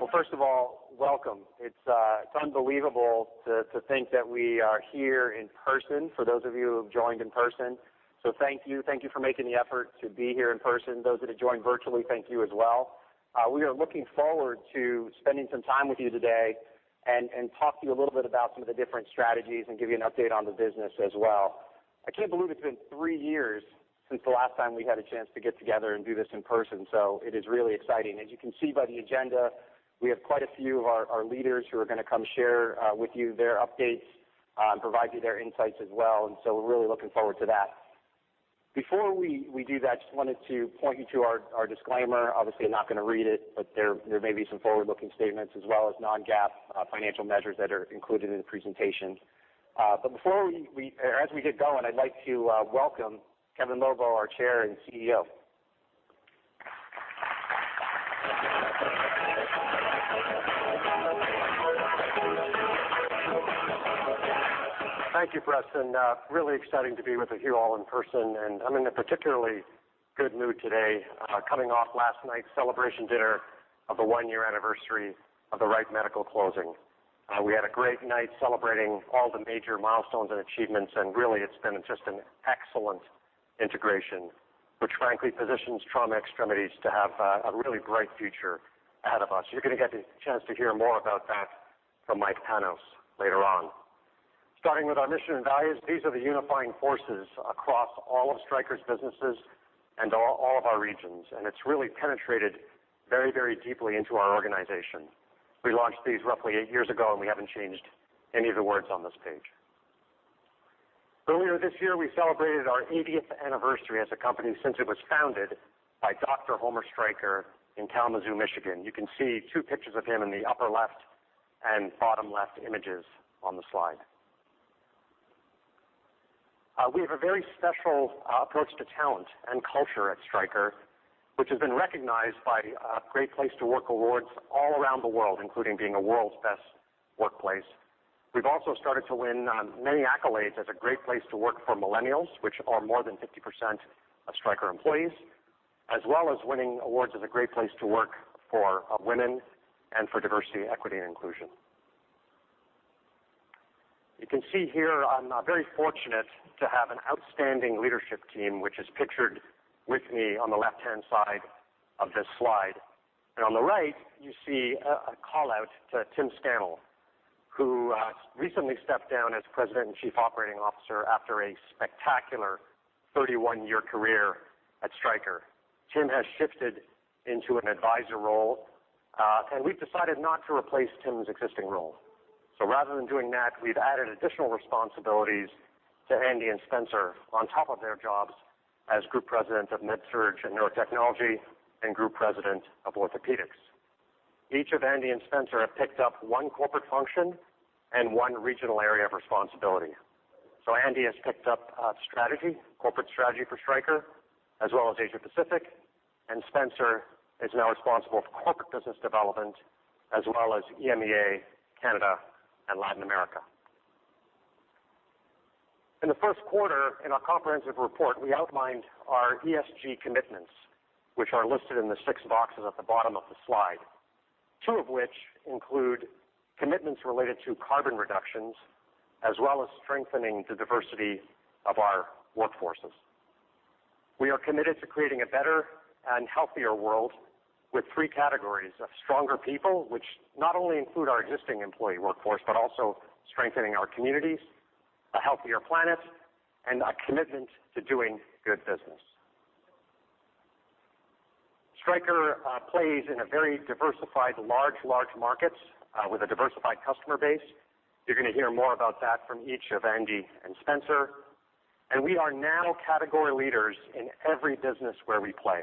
Well, first of all, welcome. It's unbelievable to think that we are here in person for those of you who have joined in person. Thank you. Thank you for making the effort to be here in person. Those that have joined virtually, thank you as well. We are looking forward to spending some time with you today and talk to you a little bit about some of the different strategies and give you an update on the business as well. I can't believe it's been three years since the last time we had a chance to get together and do this in person, so it is really exciting. As you can see by the agenda, we have quite a few of our leaders who are gonna come share with you their updates, provide you their insights as well. We're really looking forward to that. Before we do that, just wanted to point you to our disclaimer. Obviously, I'm not gonna read it, but there may be some forward-looking statements as well as non-GAAP financial measures that are included in the presentation. But before we or as we get going, I'd like to welcome Kevin Lobo, our Chair and CEO. Thank you, Preston. Really exciting to be with you all in person, and I'm in a particularly good mood today, coming off last night's celebration dinner of the one-year anniversary of the Wright Medical closing. We had a great night celebrating all the major milestones and achievements, and really, it's been just an excellent integration which frankly positions Trauma & Extremities to have a really bright future ahead of us. You're gonna get the chance to hear more about that from Mike Panos later on. Starting with our mission and values, these are the unifying forces across all of Stryker's businesses and all of our regions, and it's really penetrated very, very deeply into our organization. We launched these roughly eight years ago, and we haven't changed any of the words on this page. Earlier this year, we celebrated our eightieth anniversary as a company since it was founded by Dr. Homer Stryker in Kalamazoo, Michigan. You can see two pictures of him in the upper left and bottom left images on the slide. We have a very special approach to talent and culture at Stryker, which has been recognized by Great Place to Work awards all around the world, including being a world's best workplace. We've also started to win many accolades as a great place to work for millennials, which are more than 50% of Stryker employees, as well as winning awards as a great place to work for women and for diversity, equity and inclusion. You can see here, I'm very fortunate to have an outstanding leadership team, which is pictured with me on the left-hand side of this slide. On the right, you see a call-out to Tim Scannell, who recently stepped down as President and Chief Operating Officer after a spectacular 31-year career at Stryker. Tim has shifted into an advisor role, and we've decided not to replace Tim's existing role. Rather than doing that, we've added additional responsibilities to Andy and Spencer on top of their jobs as Group President of MedSurg and Neurotechnology and Group President of Orthopedics. Each of Andy and Spencer have picked up one corporate function and one regional area of responsibility. Andy has picked up strategy, corporate strategy for Stryker, as well as Asia Pacific, and Spencer is now responsible for corporate business development as well as EMEA, Canada and Latin America. In the first quarter, in our comprehensive report, we outlined our ESG commitments, which are listed in the six boxes at the bottom of the slide, two of which include commitments related to carbon reductions as well as strengthening the diversity of our workforces. We are committed to creating a better and healthier world with three categories of stronger people, which not only include our existing employee workforce, but also strengthening our communities, a healthier planet, and a commitment to doing good business. Stryker plays in a very diversified, large markets, with a diversified customer base. You're gonna hear more about that from each of Andy and Spencer. We are now category leaders in every business where we play.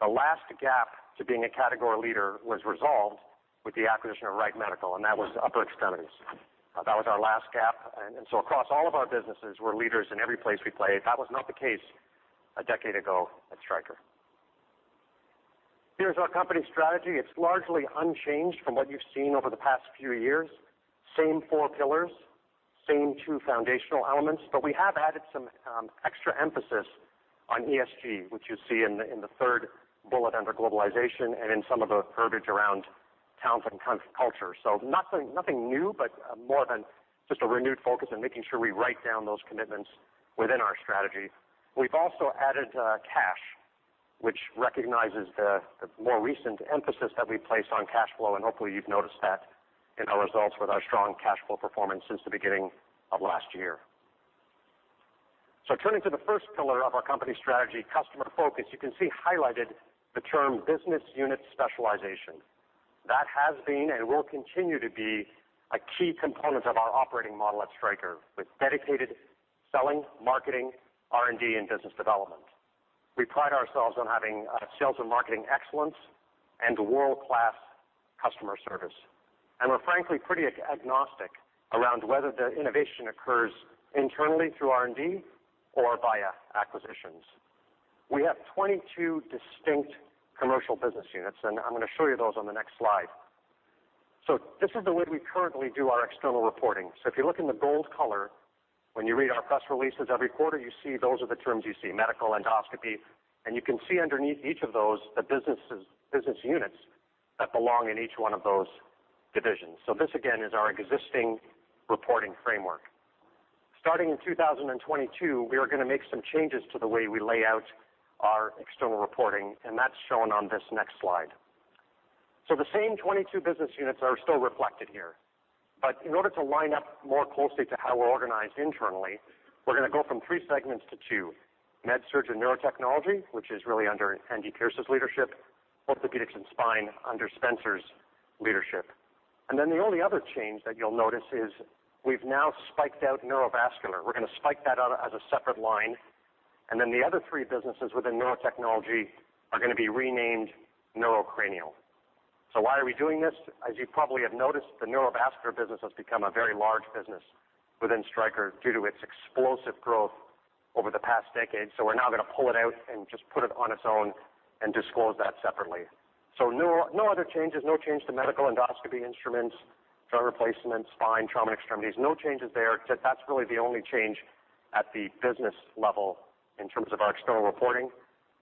The last gap to being a category leader was resolved with the acquisition of Wright Medical, and that was upper extremities. That was our last gap, and so across all of our businesses, we're leaders in every place we play. That was not the case a decade ago at Stryker. Here's our company strategy. It's largely unchanged from what you've seen over the past few years. Same four pillars, same two foundational elements, but we have added some extra emphasis on ESG, which you see in the third bullet under globalization and in some of the verbiage around talent and culture. Nothing new, but more than just a renewed focus on making sure we write down those commitments within our strategy. We've also added cash, which recognizes the more recent emphasis that we've placed on cash flow, and hopefully you've noticed that in our results with our strong cash flow performance since the beginning of last year. Turning to the first pillar of our company strategy, customer focus, you can see highlighted the term business unit specialization. That has been and will continue to be a key component of our operating model at Stryker with dedicated selling, marketing, R&D, and business development. We pride ourselves on having sales and marketing excellence and world-class customer service. We're frankly pretty agnostic around whether the innovation occurs internally through R&D or via acquisitions. We have 22 distinct commercial business units, and I'm gonna show you those on the next slide. This is the way we currently do our external reporting. If you look in the gold color, when you read our press releases every quarter, you see those are the terms you see, Medical Endoscopy, and you can see underneath each of those the business units that belong in each one of those divisions. This again is our existing reporting framework. Starting in 2022, we are going to make some changes to the way we lay out our external reporting, and that's shown on this next slide. The same 22 business units are still reflected here. In order to line up more closely to how we're organized internally, we're going to go from three segments to two. MedSurg and Neurotechnology, which is really under Andy Pierce's leadership, Orthopedics and Spine under Spencer's leadership. Then the only other change that you'll notice is we've now broken out Neurovascular. We're going to break that out as a separate line. Then the other three businesses within Neurotechnology are going to be renamed Neurocranial. Why are we doing this? As you probably have noticed, the Neurovascular business has become a very large business within Stryker due to its explosive growth over the past decade. We're now going to pull it out and just put it on its own and disclose that separately. No other changes, no change to medical endoscopy instruments, joint replacements, spine, trauma, extremities, no changes there. That's really the only change at the business level in terms of our external reporting.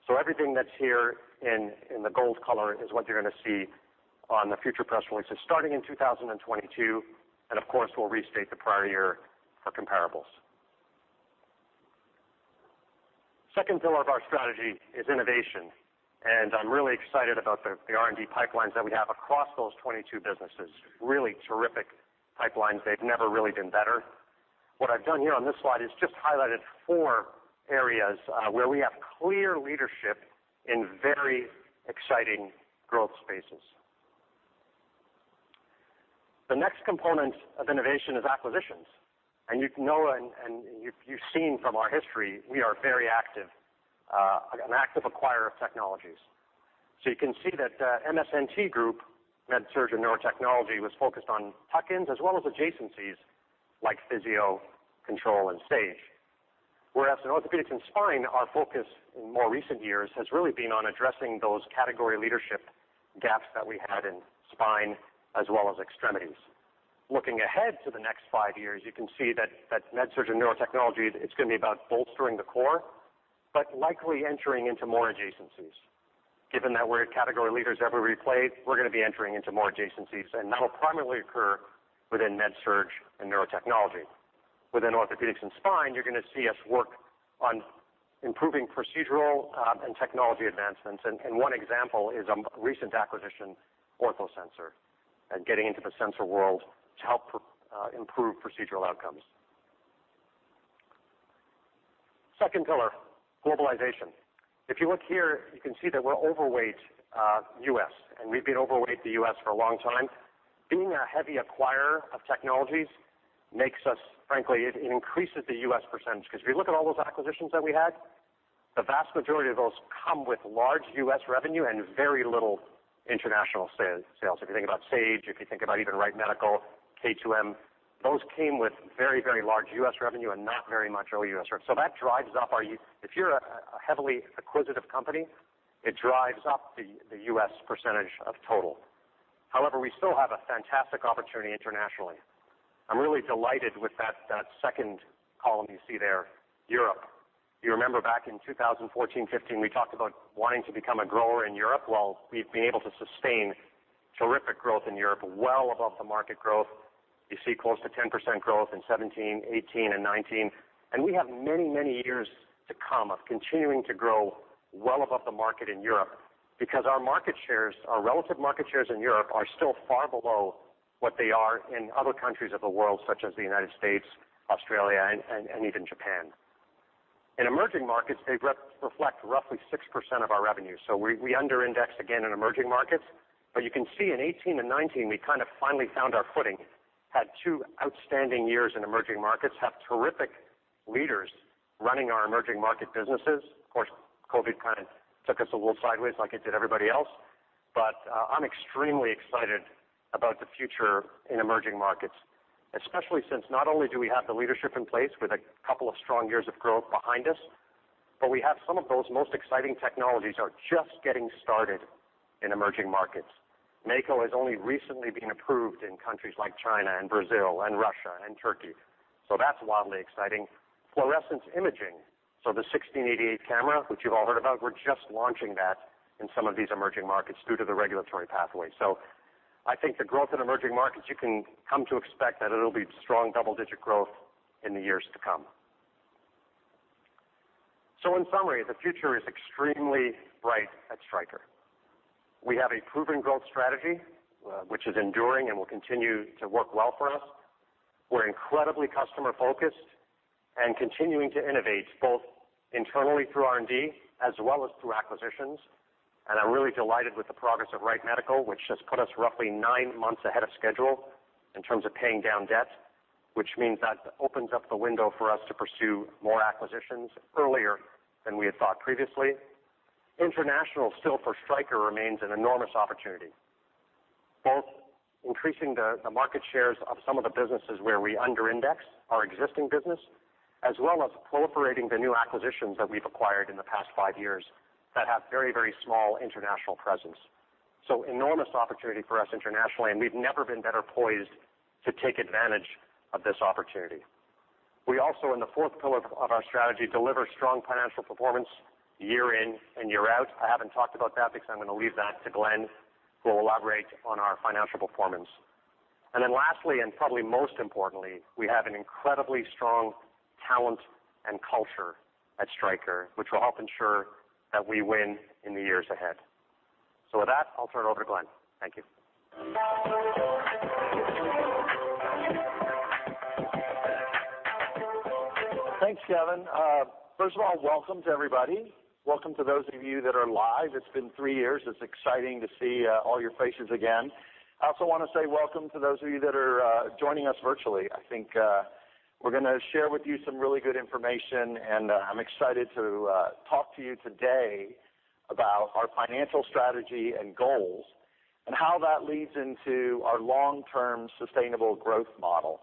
Everything that's here in the gold color is what you're going to see on the future press releases starting in 2022. Of course, we'll restate the prior year for comparables. Second pillar of our strategy is innovation, and I'm really excited about the R&D pipelines that we have across those 22 businesses. Really terrific pipelines. They've never really been better. What I've done here on this slide is just highlighted four areas, where we have clear leadership in very exciting growth spaces. The next component of innovation is acquisitions. You know, you've seen from our history, we are very active, an active acquirer of technologies. You can see that MedSurg and Neurotechnology group was focused on tuck-ins as well as adjacencies like Physio-Control and Sage. Whereas in Orthopedics and Spine, our focus in more recent years has really been on addressing those category leadership gaps that we had in spine as well as extremities. Looking ahead to the next five years, you can see that MedSurg and Neurotechnology, it's going to be about bolstering the core, but likely entering into more adjacencies. Given that we're category leaders everywhere, we're going to be entering into more adjacencies, and that'll primarily occur within MedSurg and Neurotechnology. Within Orthopedics and Spine, you're going to see us work on improving procedural and technology advancements. One example is a recent acquisition, OrthoSensor, and getting into the sensor world to help improve procedural outcomes. Second pillar, globalization. If you look here, you can see that we're overweight in the U.S., and we've been overweight in the U.S. for a long time. Being a heavy acquirer of technologies makes us, frankly, it increases the U.S. percentage because if you look at all those acquisitions that we had, the vast majority of those come with large U.S. revenue and very little international sales. If you think about Sage, if you think about even Wright Medical, K2M, those came with very, very large U.S. revenue and not very much OUS rev. If you're a heavily acquisitive company, it drives up the U.S. percentage of total. However, we still have a fantastic opportunity internationally. I'm really delighted with that second column you see there, Europe. You remember back in 2014, 2015, we talked about wanting to become a grower in Europe. Well, we've been able to sustain terrific growth in Europe, well above the market growth. You see close to 10% growth in 2017, 2018, and 2019. We have many, many years to come of continuing to grow well above the market in Europe because our market shares, our relative market shares in Europe are still far below what they are in other countries of the world, such as the United States, Australia, and even Japan. In emerging markets, they represent roughly 6% of our revenue. We under-indexed again in emerging markets. You can see in 2018 and 2019, we kind of finally found our footing, had two outstanding years in emerging markets, have terrific leaders running our emerging market businesses. Of course, COVID kind of took us a little sideways like it did everybody else. I'm extremely excited about the future in emerging markets, especially since not only do we have the leadership in place with a couple of strong years of growth behind us, but we have some of those most exciting technologies are just getting started in emerging markets. Mako has only recently been approved in countries like China and Brazil and Russia and Turkey. That's wildly exciting. Fluorescence imaging, so the 1688 camera, which you've all heard about, we're just launching that in some of these emerging markets due to the regulatory pathway. I think the growth in emerging markets, you can come to expect that it'll be strong double-digit growth in the years to come. In summary, the future is extremely bright at Stryker. We have a proven growth strategy which is enduring and will continue to work well for us. We're incredibly customer-focused and continuing to innovate both internally through R&D as well as through acquisitions. I'm really delighted with the progress of Wright Medical, which has put us roughly nine months ahead of schedule in terms of paying down debt, which means that opens up the window for us to pursue more acquisitions earlier than we had thought previously. International still for Stryker remains an enormous opportunity, both increasing the market shares of some of the businesses where we under-index our existing business as well as proliferating the new acquisitions that we've acquired in the past five years that have very, very small international presence. Enormous opportunity for us internationally, and we've never been better poised to take advantage of this opportunity. We also, in the fourth pillar of our strategy, deliver strong financial performance year in and year out. I haven't talked about that because I'm going to leave that to Glenn, who will elaborate on our financial performance. Then lastly, and probably most importantly, we have an incredibly strong talent and culture at Stryker, which will help ensure that we win in the years ahead. With that, I'll turn it over to Glenn. Thank you. Thanks, Kevin. First of all, welcome to everybody. Welcome to those of you that are live. It's been three years. It's exciting to see all your faces again. I also want to say welcome to those of you that are joining us virtually. I think we're gonna share with you some really good information, and I'm excited to talk to you today about our financial strategy and goals and how that leads into our long-term sustainable growth model.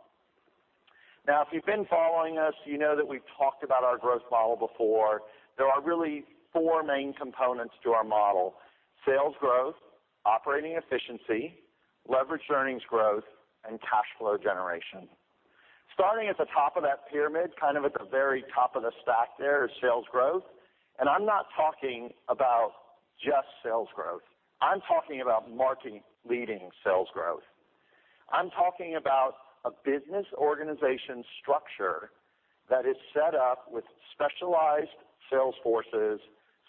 Now, if you've been following us, you know that we've talked about our growth model before. There are really four main components to our model, sales growth, operating efficiency, leveraged earnings growth, and cash flow generation. Starting at the top of that pyramid, kind of at the very top of the stack there, is sales growth. I'm not talking about just sales growth. I'm talking about market-leading sales growth. I'm talking about a business organization structure that is set up with specialized sales forces,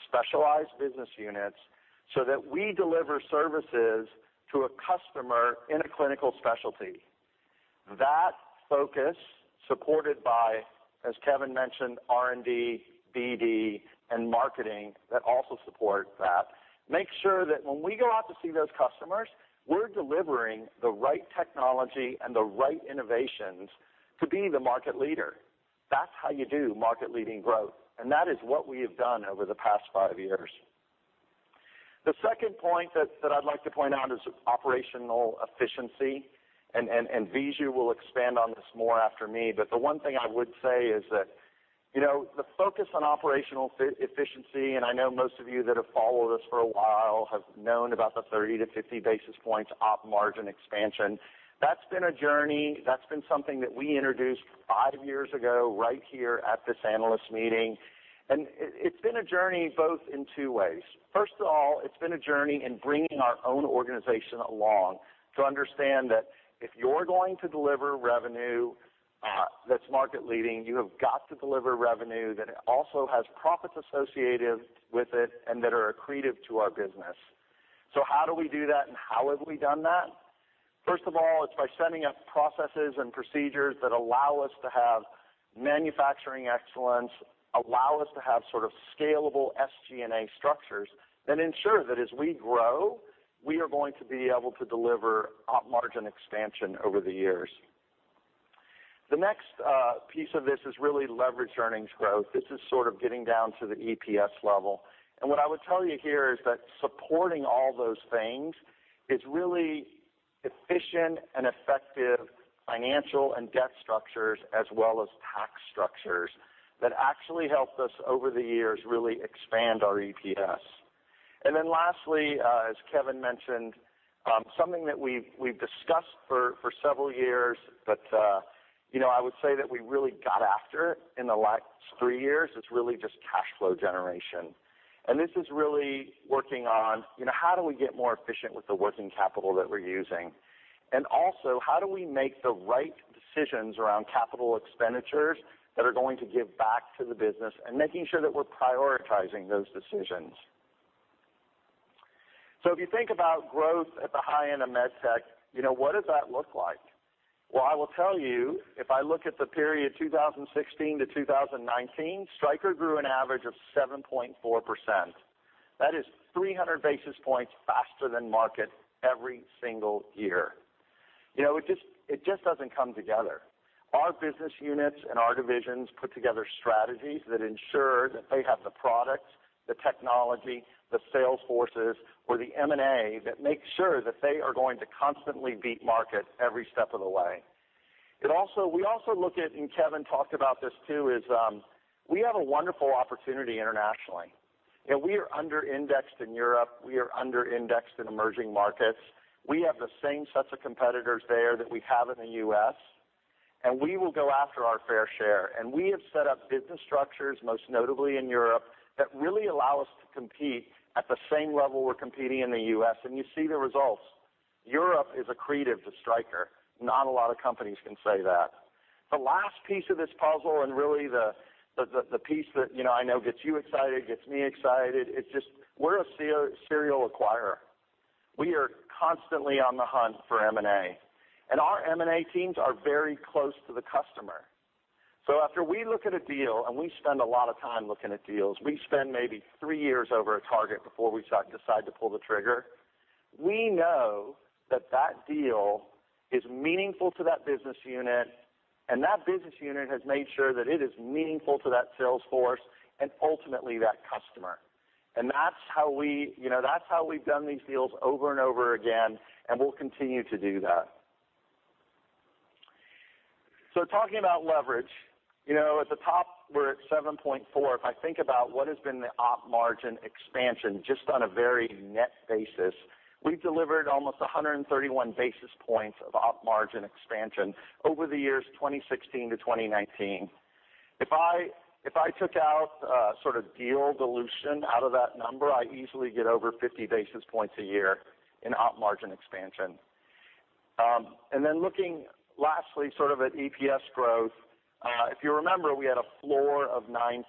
specialized business units, so that we deliver services to a customer in a clinical specialty. That focus, supported by, as Kevin mentioned, R&D, BD, and marketing that also support that, makes sure that when we go out to see those customers, we're delivering the right technology and the right innovations to be the market leader. That's how you do market-leading growth, and that is what we have done over the past five years. The second point that I'd like to point out is operational efficiency, and Viju will expand on this more after me. The one thing I would say is that, you know, the focus on operational efficiency, and I know most of you that have followed us for a while have known about the 30 basis points-50 basis points op margin expansion. That's been a journey. That's been something that we introduced 5 years ago right here at this analyst meeting. It's been a journey both in two ways. First of all, it's been a journey in bringing our own organization along to understand that if you're going to deliver revenue that's market leading, you have got to deliver revenue that also has profits associated with it and that are accretive to our business. So how do we do that, and how have we done that? First of all, it's by setting up processes and procedures that allow us to have manufacturing excellence, allow us to have sort of scalable SG&A structures that ensure that as we grow, we are going to be able to deliver op margin expansion over the years. The next piece of this is really leverage earnings growth. This is sort of getting down to the EPS level. What I would tell you here is that supporting all those things is really efficient and effective financial and debt structures as well as tax structures that actually helped us, over the years, really expand our EPS. Lastly, as Kevin mentioned, something that we've discussed for several years, but you know, I would say that we really got after in the last three years is really just cash flow generation. This is really working on, you know, how do we get more efficient with the working capital that we're using? And also, how do we make the right decisions around capital expenditures that are going to give back to the business and making sure that we're prioritizing those decisions? So if you think about growth at the high end of med tech, you know, what does that look like? Well, I will tell you, if I look at the period 2016 to 2019, Stryker grew an average of 7.4%. That is 300 basis points faster than market every single year. You know, it just doesn't come together. Our business units and our divisions put together strategies that ensure that they have the products, the technology, the sales forces or the M&A that make sure that they are going to constantly beat market every step of the way. We also look at, and Kevin talked about this too, we have a wonderful opportunity internationally, and we are under-indexed in Europe. We are under-indexed in emerging markets. We have the same sets of competitors there that we have in the U.S., and we will go after our fair share. We have set up business structures, most notably in Europe, that really allow us to compete at the same level we're competing in the U.S., and you see the results. Europe is accretive to Stryker. Not a lot of companies can say that. The last piece of this puzzle and really the piece that, you know, I know gets you excited, gets me excited. It's just we're a serial acquirer. We are constantly on the hunt for M&A, and our M&A teams are very close to the customer. After we look at a deal, and we spend a lot of time looking at deals, we spend maybe three years over a target before we decide to pull the trigger, we know that that deal is meaningful to that business unit, and that business unit has made sure that it is meaningful to that sales force and ultimately that customer. That's how we, you know, that's how we've done these deals over and over again, and we'll continue to do that. Talking about leverage, you know, at the top, we're at 7.4. If I think about what has been the op margin expansion just on a very net basis, we've delivered almost 131 basis points of op margin expansion over the years 2016 to 2019. If I took out sort of deal dilution out of that number, I easily get over 50 basis points a year in op margin expansion. Looking lastly sort of at EPS growth, if you remember, we had a floor of 9%.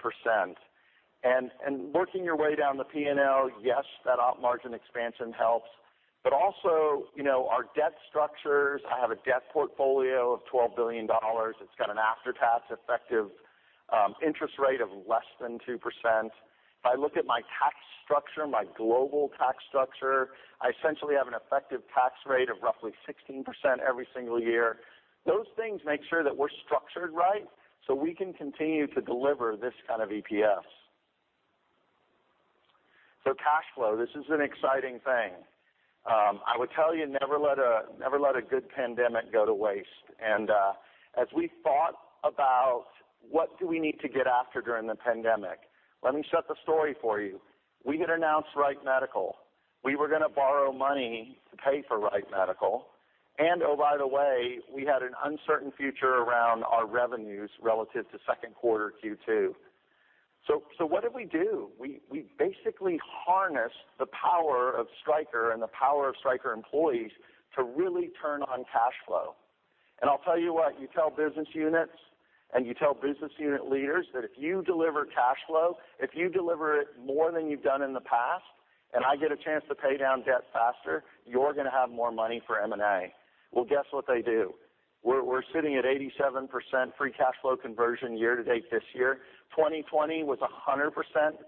Working your way down the P&L, yes, that op margin expansion helps. Also, you know, our debt structures, I have a debt portfolio of $12 billion. It's got an after-tax effective interest rate of less than 2%. If I look at my tax structure, my global tax structure, I essentially have an effective tax rate of roughly 16% every single year. Those things make sure that we're structured right so we can continue to deliver this kind of EPS. Cash flow, this is an exciting thing. I would tell you never let a good pandemic go to waste. As we thought about what do we need to get after during the pandemic, let me set the story for you. We had announced Wright Medical. We were gonna borrow money to pay for Wright Medical. Oh, by the way, we had an uncertain future around our revenues relative to second quarter Q2. What did we do? We basically harnessed the power of Stryker and the power of Stryker employees to really turn on cash flow. I'll tell you what, you tell business units, and you tell business unit leaders that if you deliver cash flow, if you deliver it more than you've done in the past, and I get a chance to pay down debt faster, you're gonna have more money for M&A. Well, guess what they do? We're sitting at 87% free cash flow conversion year to date this year. 2020 was 100%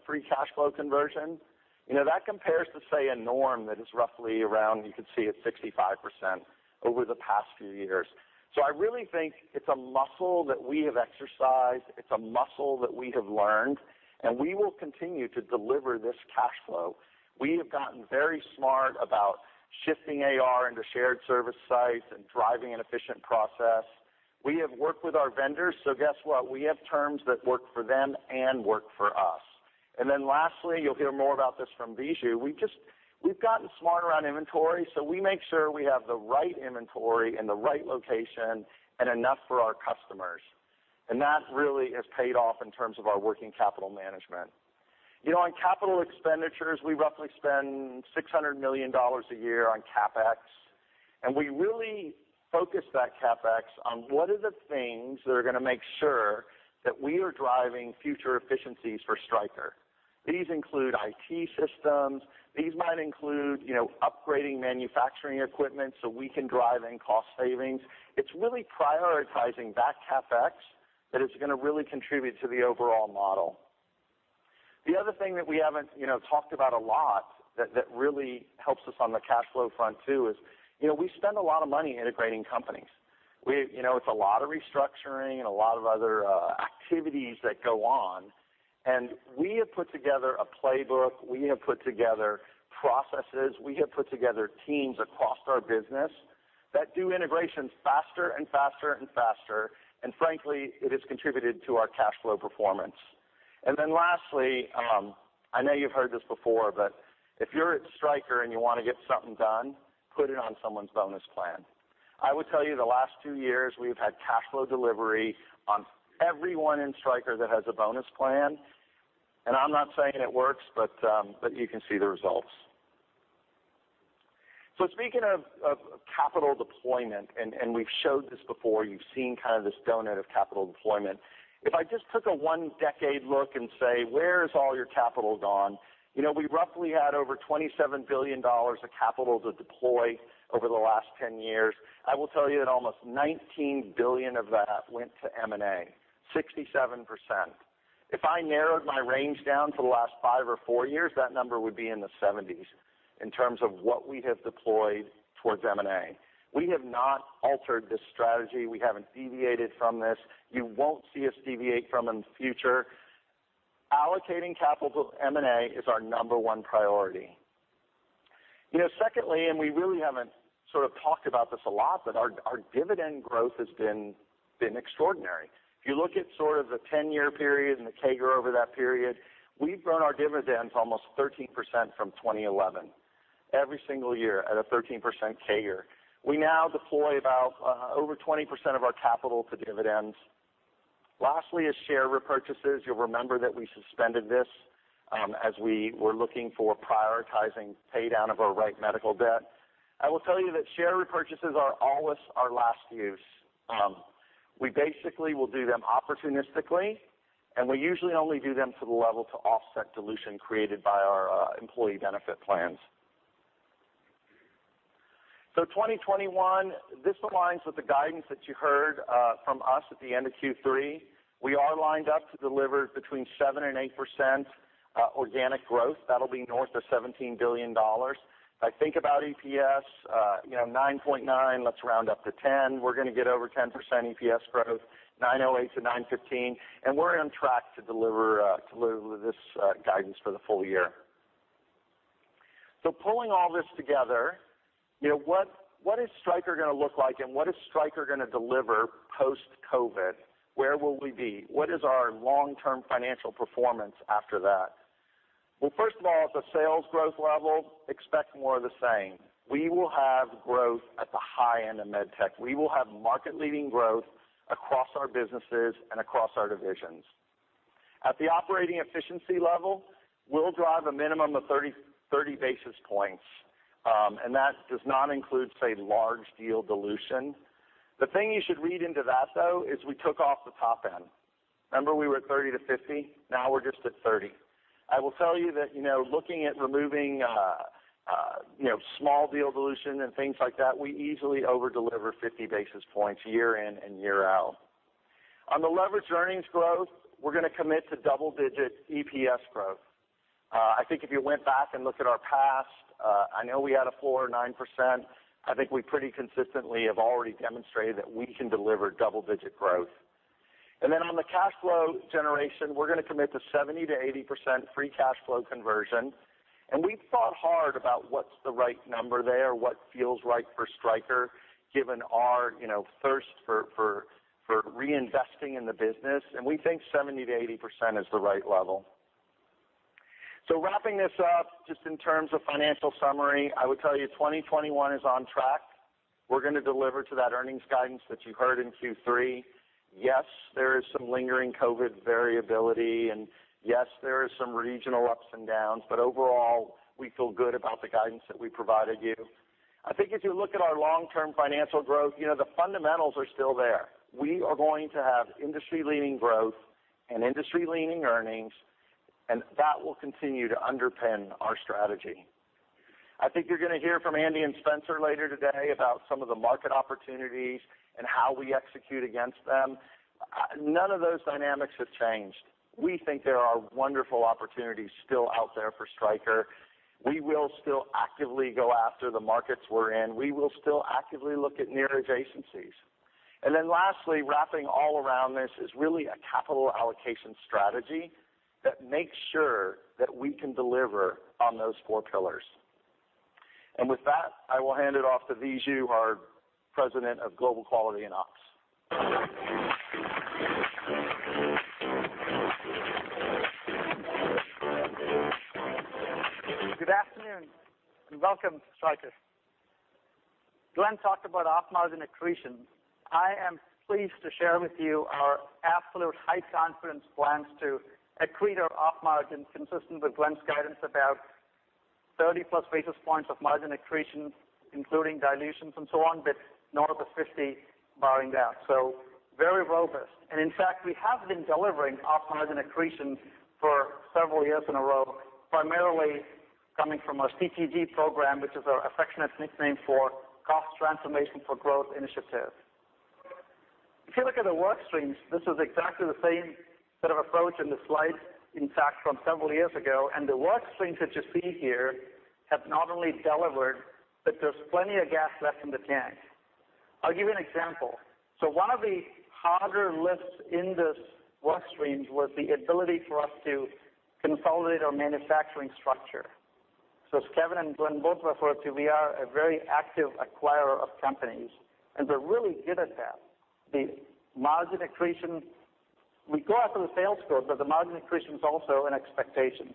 free cash flow conversion. You know, that compares to, say, a norm that is roughly around, you could see it, 65% over the past few years. I really think it's a muscle that we have exercised. It's a muscle that we have learned, and we will continue to deliver this cash flow. We have gotten very smart about shifting AR into shared service sites and driving an efficient process. We have worked with our vendors, so guess what? We have terms that work for them and work for us. Lastly, you'll hear more about this from Viju. We just, we've gotten smarter on inventory, so we make sure we have the right inventory in the right location and enough for our customers. That really has paid off in terms of our working capital management. You know, on capital expenditures, we roughly spend $600 million a year on CapEx, and we really focus that CapEx on what are the things that are gonna make sure that we are driving future efficiencies for Stryker. These include IT systems. These might include, you know, upgrading manufacturing equipment so we can drive in cost savings. It's really prioritizing that CapEx that is gonna really contribute to the overall model. The other thing that we haven't, you know, talked about a lot that really helps us on the cash flow front too is, you know, we spend a lot of money integrating companies. We, you know, it's a lot of restructuring and a lot of other activities that go on, and we have put together a playbook. We have put together processes. We have put together teams across our business that do integrations faster and faster and faster, and frankly, it has contributed to our cash flow performance. Then lastly, I know you've heard this before, but if you're at Stryker and you wanna get something done, put it on someone's bonus plan. I would tell you the last two years, we've had cash flow delivery on everyone in Stryker that has a bonus plan. I'm not saying it works, but you can see the results. Speaking of capital deployment, we've showed this before. You've seen kind of this donut of capital deployment. If I just took a one-decade look and say, "Where's all your capital gone?" You know, we roughly had over $27 billion of capital to deploy over the last 10 years. I will tell you that almost $19 billion of that went to M&A, 67%. If I narrowed my range down to the last five or four years, that number would be in the 70s% in terms of what we have deployed towards M&A. We have not altered this strategy. We haven't deviated from this. You won't see us deviate from it in the future. Allocating capital to M&A is our number one priority. You know, secondly, we really haven't sort of talked about this a lot, but our dividend growth has been extraordinary. If you look at sort of the 10-year period and the CAGR over that period, we've grown our dividends almost 13% from 2011, every single year at a 13% CAGR. We now deploy about over 20% of our capital to dividends. Lastly is share repurchases. You'll remember that we suspended this, as we were looking to prioritize pay down of our Wright Medical debt. I will tell you that share repurchases are always our last use. We basically will do them opportunistically, and we usually only do them to the level to offset dilution created by our employee benefit plans. 2021, this aligns with the guidance that you heard from us at the end of Q3. We are lined up to deliver between 7%-8% organic growth. That'll be north of $17 billion. If I think about EPS, you know, 9.9, let's round up to 10. We're gonna get over 10% EPS growth, 9.08-9.15, and we're on track to deliver this guidance for the full year. Pulling all this together, you know, what is Stryker gonna look like and what is Stryker gonna deliver post-COVID? Where will we be? What is our long-term financial performance after that? Well, first of all, at the sales growth level, expect more of the same. We will have growth at the high end of med tech. We will have market-leading growth across our businesses and across our divisions. At the operating efficiency level, we'll drive a minimum of 30 basis points, and that does not include, say, large deal dilution. The thing you should read into that, though, is we took off the top end. Remember we were at 30-50? Now we're just at 30. I will tell you that, you know, looking at removing, you know, small deal dilution and things like that, we easily over-deliver 50 basis points year in and year out. On the leveraged earnings growth, we're gonna commit to double-digit EPS growth. I think if you went back and looked at our past, I know we had a 4% or 9%. I think we pretty consistently have already demonstrated that we can deliver double-digit growth. Then on the cash flow generation, we're gonna commit to 70%-80% free cash flow conversion. We thought hard about what's the right number there, what feels right for Stryker, given our, you know, thirst for reinvesting in the business, and we think 70%-80% is the right level. Wrapping this up, just in terms of financial summary, I would tell you, 2021 is on track. We're gonna deliver to that earnings guidance that you heard in Q3. Yes, there is some lingering COVID variability, and yes, there is some regional ups and downs. Overall, we feel good about the guidance that we provided you. I think if you look at our long-term financial growth, you know, the fundamentals are still there. We are going to have industry-leading growth and industry-leading earnings, and that will continue to underpin our strategy. I think you're gonna hear from Andy and Spencer later today about some of the market opportunities and how we execute against them. None of those dynamics have changed. We think there are wonderful opportunities still out there for Stryker. We will still actively go after the markets we're in. We will still actively look at near adjacencies. Then lastly, wrapping all around this is really a capital allocation strategy that makes sure that we can deliver on those four pillars. With that, I will hand it off to Viju, our President of Global Quality and Ops. Good afternoon and welcome to Stryker. Glenn talked about op margin accretion. I am pleased to share with you our absolute high confidence plans to accrete our op margin consistent with Glenn's guidance about 30+ basis points of margin accretion, including dilutions and so on, but north of 50, barring that. Very robust. In fact, we have been delivering op margin accretion for several years in a row, primarily coming from our CTG program, which is our affectionate nickname for Cost Transformation for Growth initiative. If you look at the work streams, this is exactly the same sort of approach in the slide, in fact, from several years ago, and the work streams that you see here have not only delivered, but there's plenty of gas left in the tank. I'll give you an example. One of the harder lifts in this work streams was the ability for us to consolidate our manufacturing structure. As Kevin and Glenn both referred to, we are a very active acquirer of companies, and we're really good at that. The margin accretion, we go after the sales growth, but the margin accretion is also an expectation.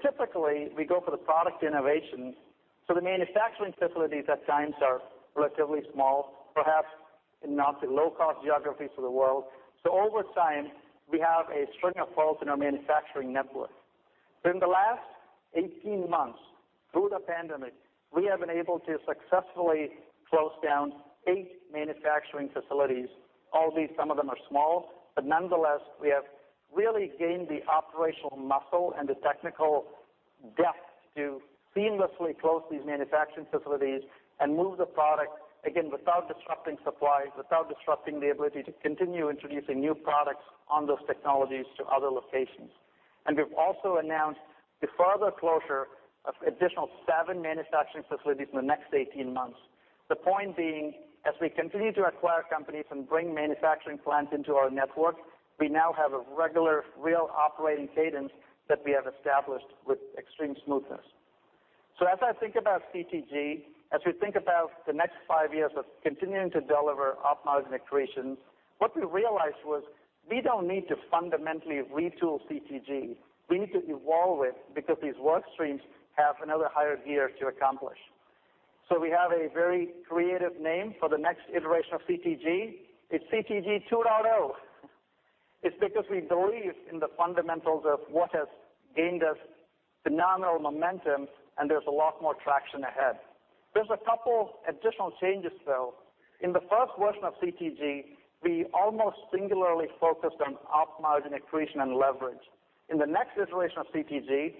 Typically, we go for the product innovation, so the manufacturing facilities at times are relatively small, perhaps not the low-cost geographies of the world. Over time, we have a string of plants in our manufacturing network. In the last 18 months, through the pandemic, we have been able to successfully close down eight manufacturing facilities. All these, some of them are small, but nonetheless, we have really gained the operational muscle and the technical depth to seamlessly close these manufacturing facilities and move the product, again, without disrupting supplies, without disrupting the ability to continue introducing new products on those technologies to other locations. We've also announced the further closure of additional seven manufacturing facilities in the next 18 months. The point being, as we continue to acquire companies and bring manufacturing plants into our network, we now have a regular, real operating cadence that we have established with extreme smoothness. As I think about CTG, as we think about the next five years of continuing to deliver op margin accretion, what we realized was we don't need to fundamentally retool CTG. We need to evolve it because these work streams have another higher gear to accomplish. We have a very creative name for the next iteration of CTG. It's CTG 2.0. It's because we believe in the fundamentals of what has gained us phenomenal momentum, and there's a lot more traction ahead. There's a couple additional changes, though. In the first version of CTG, we almost singularly focused on op margin accretion and leverage. In the next iteration of CTG,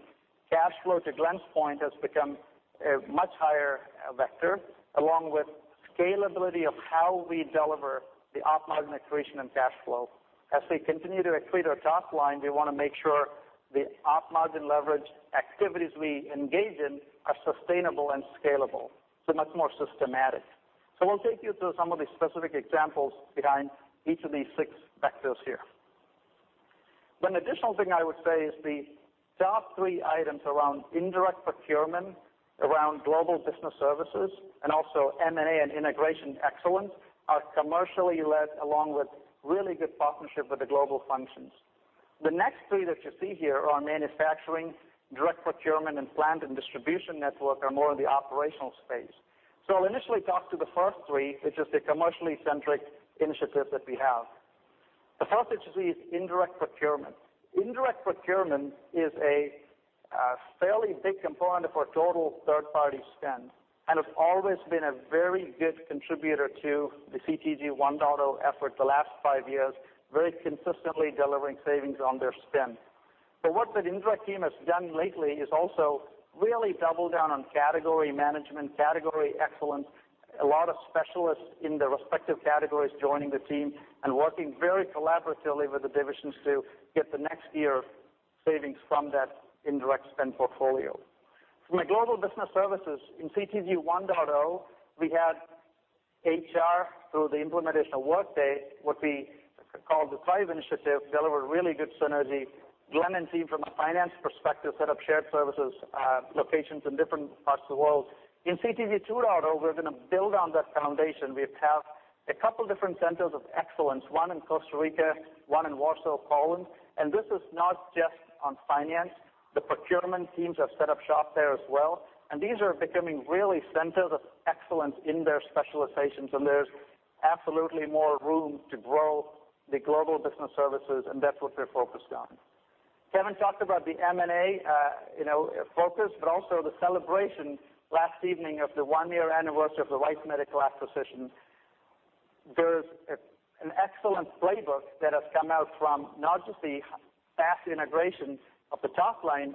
cash flow, to Glenn's point, has become a much higher vector, along with scalability of how we deliver the op margin accretion and cash flow. As we continue to accrete our top line, we wanna make sure the op margin leverage activities we engage in are sustainable and scalable, so much more systematic. We'll take you through some of the specific examples behind each of these six vectors here. One additional thing I would say is the top three items around indirect procurement, around global business services, and also M&A and integration excellence are commercially led along with really good partnership with the global functions. The next three that you see here are manufacturing, direct procurement, and plant and distribution network are more in the operational space. I'll initially talk to the first three, which is the commercially centric initiatives that we have. The first is indirect procurement. Indirect procurement is a fairly big component of our total third-party spend, and it's always been a very good contributor to the CTG 1.0 effort the last five years, very consistently delivering savings on their spend. What the indirect team has done lately is also really double down on category management, category excellence, a lot of specialists in their respective categories joining the team and working very collaboratively with the divisions to get the next year savings from that indirect spend portfolio. From a global business services in CTG 1.0, we had HR through the implementation of Workday, what we call the Thrive Initiative, deliver really good synergy. Glenn and team from a finance perspective set up shared services, locations in different parts of the world. In CTG 2.0, we're gonna build on that foundation. We have a couple different centers of excellence, one in Costa Rica, one in Warsaw, Poland, and this is not just on finance. The procurement teams have set up shop there as well, and these are becoming really centers of excellence in their specializations, and there's absolutely more room to grow the global business services, and that's what they're focused on. Kevin talked about the M&A, you know, focus, but also the celebration last evening of the one-year anniversary of the Wright Medical acquisition. There's an excellent playbook that has come out from not just the fast integration of the top line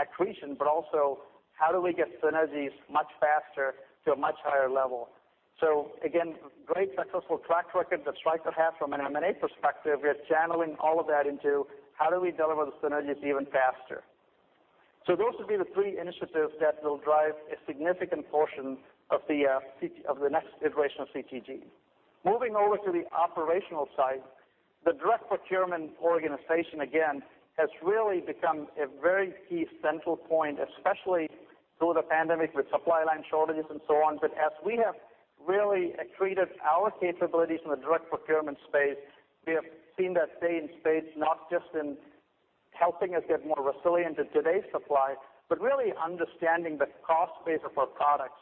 accretion, but also how do we get synergies much faster to a much higher level. Great successful track record that Stryker has from an M&A perspective. We are channeling all of that into how do we deliver the synergies even faster. Those would be the three initiatives that will drive a significant portion of the CTG of the next iteration of CTG. Moving over to the operational side, the direct procurement organization, again, has really become a very key central point, especially through the pandemic with supply chain shortages and so on. As we have really accreted our capabilities in the direct procurement space, we have seen that strength in space, not just in helping us get more resilient in today's supply chain, but really understanding the cost base of our products,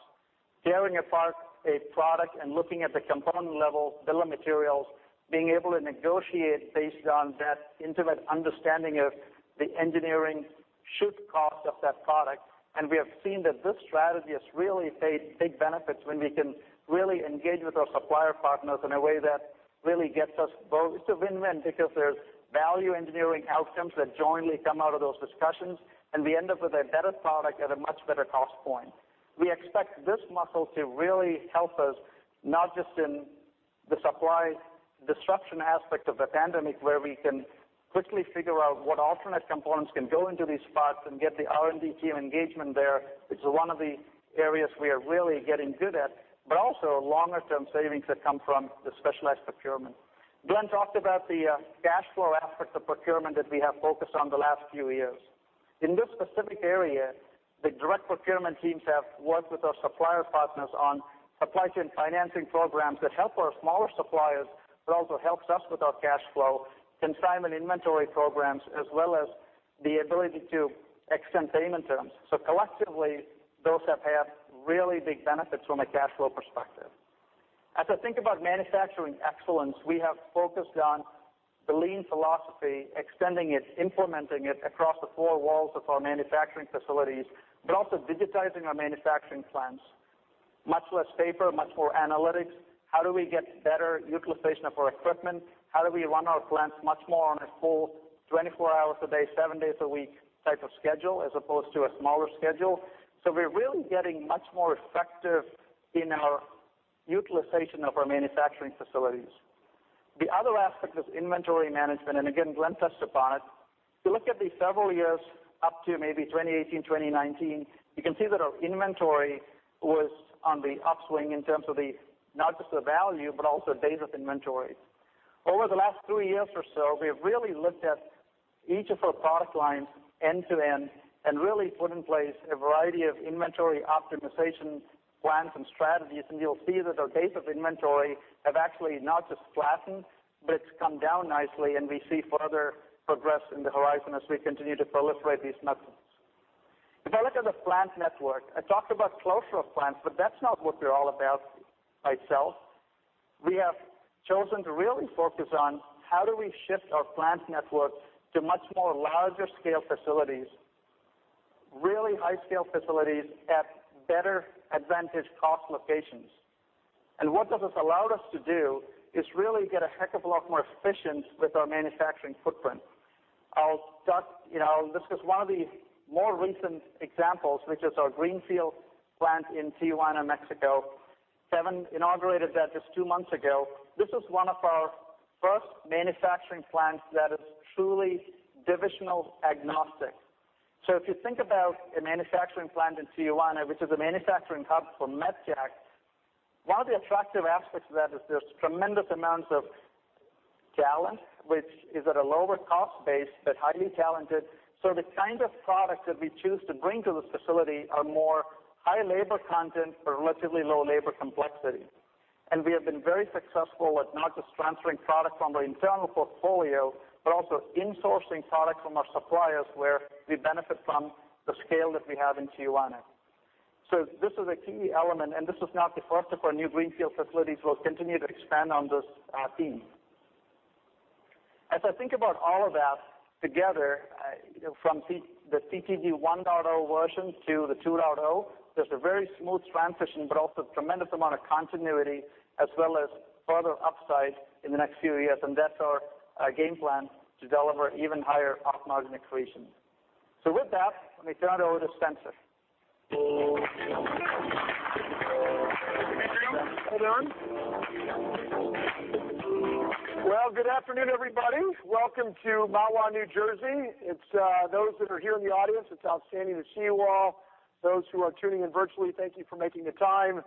tearing apart a product and looking at the component level, bill of materials, being able to negotiate based on that intimate understanding of the engineering should-cost of that product. We have seen that this strategy has really paid big benefits when we can really engage with our supplier partners in a way that really gets us both to win-win because there's value engineering outcomes that jointly come out of those discussions, and we end up with a better product at a much better cost point. We expect this muscle to really help us, not just in the supply disruption aspect of the pandemic, where we can quickly figure out what alternate components can go into these spots and get the R&D team engagement there, which is one of the areas we are really getting good at, but also longer-term savings that come from the specialized procurement. Glenn talked about the cash flow aspect of procurement that we have focused on the last few years. In this specific area, the direct procurement teams have worked with our supplier partners on supply chain financing programs that help our smaller suppliers, but also helps us with our cash flow, consignment inventory programs, as well as the ability to extend payment terms. Collectively, those have had really big benefits from a cash flow perspective. As I think about manufacturing excellence, we have focused on the lean philosophy, extending it, implementing it across the four walls of our manufacturing facilities, but also digitizing our manufacturing plants. Much less paper, much more analytics. How do we get better utilization of our equipment? How do we run our plants much more on a full 24 hours a day, seven days a week type of schedule as opposed to a smaller schedule? We're really getting much more effective in our utilization of our manufacturing facilities. The other aspect is inventory management, and again, Glenn touched upon it. If you look at the several years up to maybe 2018, 2019, you can see that our inventory was on the upswing in terms of the, not just the value, but also days of inventory. Over the last three years or so, we have really looked at each of our product lines end to end and really put in place a variety of inventory optimization plans and strategies, and you'll see that our days of inventory have actually not just flattened, but it's come down nicely and we see further progress in the horizon as we continue to proliferate these methods. If I look at the plant network, I talked about closure of plants, but that's not what we're all about by itself. We have chosen to really focus on how do we shift our plant network to much more larger scale facilities, really high scale facilities at better advantage cost locations. What this has allowed us to do is really get a heck of a lot more efficient with our manufacturing footprint. I'll start, you know, this is one of the more recent examples, which is our greenfield plant in Tijuana, Mexico. Kevin inaugurated that just two months ago. This is one of our first manufacturing plants that is truly divisional agnostic. So if you think about a manufacturing plant in Tijuana, which is a manufacturing hub for med tech. One of the attractive aspects of that is there's tremendous amounts of talent, which is at a lower cost base, but highly talented. The kind of products that we choose to bring to this facility are more high labor content but relatively low labor complexity. We have been very successful with not just transferring product from our internal portfolio, but also insourcing product from our suppliers where we benefit from the scale that we have in Tijuana. This is a key element, and this is not the first of our new greenfield facilities. We'll continue to expand on this theme. As I think about all of that together, you know, from the CTG 1.0 version to the 2.0, there's a very smooth transition, but also tremendous amount of continuity as well as further upside in the next few years, and that's our game plan to deliver even higher organic growth. With that, let me turn it over to Spencer. Can you hear me? Hold on. Well, good afternoon, everybody. Welcome to Mahwah, New Jersey. It's those that are here in the audience, it's outstanding to see you all. Those who are tuning in virtually, thank you for making the time.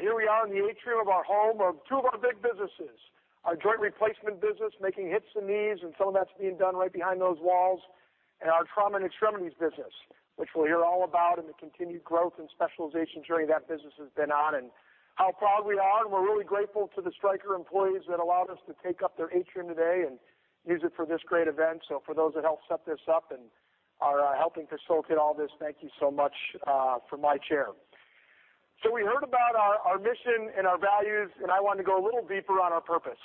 Here we are in the atrium of our home of two of our big businesses, our joint replacement business, making hips and knees, and some of that's being done right behind those walls, and our trauma and extremities business, which we'll hear all about, and the continued growth and specialization journey that business has been on, and how proud we are. We're really grateful to the Stryker employees that allowed us to take up their atrium today and use it for this great event. For those that helped set this up and are helping facilitate all this, thank you so much from my chair. We heard about our mission and our values, and I want to go a little deeper on our purpose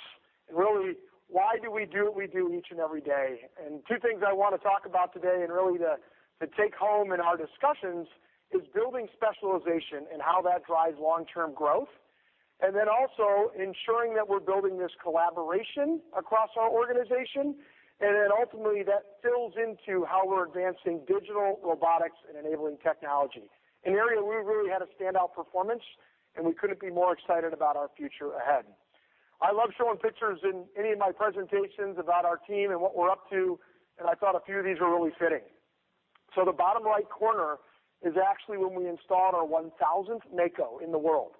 and really why do we do what we do each and every day. Two things I wanna talk about today and really to take home in our discussions is building specialization and how that drives long-term growth, and then also ensuring that we're building this collaboration across our organization. Ultimately that fills into how we're advancing digital robotics and enabling technology, an area we really had a standout performance, and we couldn't be more excited about our future ahead. I love showing pictures in any of my presentations about our team and what we're up to, and I thought a few of these were really fitting. The bottom right corner is actually when we installed our 1,000th Mako in the world,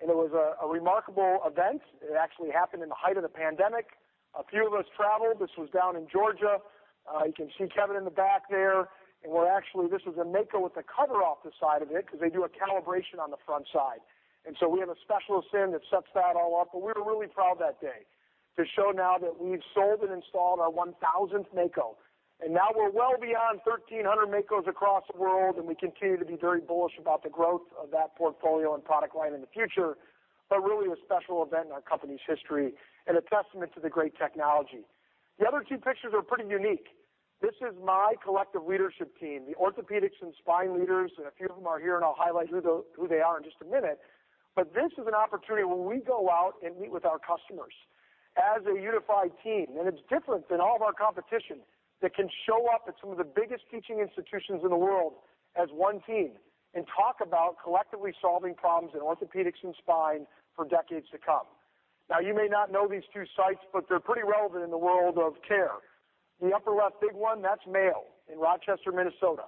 and it was a remarkable event. It actually happened in the height of the pandemic. A few of us traveled. This was down in Georgia. You can see Kevin Lobo in the back there. We're actually. This is a Mako with the cover off the side of it 'cause they do a calibration on the front side. We have a specialist in that sets that all up. We were really proud that day to show now that we've sold and installed our 1,000th Mako. Now we're well beyond 1,300 Makos across the world, and we continue to be very bullish about the growth of that portfolio and product line in the future. Really a special event in our company's history and a testament to the great technology. The other two pictures are pretty unique. This is my collective leadership team, the Orthopaedics and Spine leaders, and a few of them are here, and I'll highlight who they are in just a minute. This is an opportunity where we go out and meet with our customers as a unified team. It's different than all of our competition that can show up at some of the biggest teaching institutions in the world as one team and talk about collectively solving problems in orthopedics and spine for decades to come. Now, you may not know these two sites, but they're pretty relevant in the world of care. The upper left big one, that's Mayo in Rochester, Minnesota.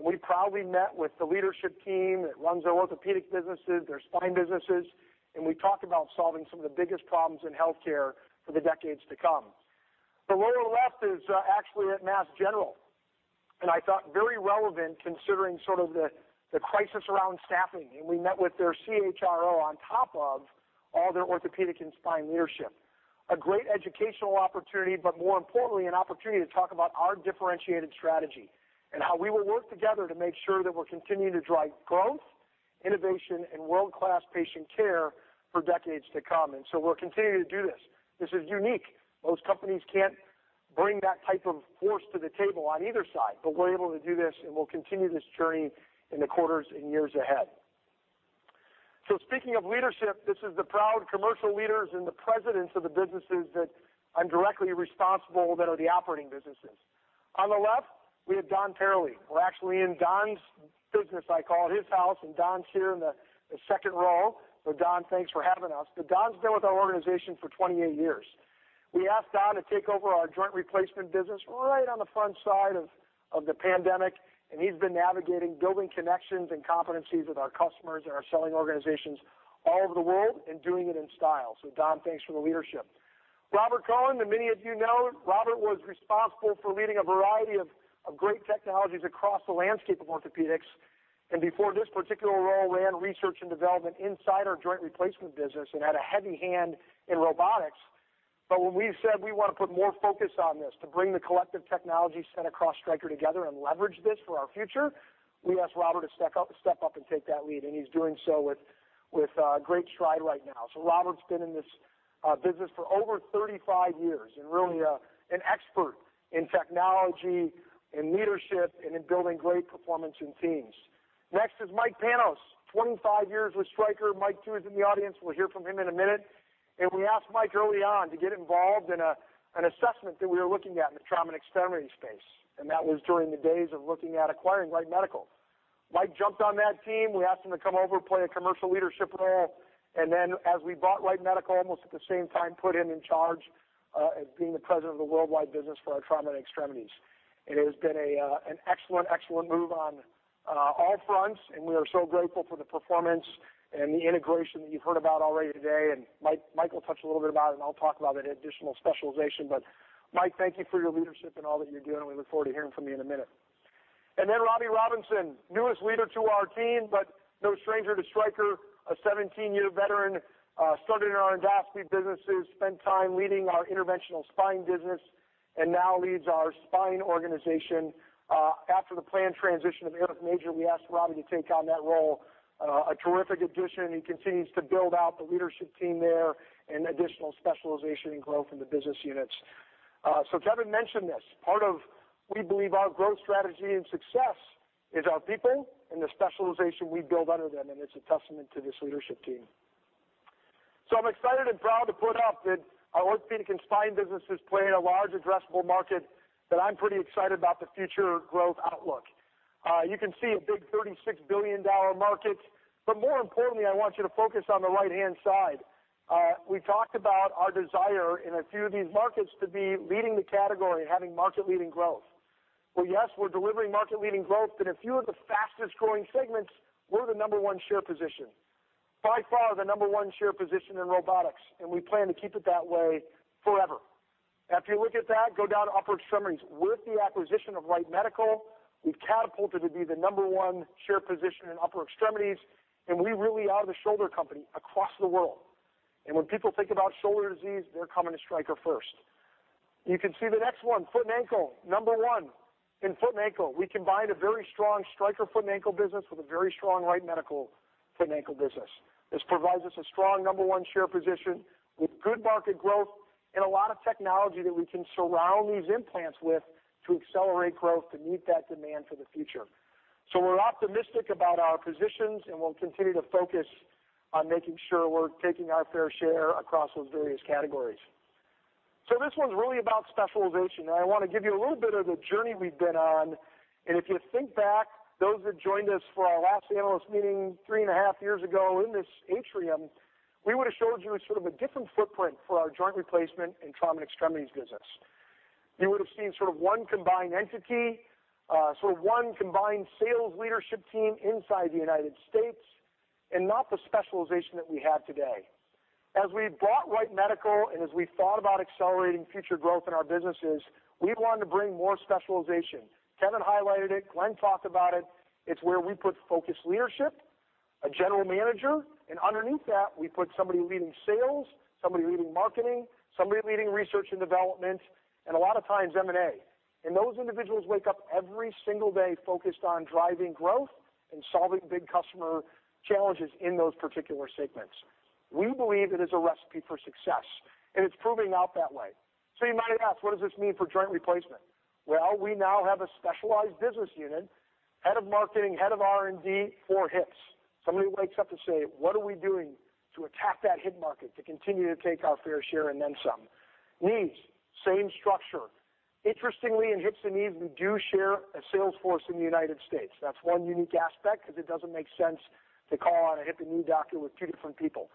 We proudly met with the leadership team that runs their orthopedic businesses, their spine businesses, and we talked about solving some of the biggest problems in healthcare for the decades to come. The lower left is actually at Mass General, and I thought very relevant considering sort of the crisis around staffing. We met with their CHRO on top of all their orthopedic and spine leadership. A great educational opportunity, but more importantly, an opportunity to talk about our differentiated strategy and how we will work together to make sure that we're continuing to drive growth, innovation, and world-class patient care for decades to come. We're continuing to do this. This is unique. Most companies can't bring that type of force to the table on either side, but we're able to do this, and we'll continue this journey in the quarters and years ahead. Speaking of leadership, this is the proud commercial leaders and the presidents of the businesses that I'm directly responsible that are the operating businesses. On the left, we have Don Purtell. We're actually in Don's business, I call it, his house, and Don's here in the second row. Don, thanks for having us. But Don's been with our organization for 28 years. We asked Don to take over our joint replacement business right on the front side of the pandemic, and he's been navigating, building connections and competencies with our customers and our selling organizations all over the world and doing it in style. Don, thanks for the leadership. Robert Cohen, and many of you know, Robert was responsible for leading a variety of great technologies across the landscape of orthopedics. Before this particular role, ran research and development inside our joint replacement business and had a heavy hand in robotics. When we said we wanna put more focus on this to bring the collective technology set across Stryker together and leverage this for our future, we asked Robert to step up and take that lead, and he's doing so with great stride right now. Robert's been in this business for over 35 years and really an expert in technology, in leadership, and in building great performance in teams. Next is Mike Panos. 25 years with Stryker. Mike, too, is in the audience. We'll hear from him in a minute. We asked Mike early on to get involved in an assessment that we were looking at in the trauma and extremities space, and that was during the days of looking at acquiring Wright Medical. Mike jumped on that team. We asked him to come over, play a commercial leadership role. As we bought Wright Medical, almost at the same time, put him in charge as being the President of the worldwide business for our trauma and extremities. It has been an excellent move on all fronts, and we are so grateful for the performance and the integration that you've heard about already today. Mike will touch a little bit about it, and I'll talk about it in additional specialization. Mike, thank you for your leadership and all that you're doing. We look forward to hearing from you in a minute. Robbie Robinson, newest leader to our team, but no stranger to Stryker. A 17-year veteran, started in our endoscopy businesses, spent time leading our interventional spine business, and now leads our spine organization. After the planned transition of Eric Major, we asked Robbie to take on that role. A terrific addition. He continues to build out the leadership team there and additional specialization and growth in the business units. Kevin mentioned this, part of we believe our growth strategy and success is our people and the specialization we build under them, and it's a testament to this leadership team. I'm excited and proud to put up that our Orthopedics and Spine businesses play in a large addressable market that I'm pretty excited about the future growth outlook. You can see a big $36 billion market, but more importantly, I want you to focus on the right-hand side. We talked about our desire in a few of these markets to be leading the category, having market-leading growth. Well, yes, we're delivering market-leading growth, but in a few of the fastest-growing segments, we're the number one share position. By far the number one share position in robotics, and we plan to keep it that way forever. After you look at that, go down to upper extremities. With the acquisition of Wright Medical, we've catapulted to be the number one share position in upper extremities, and we really are the shoulder company across the world. When people think about shoulder disease, they're coming to Stryker first. You can see the next one, foot and ankle, number one. In foot and ankle, we combined a very strong Stryker Foot and Ankle business with a very strong Wright Medical Foot and Ankle business. This provides us a strong number one share position with good market growth and a lot of technology that we can surround these implants with to accelerate growth to meet that demand for the future. We're optimistic about our positions, and we'll continue to focus on making sure we're taking our fair share across those various categories. This one's really about specialization, and I wanna give you a little bit of the journey we've been on. If you think back, those that joined us for our last analyst meeting three and a half years ago in this atrium, we would have showed you sort of a different footprint for our Joint Replacement and Trauma and Extremities business. You would have seen sort of one combined entity, sort of one combined sales leadership team inside the United States, and not the specialization that we have today. As we bought Wright Medical and as we thought about accelerating future growth in our businesses, we wanted to bring more specialization. Kevin highlighted it. Glenn talked about it. It's where we put focused leadership, a general manager, and underneath that, we put somebody leading sales, somebody leading marketing, somebody leading research and development, and a lot of times M&A. And those individuals wake up every single day focused on driving growth and solving big customer challenges in those particular segments. We believe it is a recipe for success, and it's proving out that way. You might ask, what does this mean for joint replacement? Well, we now have a specialized business unit, head of marketing, head of R&D for hips. Somebody wakes up to say, "What are we doing to attack that hip market, to continue to take our fair share and then some?" Knees, same structure. Interestingly, in hips and knees, we do share a sales force in the United States. That's one unique aspect because it doesn't make sense to call on a hip and knee doctor with two different people.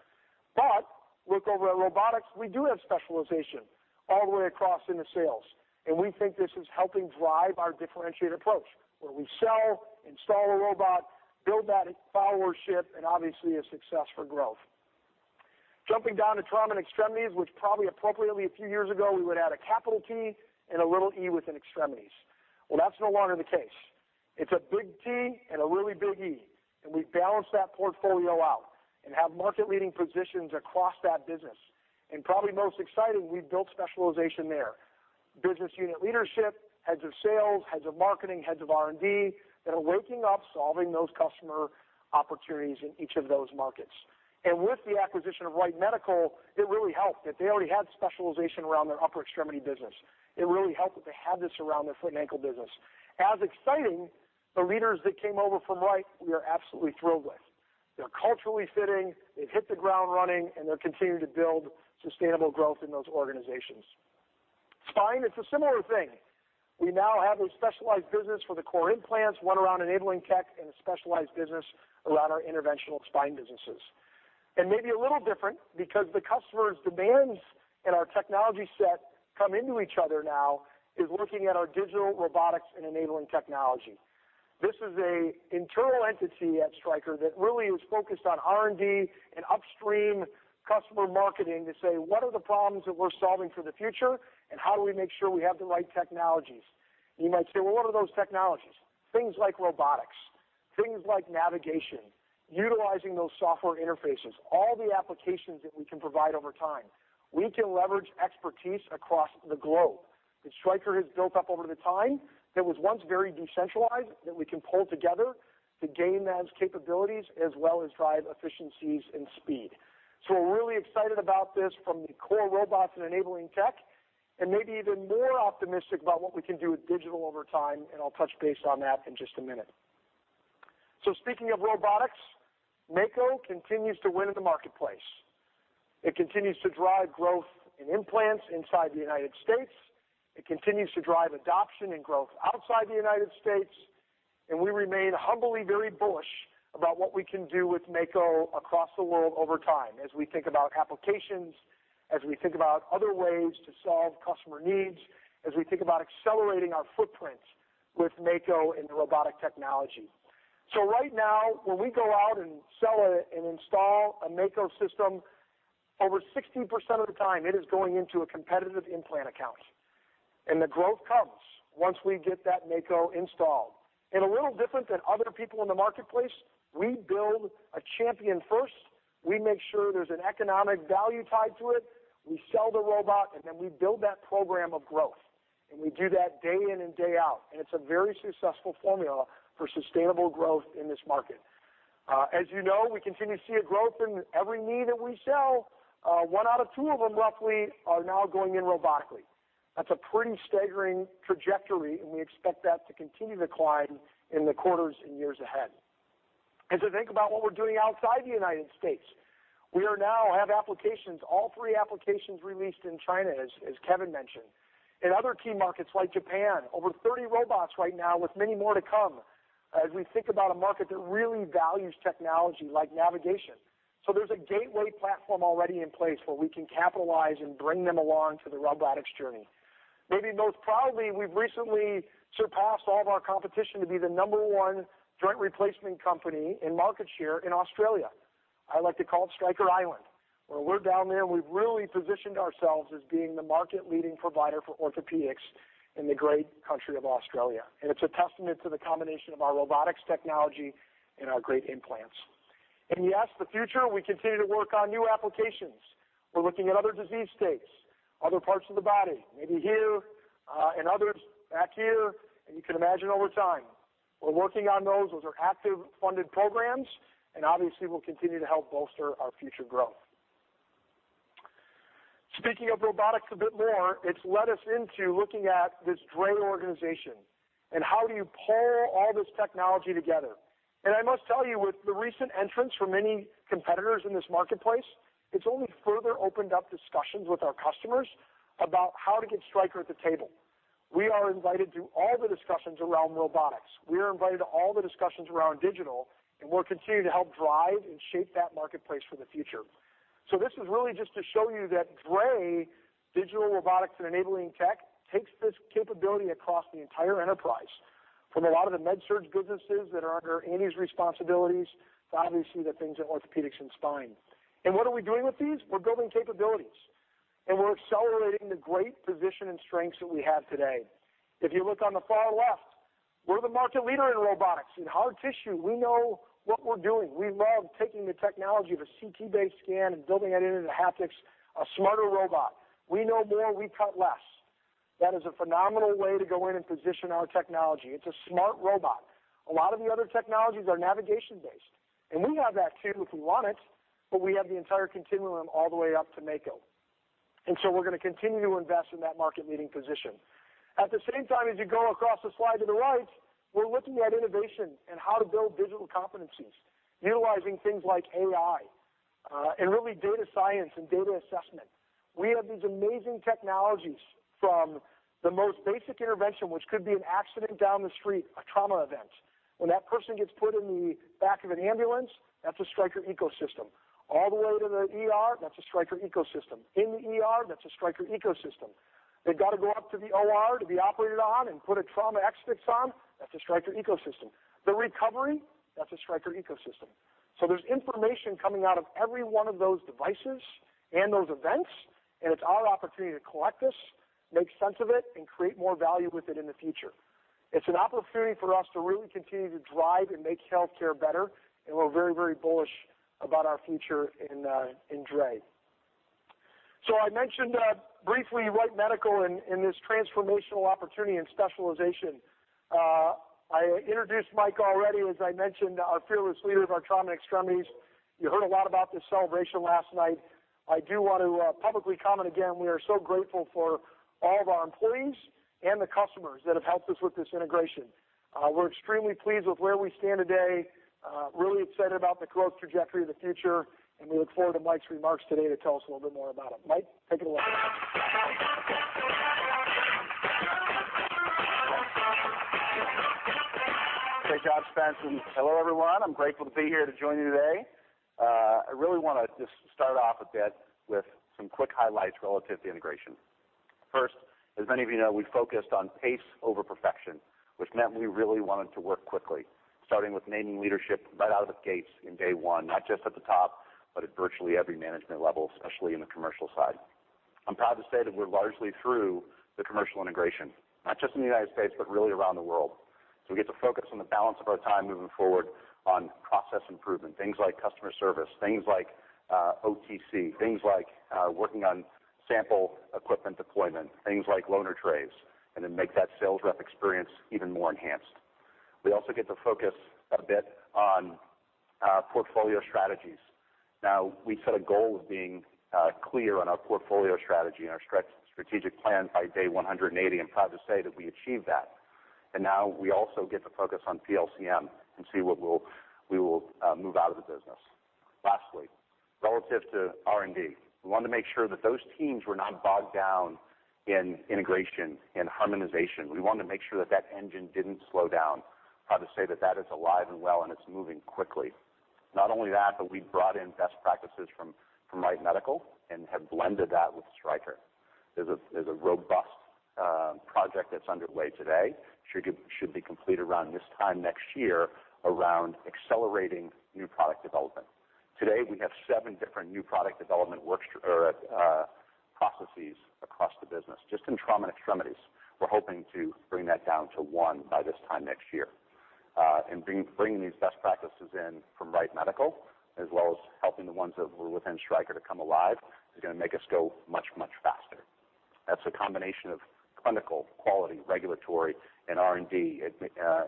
Look over at robotics, we do have specialization all the way across into sales, and we think this is helping drive our differentiated approach, where we sell, install a robot, build that followership, and obviously a success for growth. Jumping down to Trauma and Extremities, which probably appropriately a few years ago, we would add a capital T and a little E within extremities. Well, that's no longer the case. It's a big T and a really big E, and we balance that portfolio out and have market-leading positions across that business. Probably most exciting, we've built specialization there. Business unit leadership, heads of sales, heads of marketing, heads of R&D that are waking up solving those customer opportunities in each of those markets. With the acquisition of Wright Medical, it really helped that they already had specialization around their upper extremity business. It really helped that they had this around their foot and ankle business. Equally exciting, the leaders that came over from Wright, we are absolutely thrilled with. They're culturally fitting, they've hit the ground running, and they're continuing to build sustainable growth in those organizations. Spine, it's a similar thing. We now have a specialized business for the core implants, one around enabling tech and a specialized business around our interventional spine businesses. Maybe a little different because the customer's demands and our technology set come together now, looking at our Digital, Robotics, and Enabling Technologies. This is an internal entity at Stryker that really is focused on R&D and upstream customer marketing to say, what are the problems that we're solving for the future and how do we make sure we have the right technologies? You might say, "Well, what are those technologies?" Things like robotics, things like navigation, utilizing those software interfaces, all the applications that we can provide over time. We can leverage expertise across the globe that Stryker has built up over time that was once very decentralized, that we can pull together to gain those capabilities as well as drive efficiencies and speed. We're really excited about this from the core robots and enabling tech, and maybe even more optimistic about what we can do with digital over time, and I'll touch base on that in just a minute. Speaking of robotics, Mako continues to win in the marketplace. It continues to drive growth in implants inside the United States. It continues to drive adoption and growth outside the United States. We remain humbly, very bullish about what we can do with Mako across the world over time, as we think about applications, as we think about other ways to solve customer needs, as we think about accelerating our footprint with Mako into robotic technology. Right now, when we go out and sell and install a Mako system, over 60% of the time it is going into a competitive implant account. The growth comes once we get that Mako installed. A little different than other people in the marketplace, we build a champion first. We make sure there's an economic value tied to it. We sell the robot, and then we build that program of growth. We do that day in and day out. It's a very successful formula for sustainable growth in this market. As you know, we continue to see a growth in every knee that we sell. One out of two of them roughly are now going in robotically. That's a pretty staggering trajectory, and we expect that to continue to climb in the quarters and years ahead. As you think about what we're doing outside the United States, we now have all three applications released in China, as Kevin mentioned. In other key markets like Japan, over 30 robots right now with many more to come as we think about a market that really values technology like navigation. There's a gateway platform already in place where we can capitalize and bring them along to the robotics journey. Maybe most proudly, we've recently surpassed all of our competition to be the number one joint replacement company in market share in Australia. I like to call it Stryker Island, where we're down there and we've really positioned ourselves as being the market-leading provider for orthopedics in the great country of Australia. It's a testament to the combination of our robotics technology and our great implants. Yes, the future, we continue to work on new applications. We're looking at other disease states, other parts of the body, maybe here, and others back here. You can imagine over time. We're working on those. Those are active funded programs, and obviously, will continue to help bolster our future growth. Speaking of robotics a bit more, it's led us into looking at this DRE organization, and how do you pull all this technology together? I must tell you, with the recent entrance for many competitors in this marketplace, it's only further opened up discussions with our customers about how to get Stryker at the table. We are invited to all the discussions around robotics. We are invited to all the discussions around digital, and we're continuing to help drive and shape that marketplace for the future. This is really just to show you that DRE, digital robotics and enabling tech, takes this capability across the entire enterprise from a lot of the MedSurg businesses that are under Andy's responsibilities to obviously the things in orthopedics and spine. What are we doing with these? We're building capabilities, and we're accelerating the great position and strengths that we have today. If you look on the far left, we're the market leader in robotics. In hard tissue, we know what we're doing. We love taking the technology of a CT-based scan and building that into the haptics, a smarter robot. We know more, we cut less. That is a phenomenal way to go in and position our technology. It's a smart robot. A lot of the other technologies are navigation-based, and we have that too if you want it, but we have the entire continuum all the way up to Mako. We're going to continue to invest in that market-leading position. At the same time, as you go across the slide to the right, we're looking at innovation and how to build digital competencies, utilizing things like AI and really data science and data assessment. We have these amazing technologies from the most basic intervention, which could be an accident down the street, a trauma event. When that person gets put in the back of an ambulance, that's a Stryker ecosystem. All the way to the ER, that's a Stryker ecosystem. In the ER, that's a Stryker ecosystem. They've got to go up to the OR to be operated on and put a trauma Ex-Fix on, that's a Stryker ecosystem. The recovery, that's a Stryker ecosystem. So there's information coming out of every one of those devices and those events, and it's our opportunity to collect this, make sense of it, and create more value with it in the future. It's an opportunity for us to really continue to drive and make healthcare better, and we're very, very bullish about our future in DRE. I mentioned briefly Wright Medical and this transformational opportunity and specialization. I introduced Mike already, as I mentioned, our fearless leader of our Trauma and Extremities. You heard a lot about this celebration last night. I do want to publicly comment again, we are so grateful for all of our employees and the customers that have helped us with this integration. We're extremely pleased with where we stand today, really excited about the growth trajectory of the future, and we look forward to Mike's remarks today to tell us a little bit more about it. Mike, take it away. Great job, Spencer, and hello, everyone. I'm grateful to be here to join you today. I really wanna just start off a bit with some quick highlights relative to integration. First, as many of you know, we focused on pace over perfection, which meant we really wanted to work quickly, starting with naming leadership right out of the gates in day one, not just at the top, but at virtually every management level, especially in the commercial side. I'm proud to say that we're largely through the commercial integration, not just in the United States, but really around the world. We get to focus on the balance of our time moving forward on process improvement, things like customer service, things like O2C, things like working on sample equipment deployment, things like loaner trays, and then make that sales rep experience even more enhanced. We also get to focus a bit on our portfolio strategies. Now, we set a goal of being clear on our portfolio strategy and our strategic plan by day 180. I'm proud to say that we achieved that. Now we also get to focus on PLCM and see what we will move out of the business. Lastly, relative to R&D, we wanted to make sure that those teams were not bogged down in integration and harmonization. We wanted to make sure that that engine didn't slow down. Proud to say that that is alive and well, and it's moving quickly. Not only that, but we brought in best practices from Wright Medical and have blended that with Stryker. There's a robust project that's underway today, should be complete around this time next year around accelerating new product development. Today, we have seven different new product development processes across the business, just in trauma and extremities. We're hoping to bring that down to one by this time next year. Bringing these best practices in from Wright Medical, as well as helping the ones that were within Stryker to come alive, is gonna make us go much faster. That's a combination of clinical, quality, regulatory, and R&D,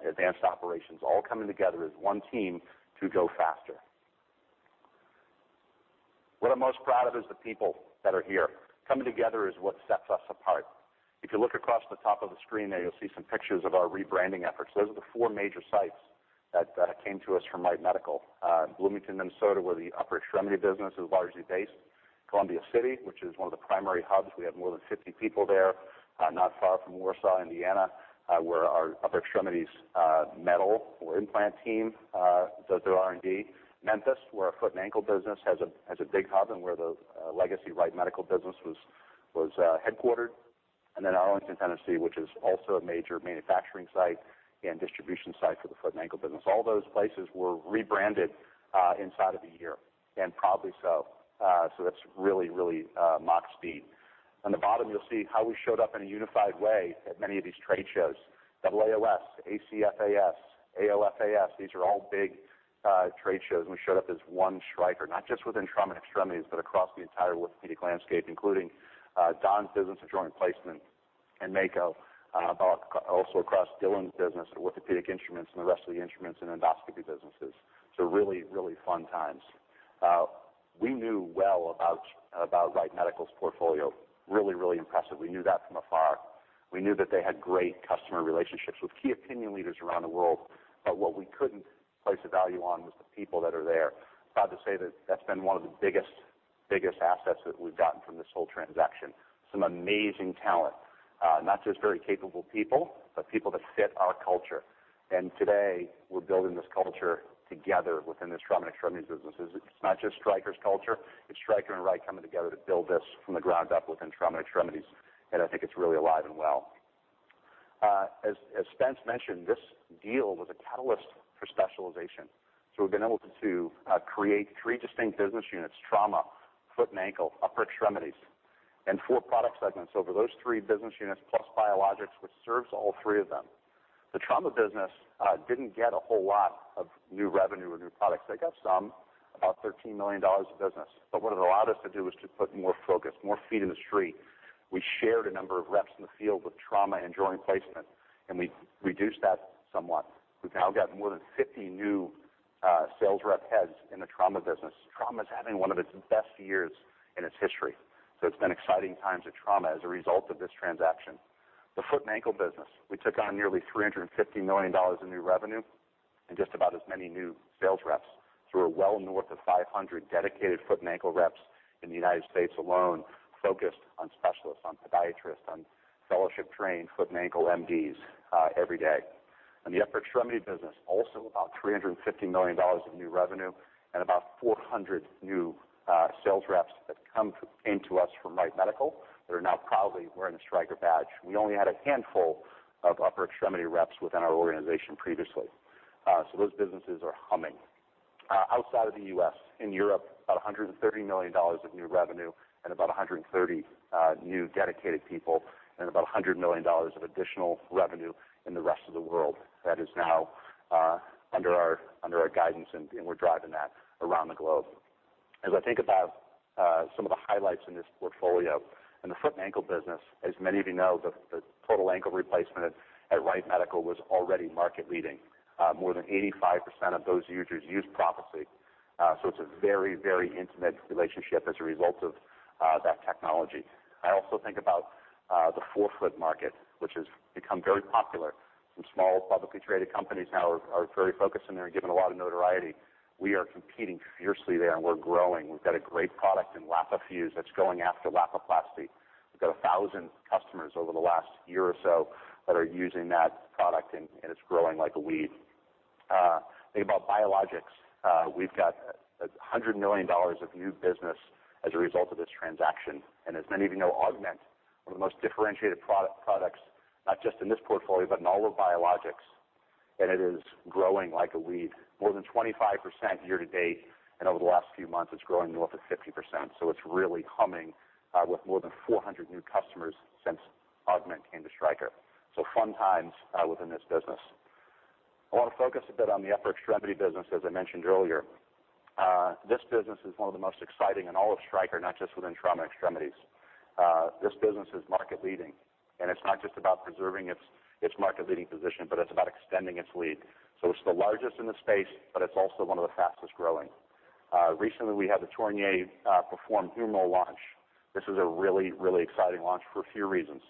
advanced operations all coming together as one team to go faster. What I'm most proud of is the people that are here. Coming together is what sets us apart. If you look across the top of the screen there, you'll see some pictures of our rebranding efforts. Those are the four major sites that came to us from Wright Medical. Bloomington, Minnesota, where the upper extremity business is largely based. Columbia City, which is one of the primary hubs, we have more than 50 people there. Not far from Warsaw, Indiana, where our upper extremities metal or implant team does their R&D. Memphis, where our foot and ankle business has a big hub and where the legacy Wright Medical business was headquartered. Arlington, Tennessee, which is also a major manufacturing site and distribution site for the foot and ankle business. All those places were rebranded inside of a year, and proudly so. That's really Mach speed. On the bottom, you'll see how we showed up in a unified way at many of these trade shows. AAOS, ACFAS, AOFAS, these are all big trade shows, and we showed up as one Stryker, not just within Trauma and Extremities, but across the entire orthopedic landscape, including Don's business of joint replacement and Mako, but also across Dylan's business of orthopedic instruments and the rest of the instruments and endoscopy businesses. Really fun times. We knew well about Wright Medical's portfolio. Really impressive. We knew that from afar. We knew that they had great customer relationships with key opinion leaders around the world, but what we couldn't place a value on was the people that are there. I'm proud to say that that's been one of the biggest assets that we've gotten from this whole transaction, some amazing talent. Not just very capable people, but people that fit our culture. Today, we're building this culture together within this Trauma and Extremities businesses. It's not just Stryker's culture, it's Stryker and Wright coming together to build this from the ground up within Trauma and Extremities, and I think it's really alive and well. As Spence mentioned, this deal was a catalyst for specialization. We've been able to create three distinct business units, trauma, foot and ankle, upper extremities, and four product segments over those three business units, plus biologics, which serves all three of them. The trauma business didn't get a whole lot of new revenue or new products. They got some, about $13 million of business. What it allowed us to do was to put more focus, more feet in the street. We shared a number of reps in the field with trauma and joint replacement, and we reduced that somewhat. We've now got more than 50 new sales rep heads in the Trauma business. Trauma's having one of its best years in its history, so it's been exciting times at Trauma as a result of this transaction. The Foot and Ankle business, we took on nearly $350 million of new revenue and just about as many new sales reps through a well north of 500 dedicated Foot and Ankle reps in the United States alone, focused on specialists, on podiatrists, on fellowship-trained Foot and Ankle MDs, every day. In the Upper Extremity business, also about $350 million of new revenue and about 400 new sales reps that come into us from Wright Medical that are now proudly wearing a Stryker badge. We only had a handful of Upper Extremity reps within our organization previously. Those businesses are humming. Outside of the U.S., in Europe, about $130 million of new revenue and about 130 new dedicated people and about $100 million of additional revenue in the rest of the world that is now under our guidance, and we're driving that around the globe. As I think about some of the highlights in this portfolio, in the foot and ankle business, as many of you know, the total ankle replacement at Wright Medical was already market leading. More than 85% of those users use Prophecy. It's a very, very intimate relationship as a result of that technology. I also think about the forefoot market, which has become very popular. Some small publicly traded companies now are very focused in there and given a lot of notoriety. We are competing fiercely there, and we're growing. We've got a great product in LapiFuse that's going after Lapiplasty. We've got 1,000 customers over the last year or so that are using that product, and it's growing like a weed. Think about biologics. We've got $100 million of new business as a result of this transaction. As many of you know, Augment, one of the most differentiated products, not just in this portfolio, but in all of biologics, and it is growing like a weed. More than 25% year to date, and over the last few months, it's growing north of 50%, so it's really humming, with more than 400 new customers since Augment came to Stryker. Fun times within this business. I wanna focus a bit on the upper extremity business, as I mentioned earlier. This business is one of the most exciting in all of Stryker, not just within Trauma and Extremities. This business is market leading, and it's not just about preserving its market leading position, but it's about extending its lead. It's the largest in the space, but it's also one of the fastest growing. Recently, we had the Tornier Perform Humeral launch. This is a really, really exciting launch for a few reasons.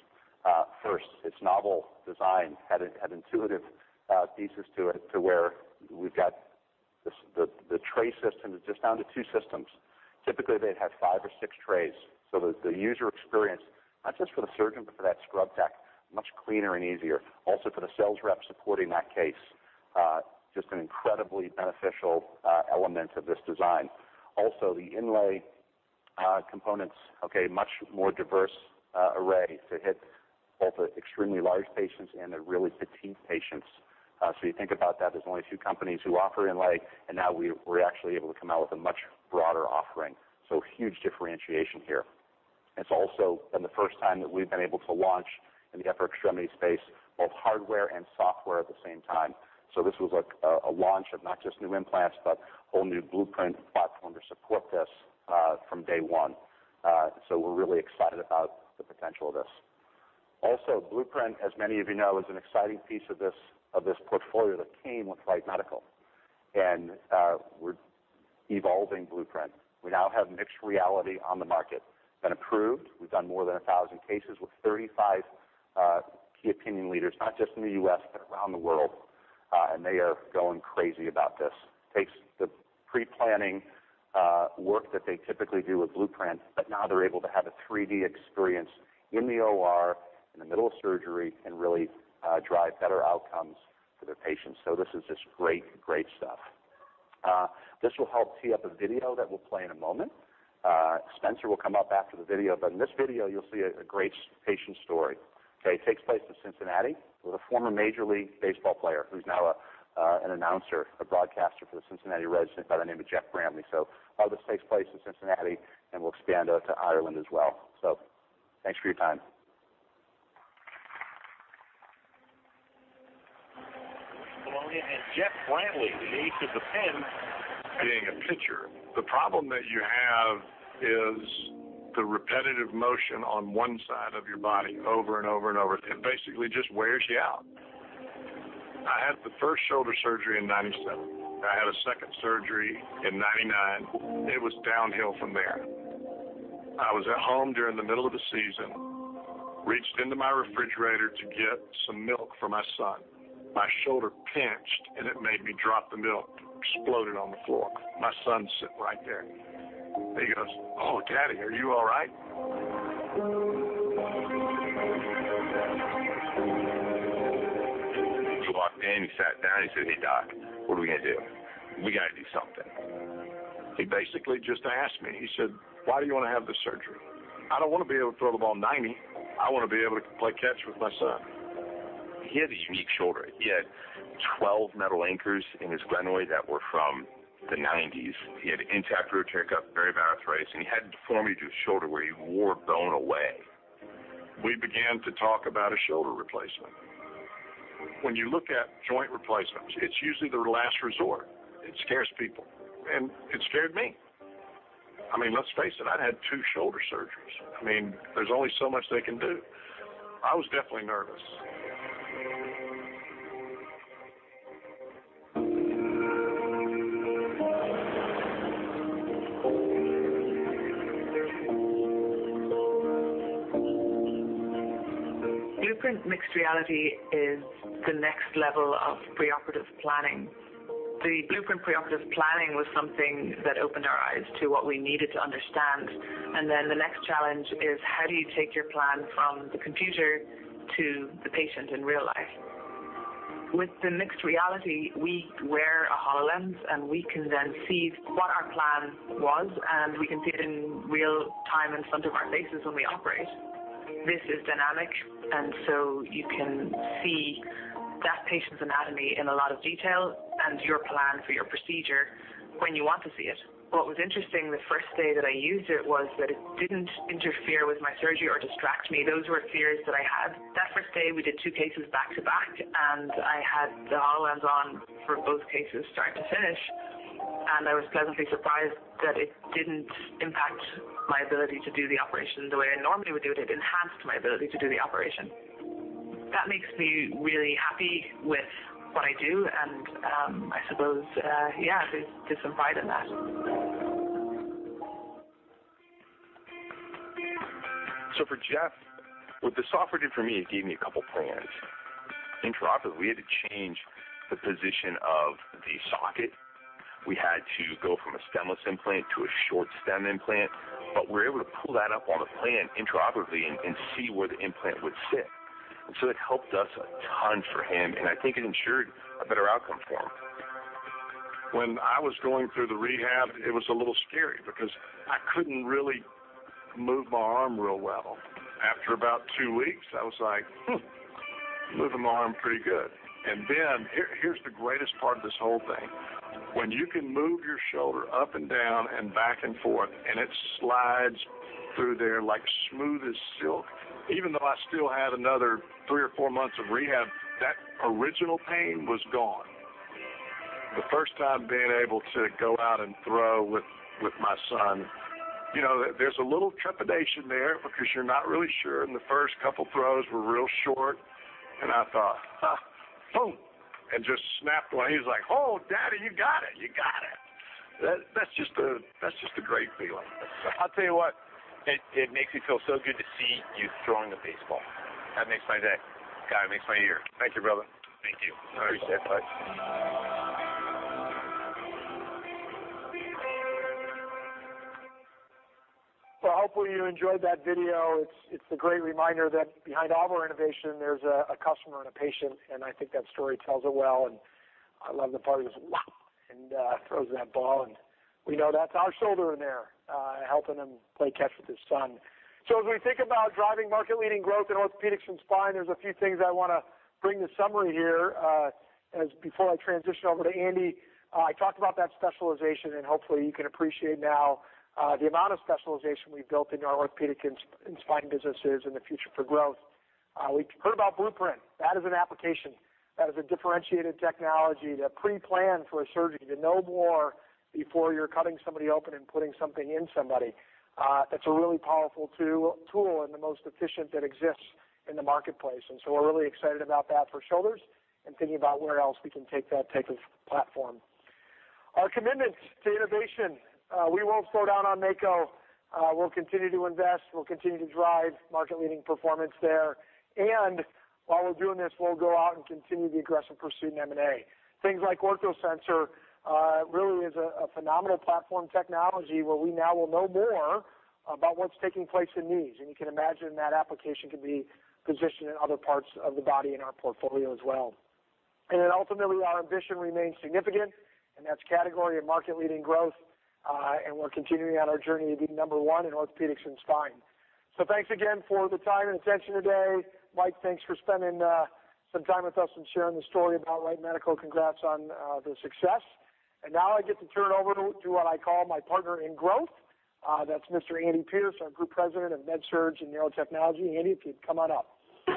First, its novel design had intuitive pieces to it to where we've got the tray system just down to two systems. Typically they'd have five or six trays. The user experience, not just for the surgeon, but for that scrub tech, much cleaner and easier. For the sales rep supporting that case, just an incredibly beneficial element of this design. The inlay components, okay, much more diverse array to hit both the extremely large patients and the really petite patients. You think about that, there's only a few companies who offer inlay, and now we're actually able to come out with a much broader offering. Huge differentiation here. It's also been the first time that we've been able to launch in the upper extremity space, both hardware and software at the same time. This was a launch of not just new implants, but whole new Blueprint platform to support this from day one. We're really excited about the potential of this. Also, Blueprint, as many of you know, is an exciting piece of this, of this portfolio that came with Wright Medical. We're evolving Blueprint. We now have mixed reality on the market and approved. We've done more than 1,000 cases with 35 key opinion leaders, not just in the U.S. but around the world. They are going crazy about this. It takes the pre-planning work that they typically do with Blueprint, but now they're able to have a 3D experience in the OR, in the middle of surgery, and really drive better outcomes for their patients. This is just great stuff. This will help tee up a video that we'll play in a moment. Spencer will come up after the video, but in this video you'll see a great patient story. Okay, it takes place in Cincinnati with a former Major League baseball player who's now an announcer, a broadcaster for the Cincinnati Reds, by the name of Jeff Brantley. All this takes place in Cincinnati and we'll expand out to Ireland as well. Thanks for your time. Bologna and Jeff Brantley, the ace of the pen. Being a pitcher, the problem that you have is the repetitive motion on one side of your body over and over and over. It basically just wears you out. I had the first shoulder surgery in 1997. I had a second surgery in 1999. It was downhill from there. I was at home during the middle of the season, reached into my refrigerator to get some milk for my son. My shoulder pinched and it made me drop the milk. It exploded on the floor. My son's sitting right there. He goes, "Oh, Daddy, are you all right? He walked in, he sat down. He said, "Hey, Doc, what are we gonna do? We gotta do something." He basically just asked me, he said, "Why do you wanna have this surgery?" I don't wanna be able to throw the ball 90, I wanna be able to play catch with my son. He had a unique shoulder. He had 12 metal anchors in his glenoid that were from the 1990s. He had intact rotator cuff, very bad arthritis, and he had deformity to his shoulder where he wore bone away. We began to talk about a shoulder replacement. When you look at joint replacements, it's usually the last resort. It scares people, and it scared me. I mean, let's face it, I'd had two shoulder surgeries. I mean, there's only so much they can do. I was definitely nervous. Blueprint Mixed Reality is the next level of preoperative planning. The Blueprint preoperative planning was something that opened our eyes to what we needed to understand, and then the next challenge is how do you take your plan from the computer to the patient in real life? With the mixed reality, we wear a HoloLens, and we can then see what our plan was, and we can see it in real time in front of our faces when we operate. This is dynamic and so you can see that patient's anatomy in a lot of detail and your plan for your procedure when you want to see it. What was interesting the first day that I used it was that it didn't interfere with my surgery or distract me. Those were fears that I had. That first day we did two cases back to back, and I had the HoloLens on for both cases start to finish, and I was pleasantly surprised that it didn't impact my ability to do the operation the way I normally would do it. It enhanced my ability to do the operation. That makes me really happy with what I do and, I suppose, there's some pride in that. For Jeff, what the software did for me, it gave me a couple plans. Intraoperative, we had to change the position of the socket. We had to go from a stemless implant to a short stem implant, but we were able to pull that up on a plan intraoperatively and see where the implant would sit. It helped us a ton for him, and I think it ensured a better outcome for him. When I was going through the rehab, it was a little scary because I couldn't really move my arm real well. After about two weeks, I was like, "Hmm, moving my arm pretty good." Here, here's the greatest part of this whole thing. When you can move your shoulder up and down and back and forth and it slides through there like smooth as silk. Even though I still had another three or four months of rehab, that original pain was gone. The first time being able to go out and throw with my son, you know, there's a little trepidation there because you're not really sure, and the first couple throws were real short. I thought, "Ha. Boom." Just snapped one. He was like, "Oh, Daddy, you got it. You got it." That's just a great feeling. I'll tell you what, it makes me feel so good to see you throwing a baseball. That makes my day. God, it makes my year. Thank you, brother. Thank you. I appreciate it. Bye. Hopefully you enjoyed that video. It's a great reminder that behind all of our innovation, there's a customer and a patient, and I think that story tells it well. I love the part he goes, "Wow," and throws that ball, and we know that's our shoulder in there, helping him play catch with his son. As we think about driving market-leading growth in orthopedics and spine, there's a few things I wanna bring to summary here, as before I transition over to Andy. I talked about that specialization, and hopefully you can appreciate now the amount of specialization we've built into our orthopedic and spine businesses and the future for growth. We heard about Blueprint. That is an application. That is a differentiated technology to pre-plan for a surgery, to know more before you're cutting somebody open and putting something in somebody. That's a really powerful tool and the most efficient that exists in the marketplace. We're really excited about that for shoulders and thinking about where else we can take that type of platform. Our commitment to innovation, we won't slow down on Mako. We'll continue to invest. We'll continue to drive market-leading performance there. While we're doing this, we'll go out and continue the aggressive pursuit in M&A. Things like OrthoSensor really is a phenomenal platform technology where we now will know more about what's taking place in knees. You can imagine that application can be positioned in other parts of the body in our portfolio as well. Ultimately, our ambition remains significant, and that's category and market-leading growth, and we're continuing on our journey to be number one in orthopedics and spine. Thanks again for the time and attention today. Mike, thanks for spending some time with us and sharing the story about Wright Medical. Congrats on the success. Now I get to turn it over to what I call my partner in growth. That's Mr. Andy Pierce, our Group President of MedSurg and Neurotechnology. Andy, if you'd come on up. All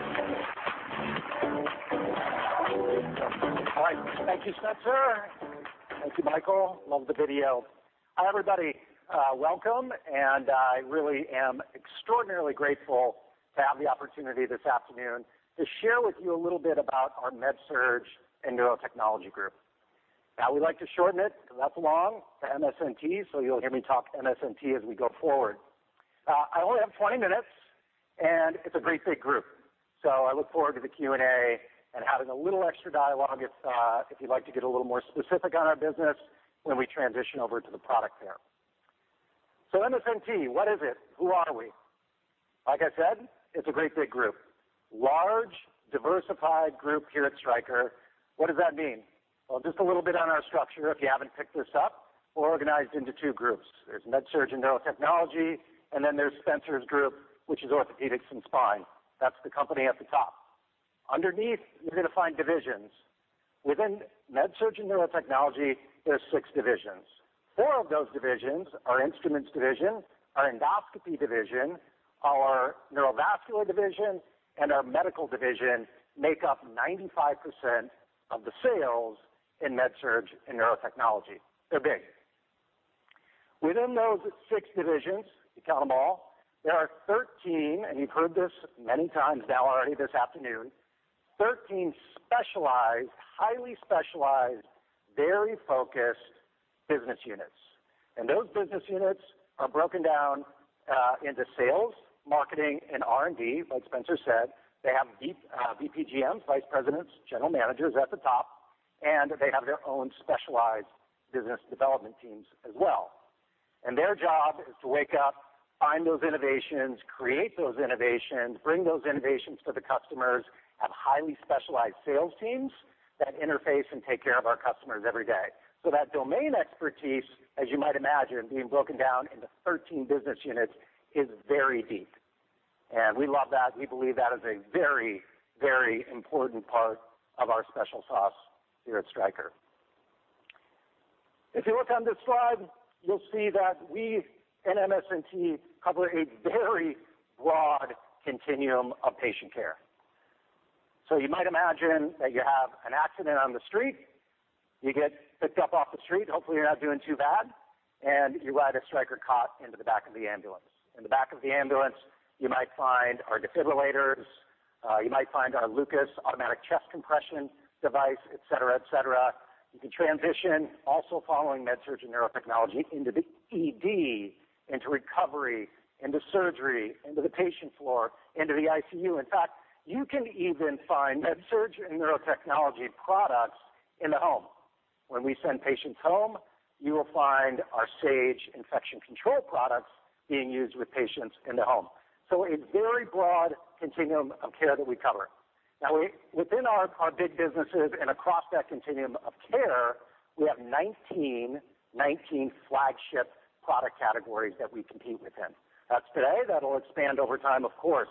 right. Thank you, Spencer. Thank you, Michael. Loved the video. Hi, everybody. Welcome, and I really am extraordinarily grateful to have the opportunity this afternoon to share with you a little bit about our MedSurg and Neurotechnology group. Now, we like to shorten it, 'cause that's long, to MSNT, so you'll hear me talk MSNT as we go forward. I only have 20 minutes, and it's a great big group, so I look forward to the Q&A and having a little extra dialogue if you'd like to get a little more specific on our business when we transition over to the product fair. So MSNT, what is it? Who are we? Like I said, it's a great big group. Large, diversified group here at Stryker. What does that mean? Well, just a little bit on our structure if you haven't picked this up. We're organized into two groups. There's MedSurg and Neurotechnology, and then there's Spencer's group, which is Orthopaedics and Spine. That's the company at the top. Underneath, you're gonna find divisions. Within MedSurg and Neurotechnology, there's six divisions. Four of those divisions, our Instruments division, our Endoscopy division, our Neurovascular division, and our Medical division make up 95% of the sales in MedSurg and Neurotechnology. They're big. Within those six divisions, if you count them all, there are 13, and you've heard this many times now already this afternoon, 13 specialized, highly specialized, very focused business units. Those business units are broken down into sales, marketing, and R&D, like Spencer said. They have VPGMs, vice presidents, general managers at the top, and they have their own specialized business development teams as well. Their job is to wake up, find those innovations, create those innovations, bring those innovations to the customers, have highly specialized sales teams that interface and take care of our customers every day. That domain expertise, as you might imagine, being broken down into 13 business units is very deep. We love that. We believe that is a very, very important part of our special sauce here at Stryker. If you look on this slide, you'll see that we in MSNT cover a very broad continuum of patient care. You might imagine that you have an accident on the street. You get picked up off the street. Hopefully, you're not doing too bad, and you ride a Stryker cot into the back of the ambulance. In the back of the ambulance, you might find our defibrillators, you might find our LUCAS automatic chest compression device, et cetera, et cetera. You can transition also following MedSurg and Neurotechnology into the ED, into recovery, into surgery, into the patient floor, into the ICU. In fact, you can even find MedSurg and Neurotechnology products in the home. When we send patients home, you will find our Sage infection control products being used with patients in the home. So a very broad continuum of care that we cover. Now within our big businesses and across that continuum of care, we have 19 flagship product categories that we compete within. That's today. That'll expand over time, of course.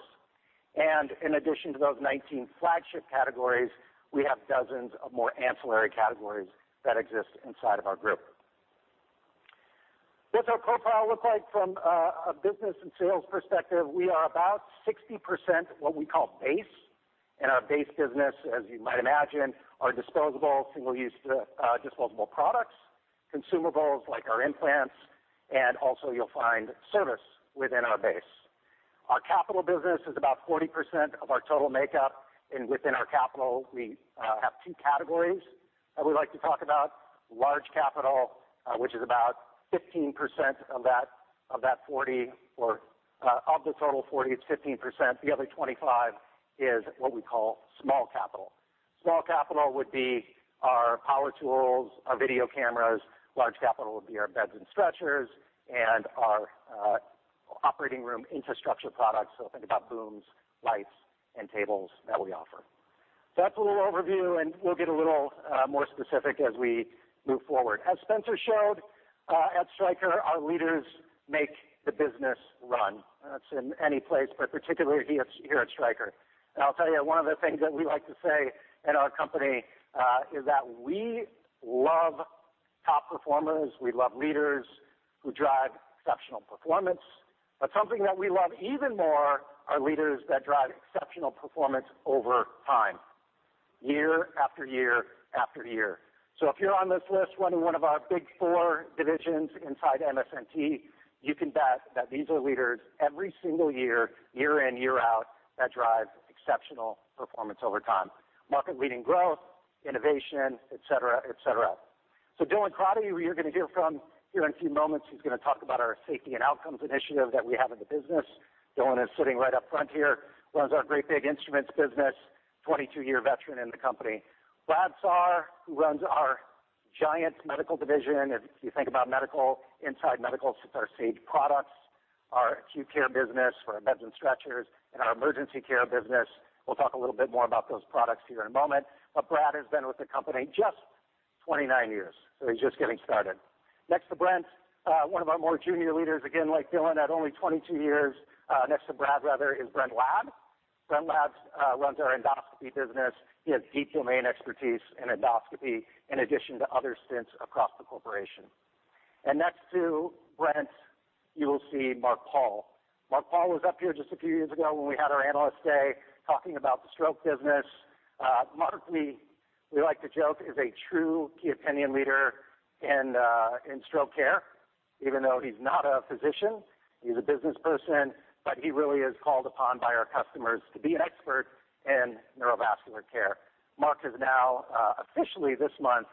In addition to those 19 flagship categories, we have dozens of more ancillary categories that exist inside of our group. What's our profile look like from a business and sales perspective? We are about 60% what we call base. In our base business, as you might imagine, are disposable, single-use, disposable products, consumables like our implants, and also you'll find service within our base. Our capital business is about 40% of our total makeup, and within our capital we have two categories that we like to talk about. Large capital, which is about 15% of that, of that 40% or of the total 40%, it's 15%. The other 25% is what we call small capital. Small capital would be our power tools, our video cameras. Large capital would be our beds and stretchers and our operating room infrastructure products. So think about booms, lights, and tables that we offer. That's a little overview, and we'll get a little more specific as we move forward. As Spencer showed, at Stryker, our leaders make the business run. That's in any place, but particularly here at Stryker. I'll tell you, one of the things that we like to say in our company is that we love top performers. We love leaders who drive exceptional performance. But something that we love even more are leaders that drive exceptional performance over time, year after year after year. If you're on this list running one of our big four divisions inside MSNT, you can bet that these are leaders every single year in, year out, that drive exceptional performance over time, market-leading growth, innovation, et cetera, et cetera. Dylan Crotty, who you're going to hear from here in a few moments, he's going to talk about our safety and outcomes initiative that we have in the business. Dylan is sitting right up front here, runs our great big Instruments business, 22-year veteran in the company. Brad Saar, who runs our giant Medical Division. If you think about Medical, inside Medical sits our Sage products, our Acute Care business for our beds and stretchers, and our Emergency Care business. We'll talk a little bit more about those products here in a moment. Brad has been with the company just 29 years, so he's just getting started. Next to Brad, one of our more junior leaders, again, like Dylan, at only 22 years, is Brent Ladd. Brent Ladd runs our Endoscopy business. He has deep domain expertise in endoscopy in addition to other stints across the corporation. Next to Brent, you will see Mark Paul. Mark Paul was up here just a few years ago when we had our Analyst Day talking about the stroke business. Mark, we like to joke, is a true opinion leader in stroke care, even though he's not a physician. He's a business person, but he really is called upon by our customers to be an expert in neurovascular care. Mark is now officially this month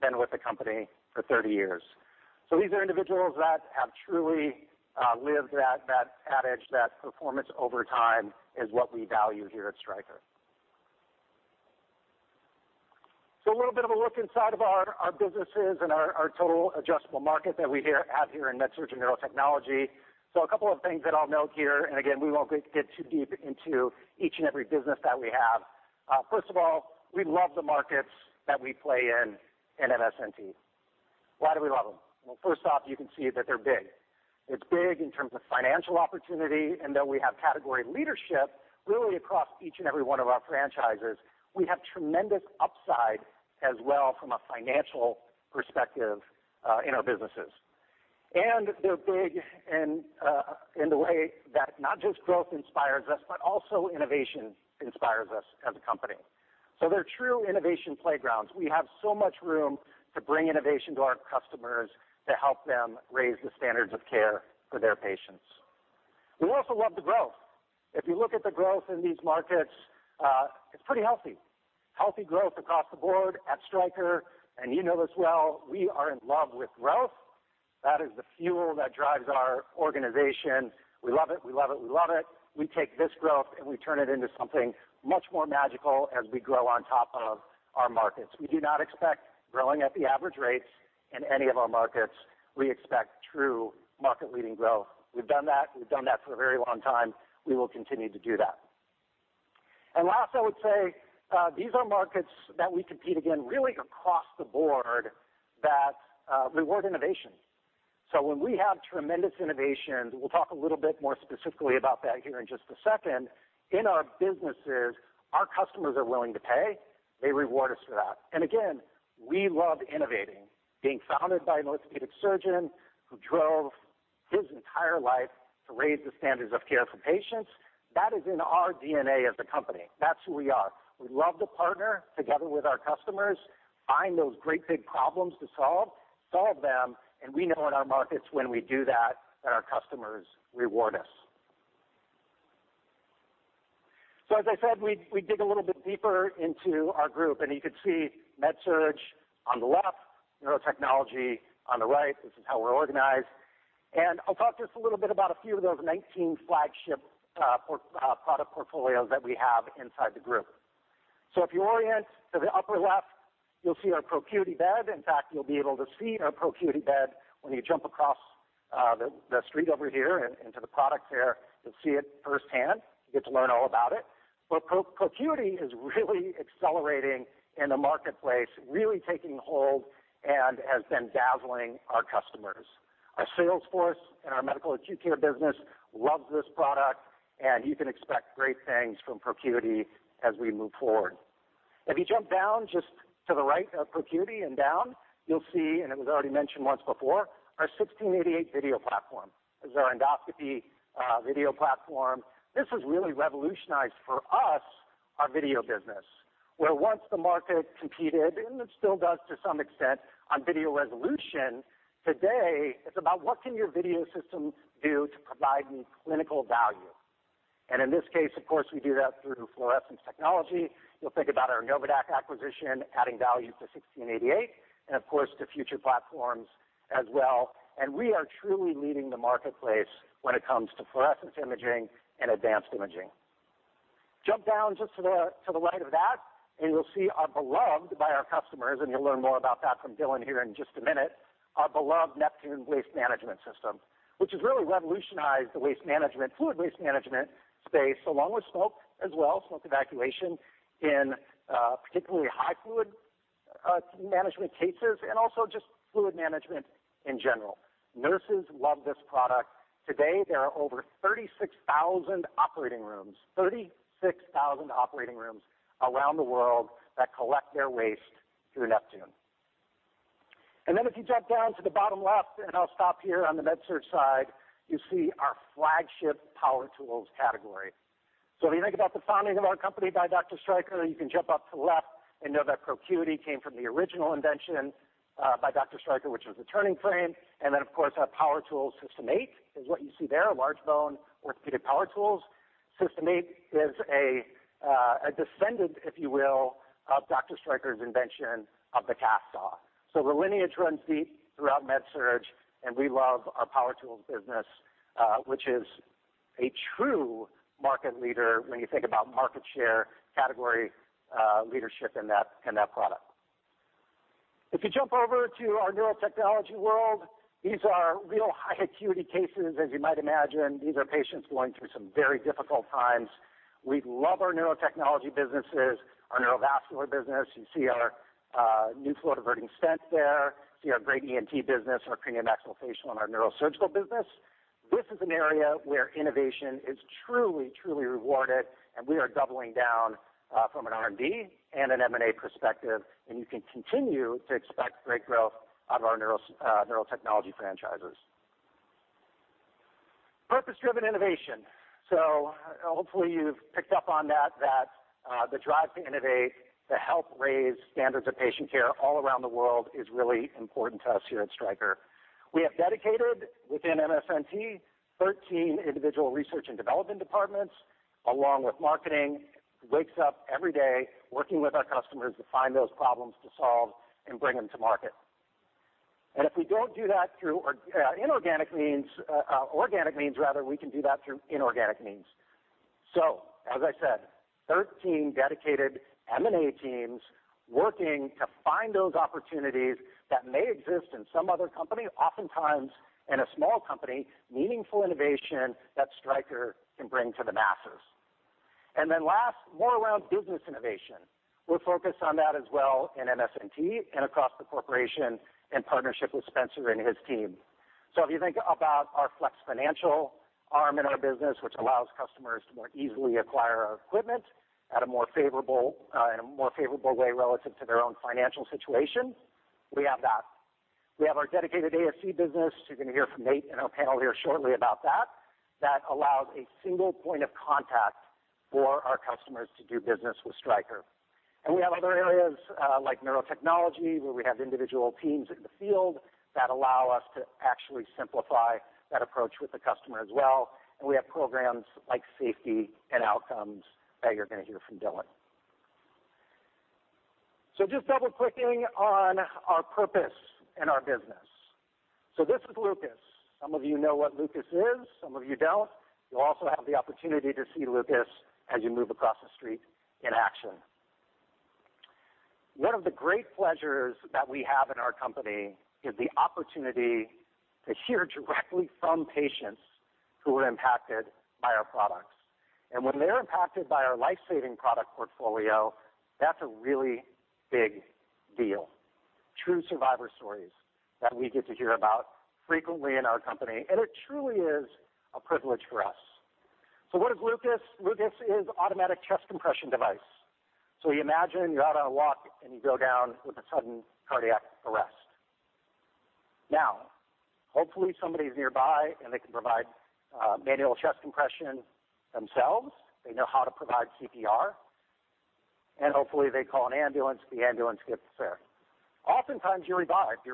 been with the company for 30 years. These are individuals that have truly lived that adage that performance over time is what we value here at Stryker. A little bit of a look inside of our businesses and our total addressable market that we have here in MedSurg and Neurotechnology. A couple of things that I'll note here, and again, we won't get too deep into each and every business that we have. First of all, we love the markets that we play in MSNT. Why do we love them? Well, first off, you can see that they're big. It's big in terms of financial opportunity, and though we have category leadership really across each and every one of our franchises, we have tremendous upside as well from a financial perspective, in our businesses. They're big in the way that not just growth inspires us, but also innovation inspires us as a company. They're true innovation playgrounds. We have so much room to bring innovation to our customers to help them raise the standards of care for their patients. We also love the growth. If you look at the growth in these markets, it's pretty healthy. Healthy growth across the board at Stryker, and you know this well, we are in love with growth. That is the fuel that drives our organization. We love it. We love it. We love it. We take this growth, and we turn it into something much more magical as we grow on top of our markets. We do not expect growing at the average rates in any of our markets. We expect true market-leading growth. We've done that. We've done that for a very long time. We will continue to do that. Last, I would say, these are markets that we compete, again, really across the board that reward innovation. When we have tremendous innovations, we'll talk a little bit more specifically about that here in just a second. In our businesses, our customers are willing to pay. They reward us for that. Again, we love innovating. Being founded by an orthopedic surgeon who drove his entire life to raise the standards of care for patients, that is in our DNA as a company. That's who we are. We love to partner together with our customers, find those great big problems to solve them, and we know in our markets when we do that our customers reward us. As I said, we dig a little bit deeper into our group, and you can see MedSurg on the left, Neurotechnology on the right. This is how we're organized. I'll talk just a little bit about a few of those 19 flagship product portfolios that we have inside the group. If you orient to the upper left, you'll see our ProCuity bed. In fact, you'll be able to see our ProCuity bed when you jump across the street over here into the product fair. You'll see it firsthand. You get to learn all about it. ProCuity is really accelerating in the marketplace, really taking hold and has been dazzling our customers. Our sales force and our medical acute care business loves this product, and you can expect great things from ProCuity as we move forward. If you jump down just to the right of ProCuity and down, you'll see, and it was already mentioned once before, our 1688 video platform. It's our endoscopy video platform. This has really revolutionized for us our video business, where once the market competed, and it still does to some extent, on video resolution. Today it's about what can your video system do to provide me clinical value. In this case, of course, we do that through fluorescence technology. You'll think about our Novadaq acquisition adding value to 1688 and, of course, to future platforms as well. We are truly leading the marketplace when it comes to fluorescence imaging and advanced imaging. Jump down just to the right of that, and you'll see our beloved by our customers, and you'll learn more about that from Dylan here in just a minute, our beloved Neptune Waste Management System, which has really revolutionized the waste management, fluid waste management space, along with smoke as well, smoke evacuation in particularly high fluid management cases and also just fluid management in general. Nurses love this product. Today, there are over 36,000 operating rooms around the world that collect their waste through Neptune. Then if you jump down to the bottom left, and I'll stop here on the MedSurg side, you see our flagship power tools category. If you think about the founding of our company by Dr. Stryker, you can jump up to the left and know that ProCuity came from the original invention by Dr. Stryker, which was the turning frame. Of course, our power tools, System 8, is what you see there, large bone orthopedic power tools. System 8 is a descendant, if you will, of Dr. Stryker's invention of the cast saw. The lineage runs deep throughout MedSurg, and we love our power tools business, which is a true market leader when you think about market share category leadership in that product. If you jump over to our Neurotechnology world, these are real high acuity cases, as you might imagine. These are patients going through some very difficult times. We love our Neurotechnology businesses, our Neurovascular business. You see our new flow-diverting stent there. You see our great ENT business and our cranial maxillofacial and our neurosurgical business. This is an area where innovation is truly rewarded, and we are doubling down from an R&D and an M&A perspective, and you can continue to expect great growth out of our neurotechnology franchises. Purpose-driven innovation. Hopefully you've picked up on that, the drive to innovate, to help raise standards of patient care all around the world is really important to us here at Stryker. We have dedicated within MSNT 13 individual research and development departments, along with marketing, wakes up every day working with our customers to find those problems to solve and bring them to market. If we don't do that through organic means rather, we can do that through inorganic means. As I said, 13 dedicated M&A teams working to find those opportunities that may exist in some other company, oftentimes in a small company, meaningful innovation that Stryker can bring to the masses. Then last, more around business innovation. We're focused on that as well in MSNT and across the corporation in partnership with Spencer and his team. If you think about our Flex Financial arm in our business, which allows customers to more easily acquire our equipment at a more favorable, in a more favorable way relative to their own financial situation, we have that. We have our dedicated ASC business. You're going to hear from Nate in our panel here shortly about that. That allows a single point of contact for our customers to do business with Stryker. We have other areas, like Neurotechnology, where we have individual teams in the field that allow us to actually simplify that approach with the customer as well. We have programs like safety and outcomes that you're going to hear from Dylan. Just double-clicking on our purpose and our business. This is LUCAS. Some of you know what LUCAS is, some of you don't. You'll also have the opportunity to see LUCAS as you move across the street in action. One of the great pleasures that we have in our company is the opportunity to hear directly from patients who were impacted by our products. When they're impacted by our life-saving product portfolio, that's a really big deal. True survivor stories that we get to hear about frequently in our company, and it truly is a privilege for us. What is LUCAS? LUCAS is an automatic chest compression device. You imagine you're out on a walk, and you go down with a sudden cardiac arrest. Now, hopefully, somebody's nearby, and they can provide manual chest compression themselves. They know how to provide CPR, and hopefully, they call an ambulance. The ambulance gets there. Oftentimes, you revive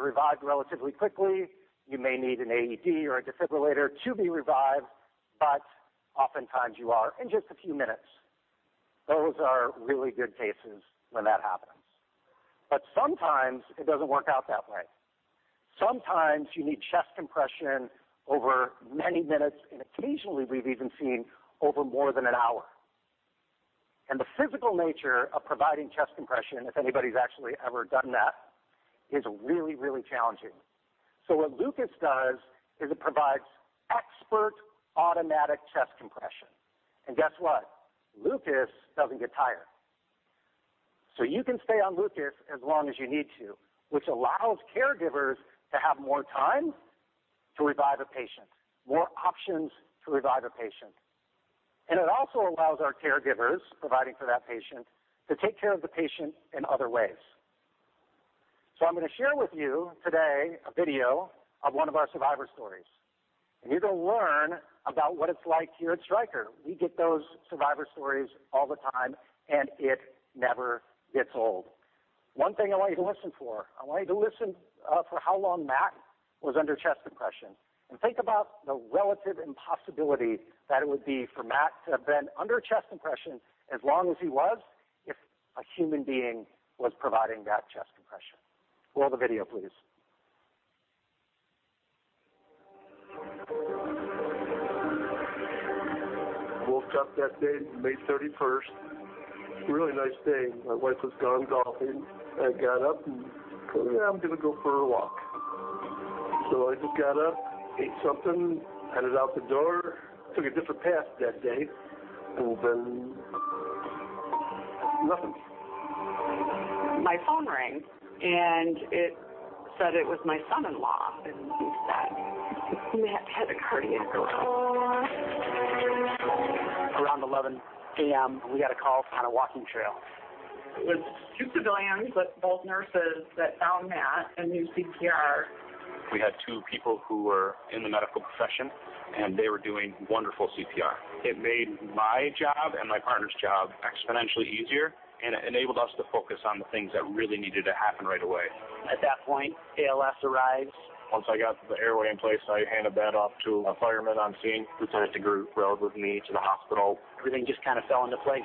relatively quickly. You may need an AED or a defibrillator to be revived, but oftentimes you are revived in just a few minutes. Those are really good cases when that happens. Sometimes it doesn't work out that way. Sometimes you need chest compression over many minutes, and occasionally we've even seen over more than an hour. The physical nature of providing chest compression, if anybody's actually ever done that, is really, really challenging. What LUCAS does is it provides expert automatic chest compression. Guess what? LUCAS doesn't get tired. You can stay on LUCAS as long as you need to, which allows caregivers to have more time to revive a patient, more options to revive a patient. It also allows our caregivers providing for that patient to take care of the patient in other ways. I'm going to share with you today a video of one of our survivor stories, and you're going to learn about what it's like here at Stryker. We get those survivor stories all the time, and it never gets old. One thing I want you to listen for is how long Matt was under chest compression and think about the relative impossibility that it would be for Matt to have been under chest compression as long as he was if a human being was providing that chest compression. Roll the video, please. Woke up that day, May 31st, really nice day. My wife was gone golfing. I got up and thought, "Yeah, I'm gonna go for a walk." I just got up, ate something, headed out the door, took a different path that day, and then nothing. My phone rang, and it said it was my son-in-law, and he said, "Matt had a cardiac arrest. Around 11 A.M., we got a call from on a walking trail. It was two civilians, but both nurses that found Matt and knew CPR. We had two people who were in the medical profession, and they were doing wonderful CPR. It made my job and my partner's job exponentially easier, and it enabled us to focus on the things that really needed to happen right away. At that point, ALS arrives. Once I got the airway in place, I handed that off to a fireman on scene who decided to ride with me to the hospital. Everything just kinda fell into place.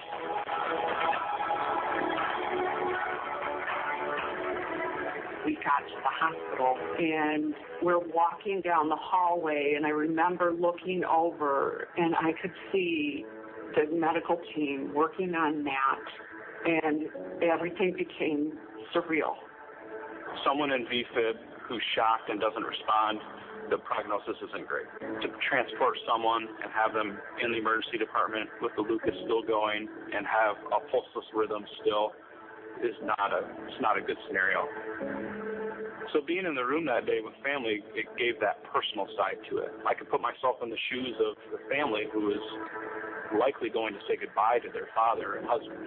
We got to the hospital, and we're walking down the hallway, and I remember looking over, and I could see the medical team working on Matt, and everything became surreal. Someone in V-fib who's shocked and doesn't respond, the prognosis isn't great. To transport someone and have them in the emergency department with the LUCAS still going and have a pulseless rhythm still is not a good scenario. Being in the room that day with family, it gave that personal side to it. I could put myself in the shoes of the family who is likely going to say goodbye to their father and husband.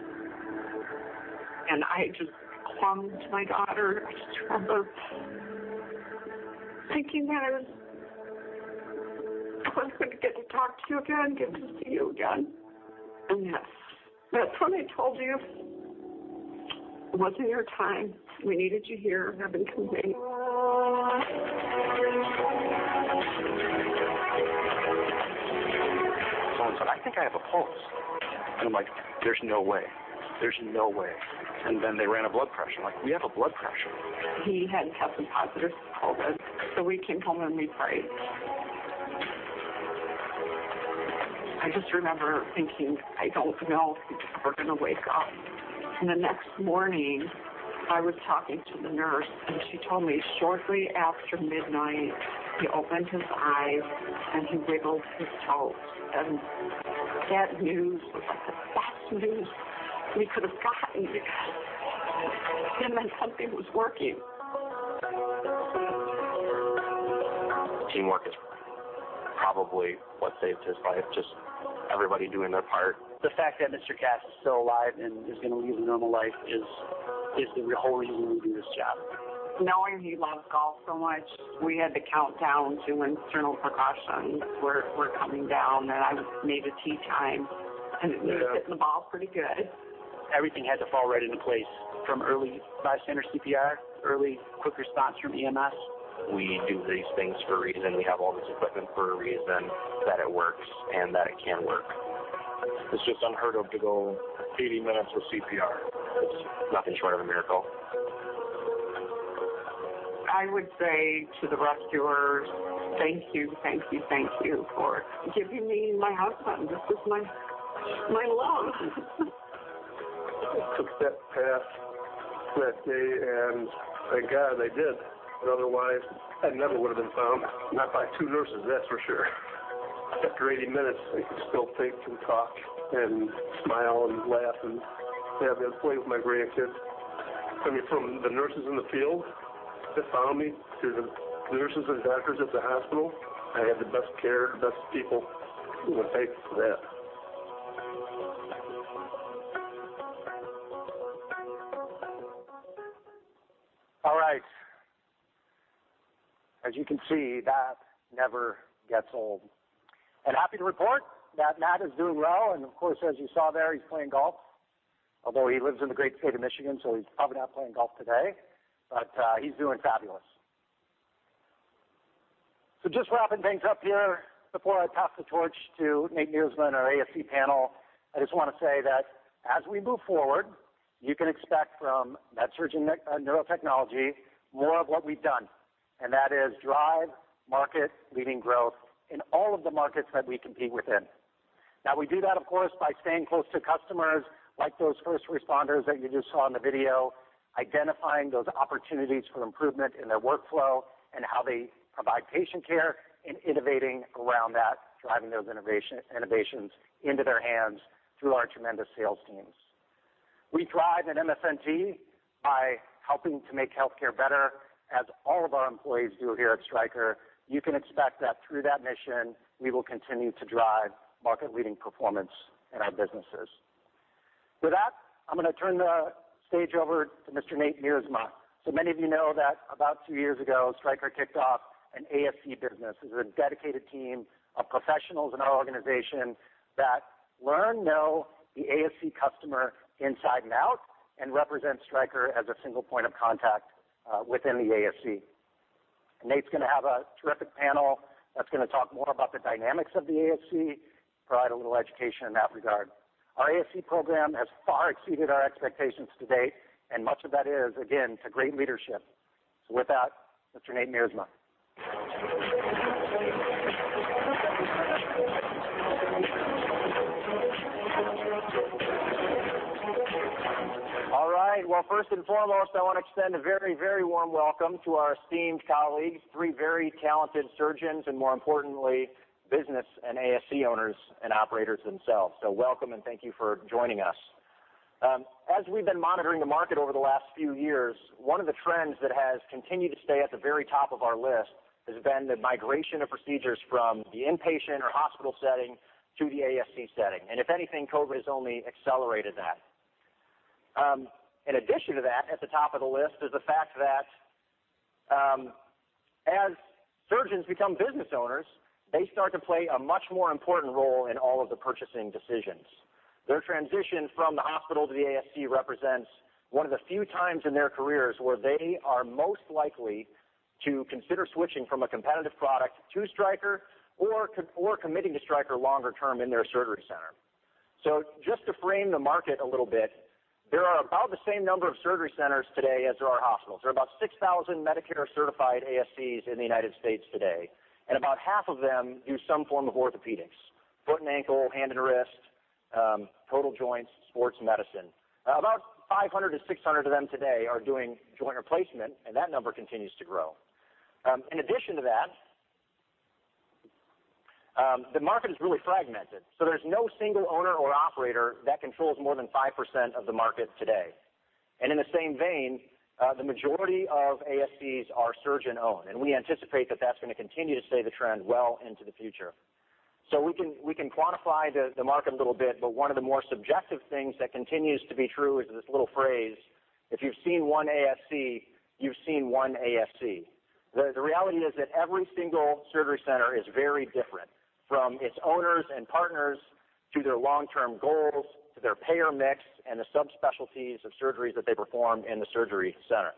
I just clung to my daughter. I just remember thinking that I wasn't gonna get to talk to you again, get to see you again. That's when they told me it wasn't your time. We needed you here. Heaven can wait. Someone said, "I think I have a pulse." I'm like, "There's no way. There's no way." Then they ran a blood pressure. I'm like, "We have a blood pressure. He had tested positive for COVID. We came home, and we prayed. I just remember thinking, "I don't know if you're ever gonna wake up." The next morning, I was talking to the nurse, and she told me shortly after midnight, he opened his eyes, and he wiggled his toes, and that news was like the best news we could have gotten because it meant something was working. Teamwork is probably what saved his life, just everybody doing their part. The fact that Mr. Cass is still alive and is gonna lead a normal life is the whole reason we do this job. Knowing he loves golf so much, we had to count down to when internal precautions were coming down, and I made a tee time, and he was hitting the ball pretty good. Everything had to fall right into place from early bystander CPR, early quick response from EMS. We do these things for a reason. We have all this equipment for a reason, that it works and that it can work. It's just unheard of to go 80 minutes with CPR. It's nothing short of a miracle. I would say to the rescuers, thank you, thank you, thank you for giving me my husband. This is my love. I took that path that day, and thank God I did, but otherwise, I never would have been found, not by two nurses, that's for sure. After 80 minutes, I can still think and talk and smile and laugh and be able to play with my grandkids. I mean, from the nurses in the field that found me to the nurses and doctors at the hospital, I had the best care, the best people. Who would thank you for that? All right. As you can see, that never gets old. Happy to report that Matt is doing well, and of course, as you saw there, he's playing golf, although he lives in the great state of Michigan, so he's probably not playing golf today, but he's doing fabulous. Just wrapping things up here before I pass the torch to Nate Miersma and our ASC panel, I just wanna say that as we move forward, you can expect from MedSurg and Neurotechnology more of what we've done, and that is drive market-leading growth in all of the markets that we compete within. Now, we do that, of course, by staying close to customers like those first responders that you just saw in the video, identifying those opportunities for improvement in their workflow and how they provide patient care and innovating around that, driving those innovations into their hands through our tremendous sales teams. We thrive at MSNT by helping to make healthcare better as all of our employees do here at Stryker. You can expect that through that mission, we will continue to drive market-leading performance in our businesses. With that, I'm gonna turn the stage over to Mr. Nate Miersma. Many of you know that about two years ago, Stryker kicked off an ASC business. This is a dedicated team of professionals in our organization that learn, know the ASC customer inside and out and represent Stryker as a single point of contact within the ASC. Nate's gonna have a terrific panel that's gonna talk more about the dynamics of the ASC, provide a little education in that regard. Our ASC program has far exceeded our expectations to date, and much of that is, again, to great leadership. With that, Mr. Nate Miersma. All right. Well, first and foremost, I wanna extend a very, very warm welcome to our esteemed colleagues, three very talented surgeons, and more importantly, business and ASC owners and operators themselves. So welcome, and thank you for joining us. As we've been monitoring the market over the last few years, one of the trends that has continued to stay at the very top of our list has been the migration of procedures from the inpatient or hospital setting to the ASC setting. If anything, COVID has only accelerated that. In addition to that, at the top of the list is the fact that, as surgeons become business owners, they start to play a much more important role in all of the purchasing decisions. Their transition from the hospital to the ASC represents one of the few times in their careers where they are most likely to consider switching from a competitive product to Stryker or committing to Stryker longer term in their surgery center. Just to frame the market a little bit, there are about the same number of surgery centers today as there are hospitals. There are about 6,000 Medicare-certified ASCs in the United States today, and about half of them do some form of orthopedics, foot and ankle, hand and wrist, total joints, sports medicine. About 500-600 of them today are doing joint replacement, and that number continues to grow. In addition to that, the market is really fragmented, so there's no single owner or operator that controls more than 5% of the market today. In the same vein, the majority of ASCs are surgeon-owned, and we anticipate that that's gonna continue to stay the trend well into the future. We can quantify the market a little bit, but one of the more subjective things that continues to be true is this little phrase, if you've seen one ASC, you've seen one ASC. The reality is that every single surgery center is very different, from its owners and partners to their long-term goals, to their payer mix and the subspecialties of surgeries that they perform in the surgery center.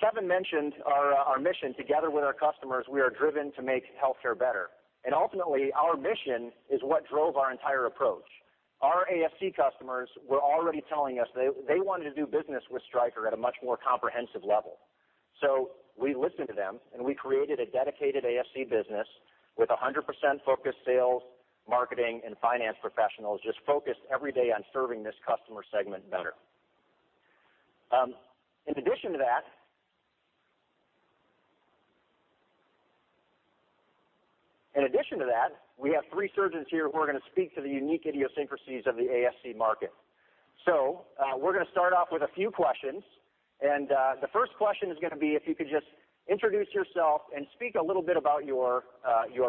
Kevin mentioned our mission together with our customers, we are driven to make healthcare better. Ultimately, our mission is what drove our entire approach. Our ASC customers were already telling us they wanted to do business with Stryker at a much more comprehensive level. We listened to them, and we created a dedicated ASC business with 100% focused sales, marketing, and finance professionals just focused every day on serving this customer segment better. In addition to that, we have three surgeons here who are gonna speak to the unique idiosyncrasies of the ASC market. We're gonna start off with a few questions, and the first question is gonna be if you could just introduce yourself and speak a little bit about your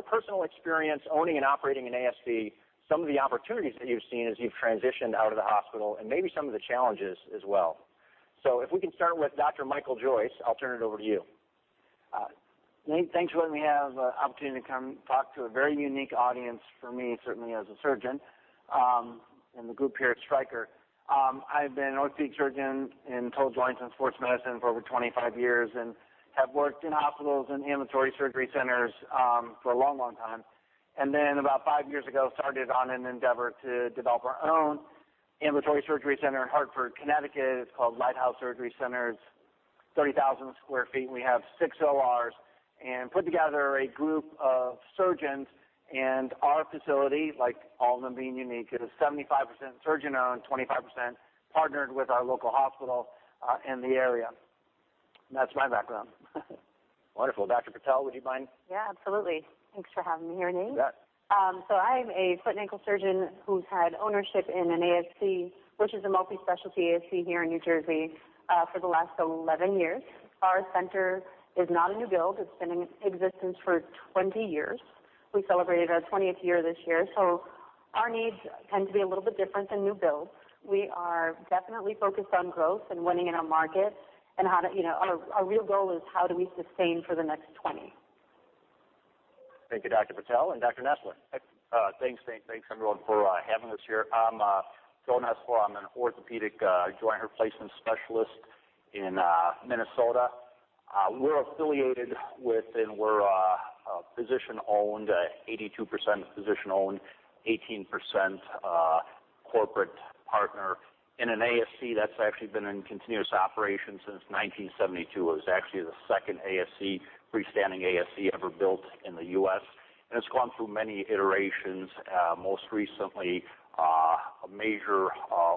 personal experience owning and operating an ASC, some of the opportunities that you've seen as you've transitioned out of the hospital, and maybe some of the challenges as well. If we can start with Dr. Michael Joyce, I'll turn it over to you. Nate, thanks for letting me have the opportunity to come talk to a very unique audience for me, certainly as a surgeon, and the group here at Stryker. I've been an orthopedic surgeon in total joints and sports medicine for over 25 years and have worked in hospitals and ambulatory surgery centers for a long time. Then about five years ago, started on an endeavor to develop our own ambulatory surgery center in Hartford, Connecticut. It's called Lighthouse Surgery Center. It's 30,000 sq ft, and we have six ORs and put together a group of surgeons and our facility, like all of them being unique. It is 75% surgeon-owned, 25% partnered with our local hospital in the area. That's my background. Wonderful. Dr. Patel, would you mind? Yeah, absolutely. Thanks for having me here, Nate. You bet. I'm a foot and ankle surgeon who's had ownership in an ASC, which is a multi-specialty ASC here in New Jersey, for the last 11 years. Our center is not a new build. It's been in existence for 20 years. We celebrated our 20th year this year, so our needs tend to be a little bit different than new builds. We are definitely focused on growth and winning in our market and how to, our real goal is how do we sustain for the next 20. Thank you, Dr. Patel. Dr. Nessler? Thanks, Nate. Thanks, everyone, for having us here. I'm Joe Nessler. I'm an orthopedic joint replacement specialist in Minnesota. We're a physician-owned, 82% physician-owned, 18% corporate partner in an ASC that's actually been in continuous operation since 1972. It was actually the second freestanding ASC ever built in the U.S., and it's gone through many iterations, most recently a major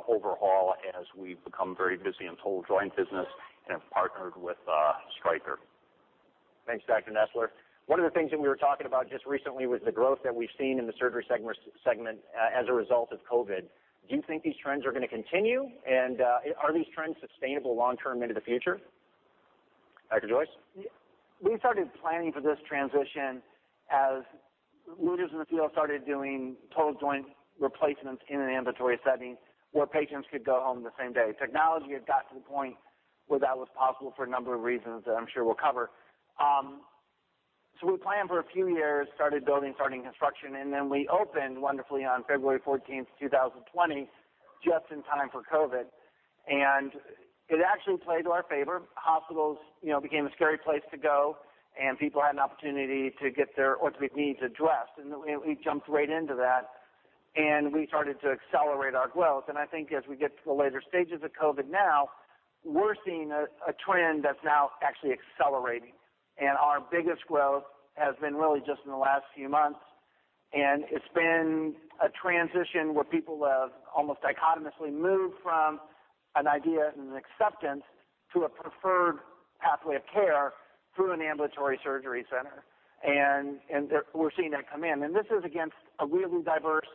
overhaul as we've become very busy in total joint business and have partnered with Stryker. Thanks, Dr. Nessler. One of the things that we were talking about just recently was the growth that we've seen in the surgery segment as a result of COVID. Do you think these trends are gonna continue? Are these trends sustainable long term into the future? Dr. Joyce? We started planning for this transition as leaders in the field started doing total joint replacements in an ambulatory setting where patients could go home the same day. Technology had got to the point where that was possible for a number of reasons that I'm sure we'll cover. We planned for a few years, started building, starting construction, and then we opened wonderfully on February 14, 2020. Just in time for COVID. It actually played to our favor. Hospitals, you know, became a scary place to go, and people had an opportunity to get their orthopedic needs addressed. We jumped right into that, and we started to accelerate our growth. I think as we get to the later stages of COVID now, we're seeing a trend that's now actually accelerating. Our biggest growth has been really just in the last few months. It's been a transition where people have almost dichotomously moved from an idea and an acceptance to a preferred pathway of care through an ambulatory surgery center. We're seeing that come in. This is against a really diverse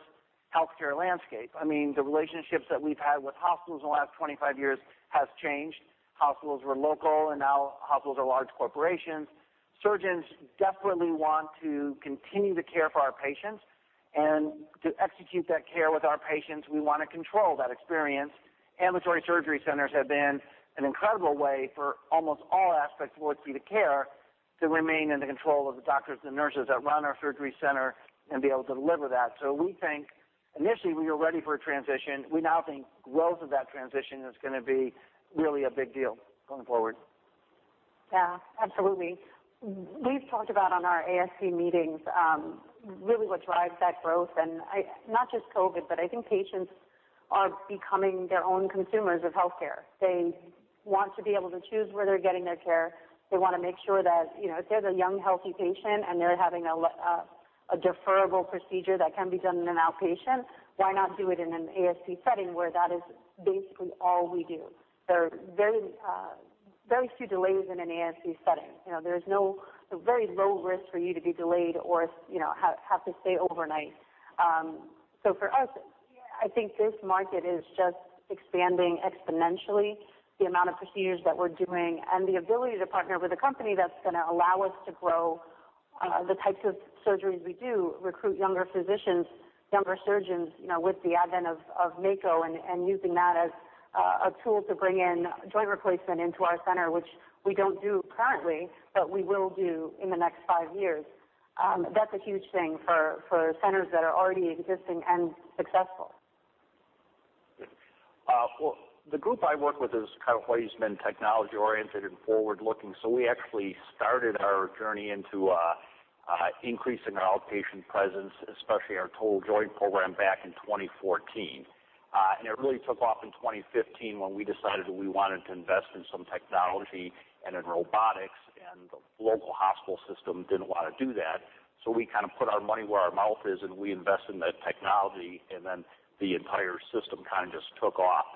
healthcare landscape. I mean, the relationships that we've had with hospitals in the last 25 years has changed. Hospitals were local, and now hospitals are large corporations. Surgeons definitely want to continue to care for our patients. To execute that care with our patients, we wanna control that experience. Ambulatory surgery centers have been an incredible way for almost all aspects of orthopedic care to remain in the control of the doctors and nurses that run our surgery center and be able to deliver that. We think initially we were ready for a transition. We now think growth of that transition is gonna be really a big deal going forward. Yeah, absolutely. We've talked about on our ASC meetings really what drives that growth. Not just COVID, but I think patients are becoming their own consumers of healthcare. They want to be able to choose where they're getting their care. They wanna make sure that, you know, if they're the young, healthy patient and they're having a deferrable procedure that can be done in an outpatient, why not do it in an ASC setting where that is basically all we do? There are very few delays in an ASC setting. You know, there's a very low risk for you to be delayed or, you know, have to stay overnight. For us, I think this market is just expanding exponentially the amount of procedures that we're doing and the ability to partner with a company that's gonna allow us to grow the types of surgeries we do, recruit younger physicians, younger surgeons, you know, with the advent of Mako and using that as a tool to bring in joint replacement into our center, which we don't do currently, but we will do in the next five years. That's a huge thing for centers that are already existing and successful. The group I work with is kind of always been technology-oriented and forward-looking, so we actually started our journey into increasing our outpatient presence, especially our total joint program back in 2014. It really took off in 2015 when we decided that we wanted to invest in some technology and in robotics, and the local hospital system didn't wanna do that. We kinda put our money where our mouth is, and we invested in the technology, and then the entire system kinda just took off.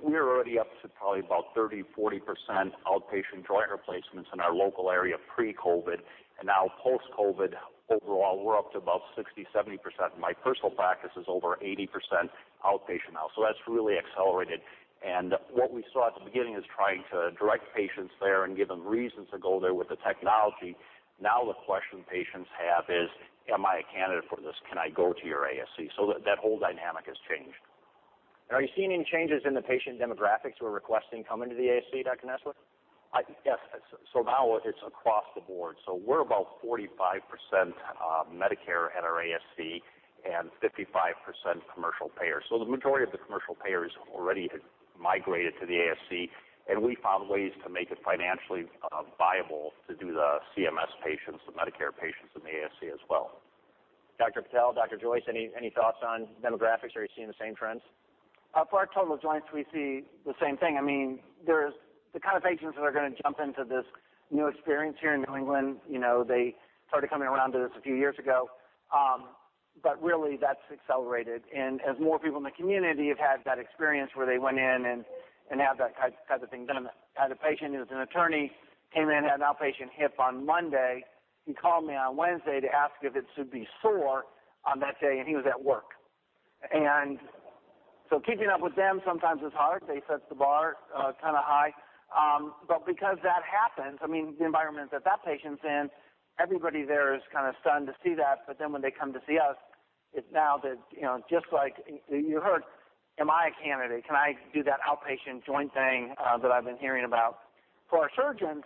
We're already up to probably about 30%-40% outpatient joint replacements in our local area pre-COVID. Now post-COVID overall, we're up to about 60%-70%. My personal practice is over 80% outpatient now. That's really accelerated. What we saw at the beginning is trying to direct patients there and give them reasons to go there with the technology. Now the question patients have is, "Am I a candidate for this? Can I go to your ASC?" That whole dynamic has changed. Are you seeing any changes in the patient demographics who are requesting coming to the ASC, Dr. Nessler? I think yes. Now it's across the board. We're about 45% Medicare at our ASC and 55% commercial payers. The majority of the commercial payers already had migrated to the ASC, and we found ways to make it financially viable to do the CMS patients, the Medicare patients in the ASC as well. Dr. Patel, Dr. Joyce, any thoughts on demographics? Are you seeing the same trends? For our total joints, we see the same thing. I mean, there's the kind of patients that are gonna jump into this new experience here in New England, you know, they started coming around to this a few years ago. Really that's accelerated. As more people in the community have had that experience where they went in and had that kind of thing done. I had a patient who was an attorney, came in, had an outpatient hip on Monday. He called me on Wednesday to ask if it should be sore on that day, and he was at work. Keeping up with them sometimes is hard. They set the bar kinda high. Because that happens, I mean, the environment that that patient's in, everybody there is kinda stunned to see that. Then when they come to see us, it's now that, you know, just like you heard, "Am I a candidate? Can I do that outpatient joint thing, that I've been hearing about?" For our surgeons,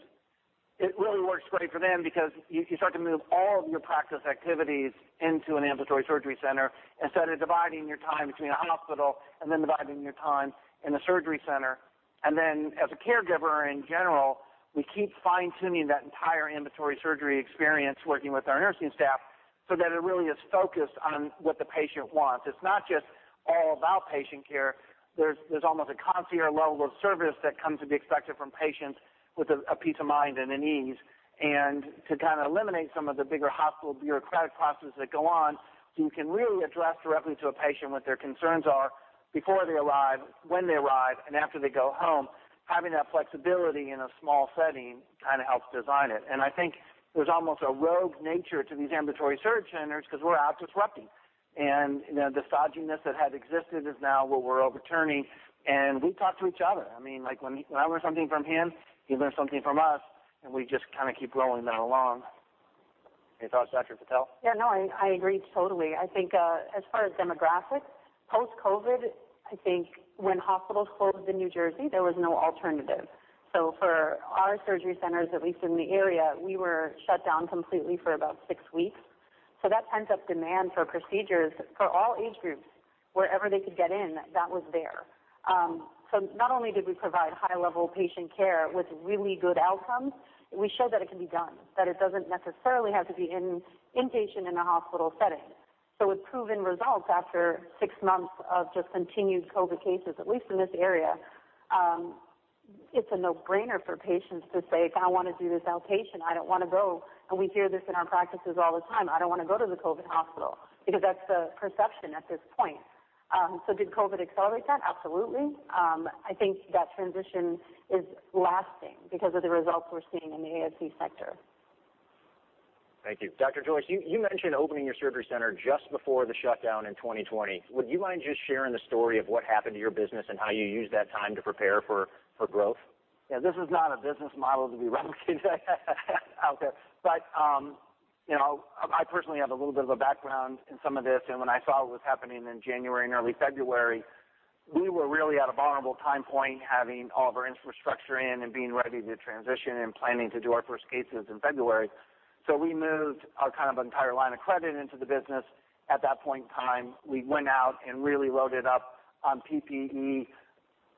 it really works great for them because you start to move all of your practice activities into an ambulatory surgery center instead of dividing your time between a hospital and then dividing your time in a surgery center. Then as a caregiver in general, we keep fine-tuning that entire ambulatory surgery experience working with our nursing staff so that it really is focused on what the patient wants. It's not just all about patient care. There's almost a concierge level of service that comes to be expected from patients with a peace of mind and an ease. To kinda eliminate some of the bigger hospital bureaucratic processes that go on, so you can really address directly to a patient what their concerns are before they arrive, when they arrive, and after they go home. Having that flexibility in a small setting kinda helps design it. I think there's almost a rogue nature to these ambulatory surgery centers because we're out disrupting. You know, the stodginess that had existed is now what we're overturning. We talk to each other. I mean, like, when I learn something from him, he learns something from us, and we just kinda keep rolling that along. Any thoughts, Dr. Patel? Yeah, no, I agree totally. I think as far as demographics, post-COVID, I think when hospitals closed in New Jersey, there was no alternative. For our surgery centers, at least in the area, we were shut down completely for about six weeks. That pent up demand for procedures for all age groups, wherever they could get in, that was there. Not only did we provide high-level patient care with really good outcomes, we showed that it can be done, that it doesn't necessarily have to be inpatient in a hospital setting. With proven results after six months of just continued COVID cases, at least in this area, it's a no-brainer for patients to say, "I wanna do this outpatient. I don't wanna go." We hear this in our practices all the time, "I don't wanna go to the COVID hospital," because that's the perception at this point. Did COVID accelerate that? Absolutely. I think that transition is lasting because of the results we're seeing in the ASC sector. Thank you. Dr. Joyce, you mentioned opening your surgery center just before the shutdown in 2020. Would you mind just sharing the story of what happened to your business and how you used that time to prepare for growth? This is not a business model to be replicated out there. I personally have a little bit of a background in some of this, and when I saw what was happening in January and early February, we were really at a vulnerable time point, having all of our infrastructure in and being ready to transition and planning to do our first cases in February. We moved our kind of entire line of credit into the business at that point in time. We went out and really loaded up on PPE,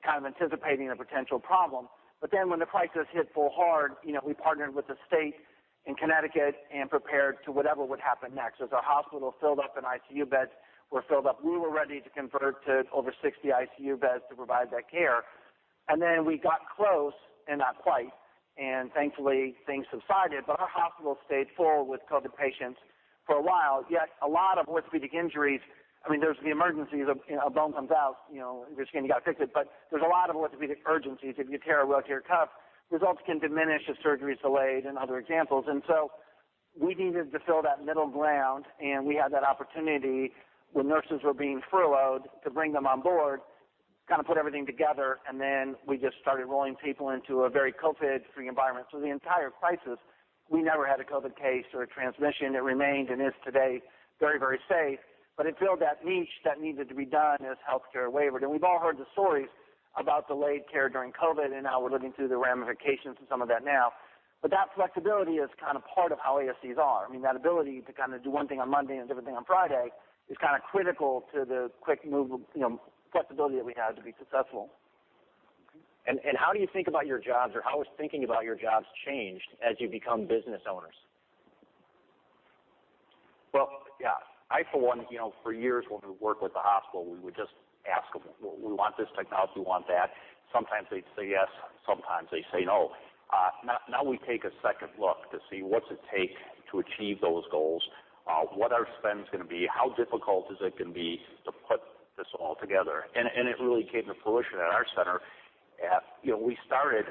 kind of anticipating a potential problem. Then when the crisis hit full force, you know, we partnered with the state in Connecticut and prepared to whatever would happen next. As our hospital filled up and ICU beds were filled up, we were ready to convert to over 60 ICU beds to provide that care. Then we got close, and not quite, and thankfully things subsided, but our hospital stayed full with COVID patients for a while. Yet, a lot of orthopedic injuries, I mean, there's the emergencies of, you know, a bone comes out, you know, and just getting it fixed. There's a lot of orthopedic urgencies. If you tear a rotator cuff, results can diminish if surgery's delayed, and other examples. We needed to fill that middle ground, and we had that opportunity when nurses were being furloughed to bring them on board, kind of put everything together, and then we just started rolling people into a very COVID free environment. Through the entire crisis, we never had a COVID case or a transmission. It remained and is today very, very safe, but it filled that niche that needed to be done as healthcare wavered. We've all heard the stories about delayed care during COVID, and now we're living through the ramifications of some of that now. That flexibility is kind of part of how ASCs are. I mean, that ability to kinda do one thing on Monday and a different thing on Friday is kinda critical to the quick move, you know, flexibility that we have to be successful. How do you think about your jobs, or how has thinking about your jobs changed as you become business owners? Well, yeah, I, for one, you know, for years when we worked with the hospital, we would just ask them, "We want this technology, we want that." Sometimes they'd say yes, sometimes they say no. Now we take a second look to see what's it take to achieve those goals, what our spend's gonna be, how difficult is it gonna be to put this all together. It really came to fruition at our center. You know, we started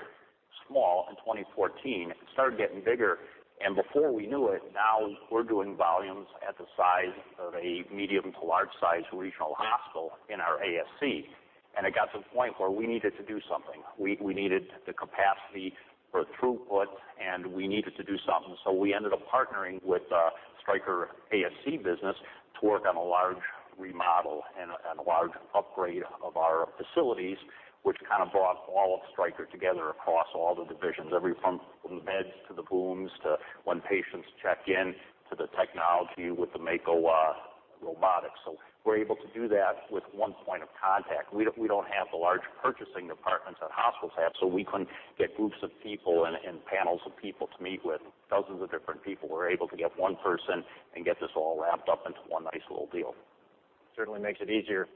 small in 2014. It started getting bigger, and before we knew it, now we're doing volumes at the size of a medium to large size regional hospital in our ASC. It got to the point where we needed to do something. We needed the capacity for throughput, and we needed to do something. We ended up partnering with Stryker ASC business to work on a large remodel and a large upgrade of our facilities, which kind of brought all of Stryker together across all the divisions from the beds to the booms to when patients check in to the technology with the Mako robotics. We're able to do that with one point of contact. We don't have the large purchasing departments that hospitals have, so we couldn't get groups of people and panels of people to meet with dozens of different people. We're able to get one person and get this all wrapped up into one nice little deal. Certainly makes it easier.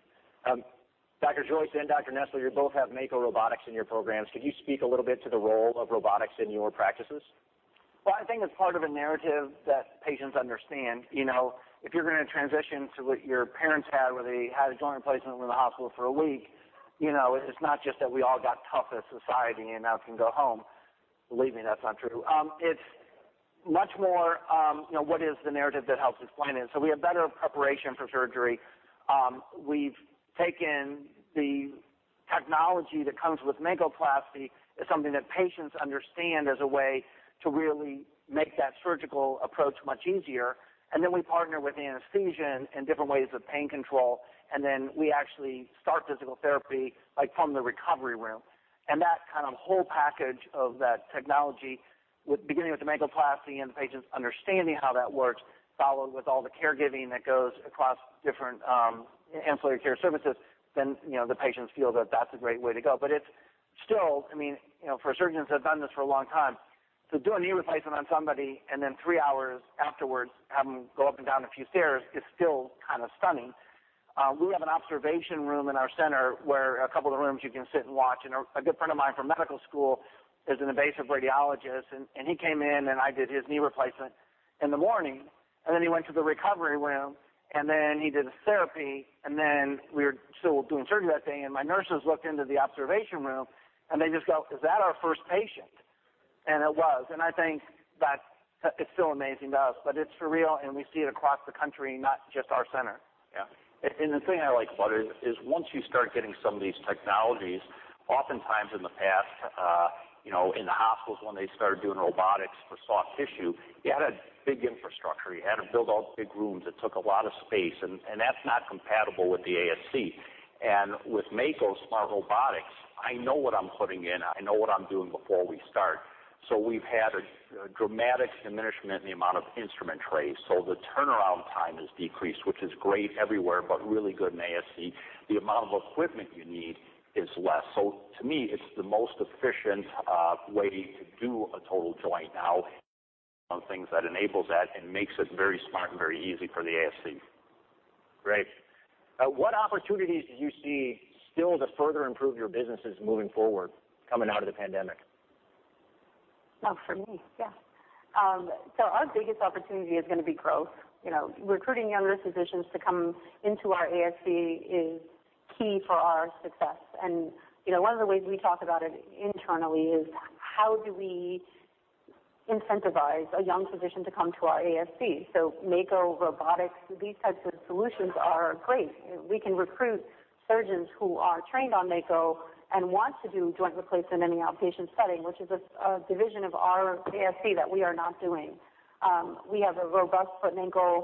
Dr. Joyce and Dr. Nessler, you both have Mako robotics in your programs. Could you speak a little bit to the role of robotics in your practices? Well, I think it's part of a narrative that patients understand. You know, if you're gonna transition to what your parents had, where they had a joint replacement, were in the hospital for a week, you know, it's not just that we all got tough as a society and now can go home. Believe me, that's not true. It's much more, you know, what is the narrative that helps us plan it. We have better preparation for surgery. We've taken the technology that comes with MAKOplasty as something that patients understand as a way to really make that surgical approach much easier, and then we partner with anesthesia and different ways of pain control, and then we actually start physical therapy, like, from the recovery room. That kind of whole package of that technology with beginning with the MAKOplasty and the patients understanding how that works, followed with all the caregiving that goes across different, ancillary care services, then, you know, the patients feel that that's a great way to go. But it's still, I mean, you know, for surgeons that have done this for a long time, to do a knee replacement on somebody and then three hours afterwards have them go up and down a few stairs is still kind of stunning. We have an observation room in our center where a couple of the rooms you can sit and watch. A good friend of mine from medical school is an invasive radiologist and he came in and I did his knee replacement in the morning, and then he went to the recovery room and then he did his therapy, and then we were still doing surgery that day, and my nurses looked into the observation room, and they just go, "Is that our first patient?" It was. I think that it's still amazing to us, but it's for real, and we see it across the country, not just our center. Yeah. The thing I like about it is once you start getting some of these technologies, oftentimes in the past, you know, in the hospitals when they started doing robotics for soft tissue, you had a big infrastructure. You had to build out big rooms. It took a lot of space, and that's not compatible with the ASC. With Mako SmartRobotics, I know what I'm putting in. I know what I'm doing before we start. We've had a dramatic diminishment in the amount of instrument trays. The turnaround time has decreased, which is great everywhere, but really good in ASC. The amount of equipment you need is less. To me, it's the most efficient way to do a total joint now on things that enables that and makes it very smart and very easy for the ASC. Great. What opportunities do you see still to further improve your businesses moving forward, coming out of the pandemic? Oh, for me? Yeah. Our biggest opportunity is going to be growth. You know, recruiting younger physicians to come into our ASC is key for our success. You know, one of the ways we talk about it internally is how do we incentivize a young physician to come to our ASC? Mako robotics, these types of solutions are great. We can recruit surgeons who are trained on Mako and want to do joint replacement in the outpatient setting, which is a division of our ASC that we are not doing. We have a robust pain management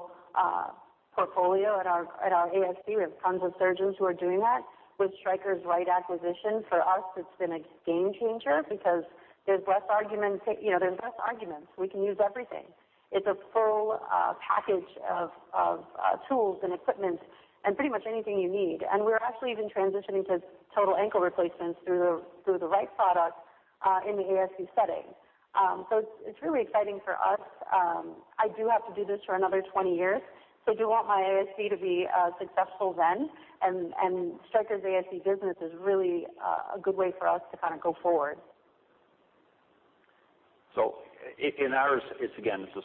portfolio at our ASC. We have tons of surgeons who are doing that. With Stryker's Wright acquisition, for us, it's been a game changer because there's less argument. You know, we can use everything. It's a full package of tools and equipment and pretty much anything you need. We're actually even transitioning to total ankle replacements through the right product in the ASC setting. It's really exciting for us. I do have to do this for another 20 years, so I do want my ASC to be successful then. Stryker's ASC business is really a good way for us to kinda go forward. In ours, it's again, it's the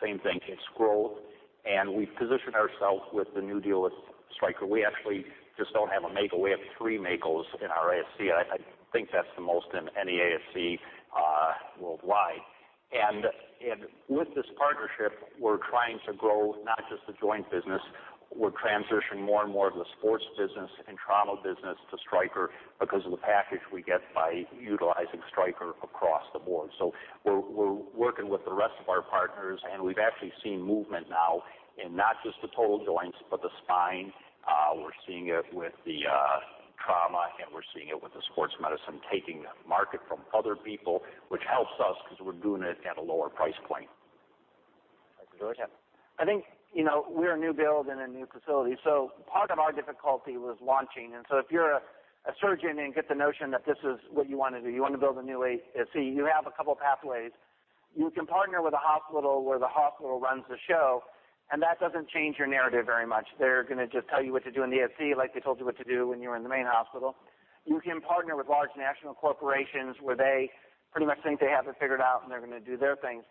same thing. It's growth, and we've positioned ourselves with the new deal with Stryker. We actually just don't have a Mako, we have three Makos in our ASC, and I think that's the most in any ASC worldwide. With this partnership, we're trying to grow not just the joint business, we're transitioning more and more of the sports business and trauma business to Stryker because of the package we get by utilizing Stryker across the board. We're working with the rest of our partners, and we've actually seen movement now in not just the total joints, but the spine. We're seeing it with the trauma, and we're seeing it with the sports medicine, taking market from other people, which helps us 'cause we're doing it at a lower price point. Dr. Joyce? Yeah. I think, you know, we're a new build in a new facility, so part of our difficulty was launching. If you're a surgeon and get the notion that this is what you wanna do, you wanna build a new ASC, you have a couple pathways. You can partner with a hospital where the hospital runs the show, and that doesn't change your narrative very much. They're gonna just tell you what to do in the ASC like they told you what to do when you were in the main hospital. You can partner with large national corporations where they pretty much think they have it figured out, and they're gonna do their things.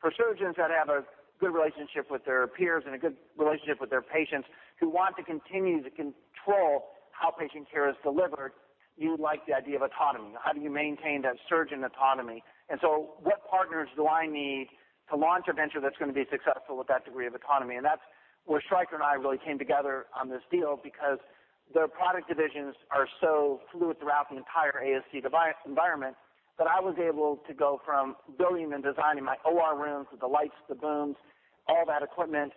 For surgeons that have a good relationship with their peers and a good relationship with their patients who want to continue to control how patient care is delivered, you like the idea of autonomy. How do you maintain that surgeon autonomy? What partners do I need to launch a venture that's gonna be successful with that degree of autonomy? That's where Stryker and I really came together on this deal because their product divisions are so fluid throughout the entire ASC device environment that I was able to go from building and designing my OR rooms with the lights, the booms, all that equipment,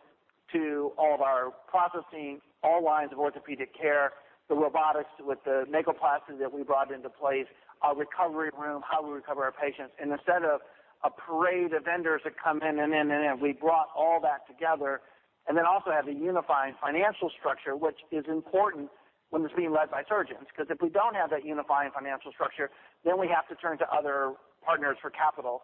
to all of our processing, all lines of orthopedic care, the robotics with the MAKOplasties that we brought into place, our recovery room, how we recover our patients. Instead of a parade of vendors that come in, we brought all that together and then also have a unifying financial structure, which is important when it's being led by surgeons. 'Cause if we don't have that unifying financial structure, then we have to turn to other partners for capital,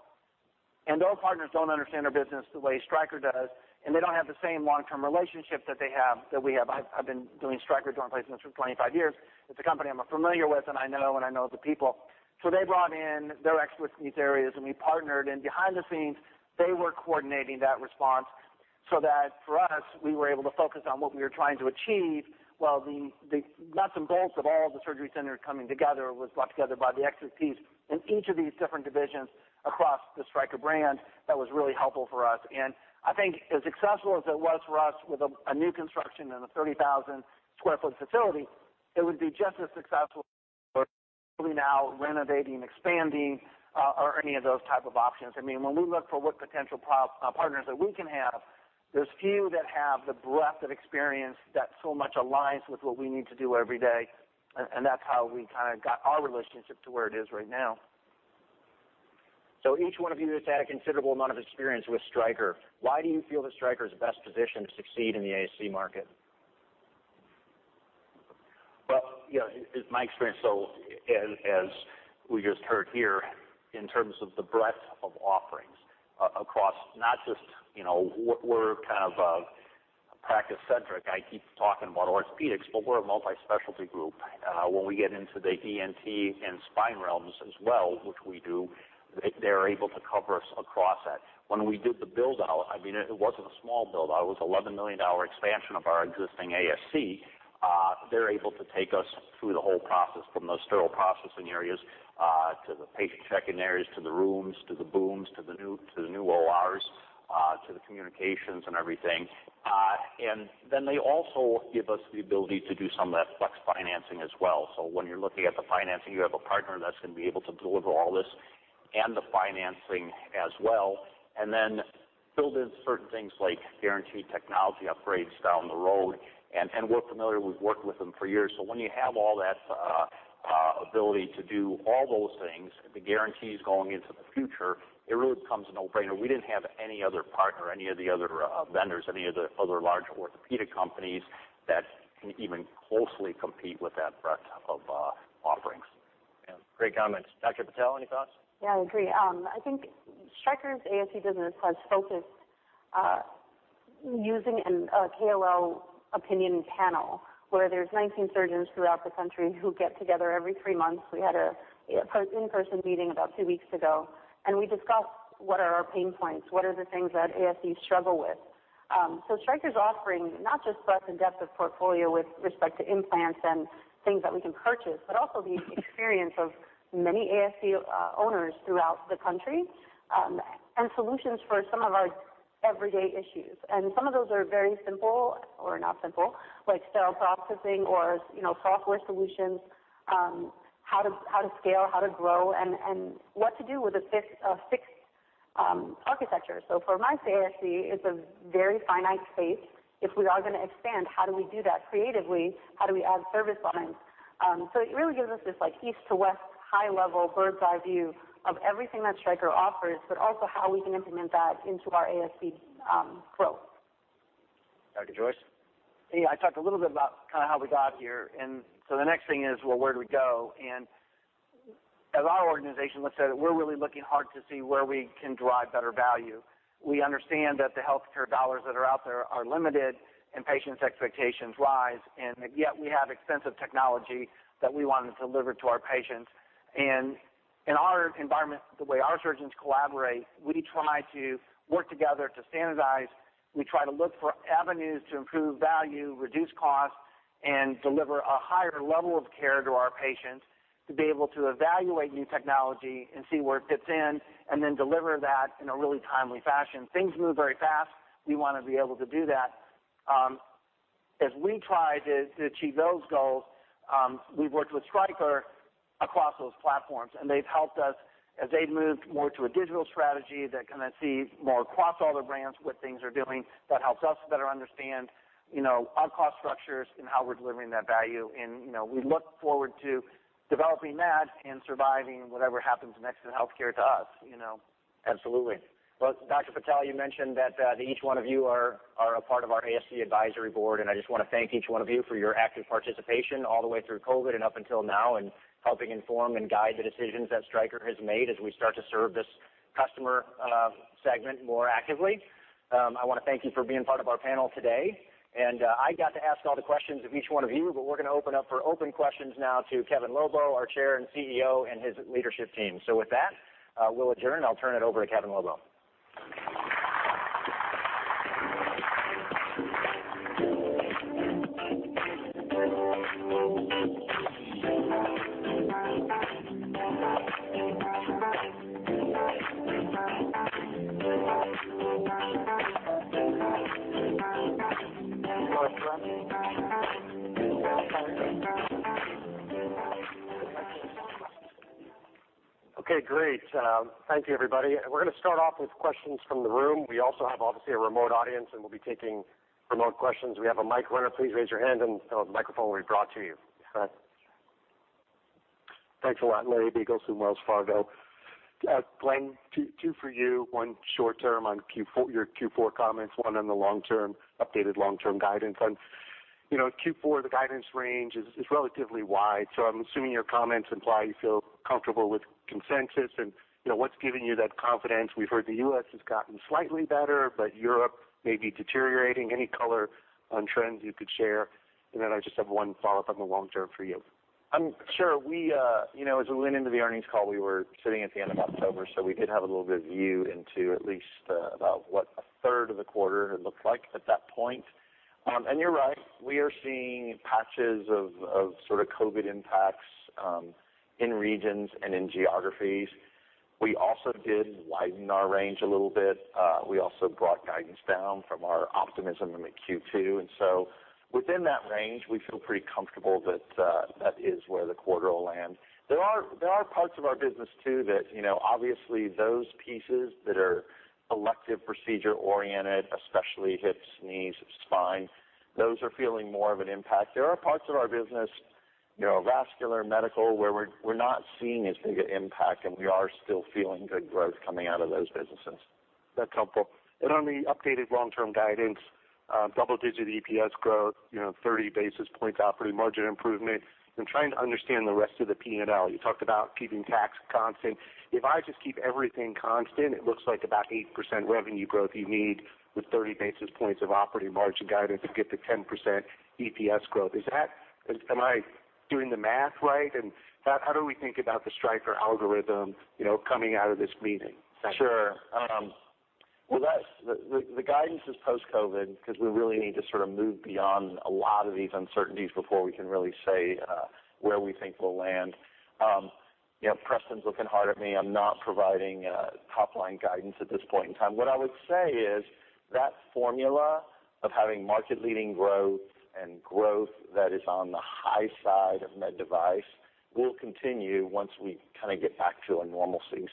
and those partners don't understand our business the way Stryker does, and they don't have the same long-term relationship that they have, that we have. I've been doing Stryker joint replacements for 25 years. It's a company I'm familiar with, and I know the people. They brought in their experts in these areas and we partnered, and behind the scenes they were coordinating that response so that for us, we were able to focus on what we were trying to achieve while the nuts and bolts of all the surgery center coming together was brought together by the expertise in each of these different divisions across the Stryker brand that was really helpful for us. I think as successful as it was for us with a new construction and a 30,000 sq ft facility, it would be just as successful now renovating, expanding, or any of those type of options. I mean, when we look for what potential partners that we can have, there's few that have the breadth of experience that so much aligns with what we need to do every day. That's how we kinda got our relationship to where it is right now. Each one of you has had a considerable amount of experience with Stryker. Why do you feel that Stryker is best positioned to succeed in the ASC market? Well, you know, in my experience, as we just heard here, in terms of the breadth of offerings across not just, you know, we're kind of practice-centric. I keep talking about orthopedics, but we're a multi-specialty group. When we get into the ENT and spine realms as well, which we do, they're able to cover us across that. When we did the build-out, I mean, it wasn't a small build-out, it was $11 million expansion of our existing ASC. They're able to take us through the whole process from the sterile processing areas to the patient check-in areas, to the rooms, to the booms, to the new ORs, to the communications and everything. They also give us the ability to do some of that flex financing as well. When you're looking at the financing, you have a partner that's gonna be able to deliver all this and the financing as well. Build in certain things like guaranteed technology upgrades down the road. We're familiar, we've worked with them for years. When you have all that, ability to do all those things, the guarantees going into the future, it really becomes a no-brainer. We didn't have any other partner, any of the other vendors, any of the other large orthopedic companies that can even closely compete with that breadth of offerings. Yeah. Great comments. Dr. Patel, any thoughts? Yeah, I agree. I think Stryker's ASC business has focused using a KOL opinion panel, where there are 19 surgeons throughout the country who get together every three months. We had a part in-person meeting about two weeks ago, and we discussed what are our pain points, what are the things that ASC struggle with. Stryker's offering not just breadth and depth of portfolio with respect to implants and things that we can purchase, but also the experience of many ASC owners throughout the country, and solutions for some of our everyday issues. Some of those are very simple or not simple, like sterile processing or, you know, software solutions, how to scale, how to grow, and what to do with a fixed architecture. For my ASC, it's a very finite space. If we are gonna expand, how do we do that creatively? How do we add service lines? It really gives us this like east to west high level bird's eye view of everything that Stryker offers, but also how we can implement that into our ASC, growth. Dr. Joyce? Yeah. I talked a little bit about kinda how we got here, and so the next thing is, well, where do we go? As our organization looks at it, we're really looking hard to see where we can drive better value. We understand that the healthcare dollars that are out there are limited and patients' expectations rise, and yet we have extensive technology that we wanna deliver to our patients. In our environment, the way our surgeons collaborate, we try to work together to standardize. We try to look for avenues to improve value, reduce costs, and deliver a higher level of care to our patients, to be able to evaluate new technology and see where it fits in, and then deliver that in a really timely fashion. Things move very fast. We wanna be able to do that. As we try to achieve those goals, we've worked with Stryker across those platforms, and they've helped us as they've moved more to a digital strategy that can then see more across all their brands what things are doing. That helps us better understand, you know, our cost structures and how we're delivering that value. You know, we look forward to developing that and surviving whatever happens next in healthcare to us, you know. Absolutely. Well, Dr. Patel, you mentioned that each one of you are a part of our ASC Advisory Board, and I just wanna thank each one of you for your active participation all the way through COVID and up until now, and helping inform and guide the decisions that Stryker has made as we start to serve this customer segment more actively. I wanna thank you for being part of our panel today. I got to ask all the questions of each one of you, but we're gonna open up for open questions now to Kevin Lobo, our Chair and CEO, and his leadership team. With that, we'll adjourn. I'll turn it over to Kevin Lobo. Okay, great. Thank you, everybody. We're gonna start off with questions from the room. We also have, obviously, a remote audience, and we'll be taking remote questions. We have a mic runner. Please raise your hand and a microphone will be brought to you. Go ahead. Thanks a lot. Larry Biegelsen from Wells Fargo. Glenn, two for you. One short term on Q4, your Q4 comments, one on the long term, updated long-term guidance. On Q4, you know, the guidance range is relatively wide, so I'm assuming your comments imply you feel comfortable with consensus and, you know, what's giving you that confidence? We've heard the U.S. has gotten slightly better, but Europe may be deteriorating. Any color on trends you could share? I just have one follow-up on the long term for you. Sure. We you know, as we went into the earnings call, we were sitting at the end of October, so we did have a little bit of view into at least about what a third of the quarter had looked like at that point. You're right. We are seeing patches of sort of COVID impacts in regions and in geographies. We also did widen our range a little bit. We also brought guidance down from our optimism in the Q2. Within that range, we feel pretty comfortable that that is where the quarter will land. There are parts of our business too that you know, obviously those pieces that are elective procedure oriented, especially hips, knees, spine, those are feeling more of an impact. There are parts of our business, you know, vascular and medical, where we're not seeing as big an impact, and we are still feeling good growth coming out of those businesses. That's helpful. On the updated long-term guidance, double-digit EPS growth, you know, 30 basis points operating margin improvement. I'm trying to understand the rest of the P&L. You talked about keeping tax constant. If I just keep everything constant, it looks like about 8% revenue growth you need with 30 basis points of operating margin guidance to get to 10% EPS growth. Is that? Am I doing the math right? How do we think about the Stryker algorithm, you know, coming out of this meeting? Thanks. Sure. Well, that's the guidance is post-COVID 'cause we really need to sort of move beyond a lot of these uncertainties before we can really say where we think we'll land. You know, Preston's looking hard at me. I'm not providing top line guidance at this point in time. What I would say is that formula of having market-leading growth and growth that is on the high side of med device will continue once we kind of get back to a normalcy.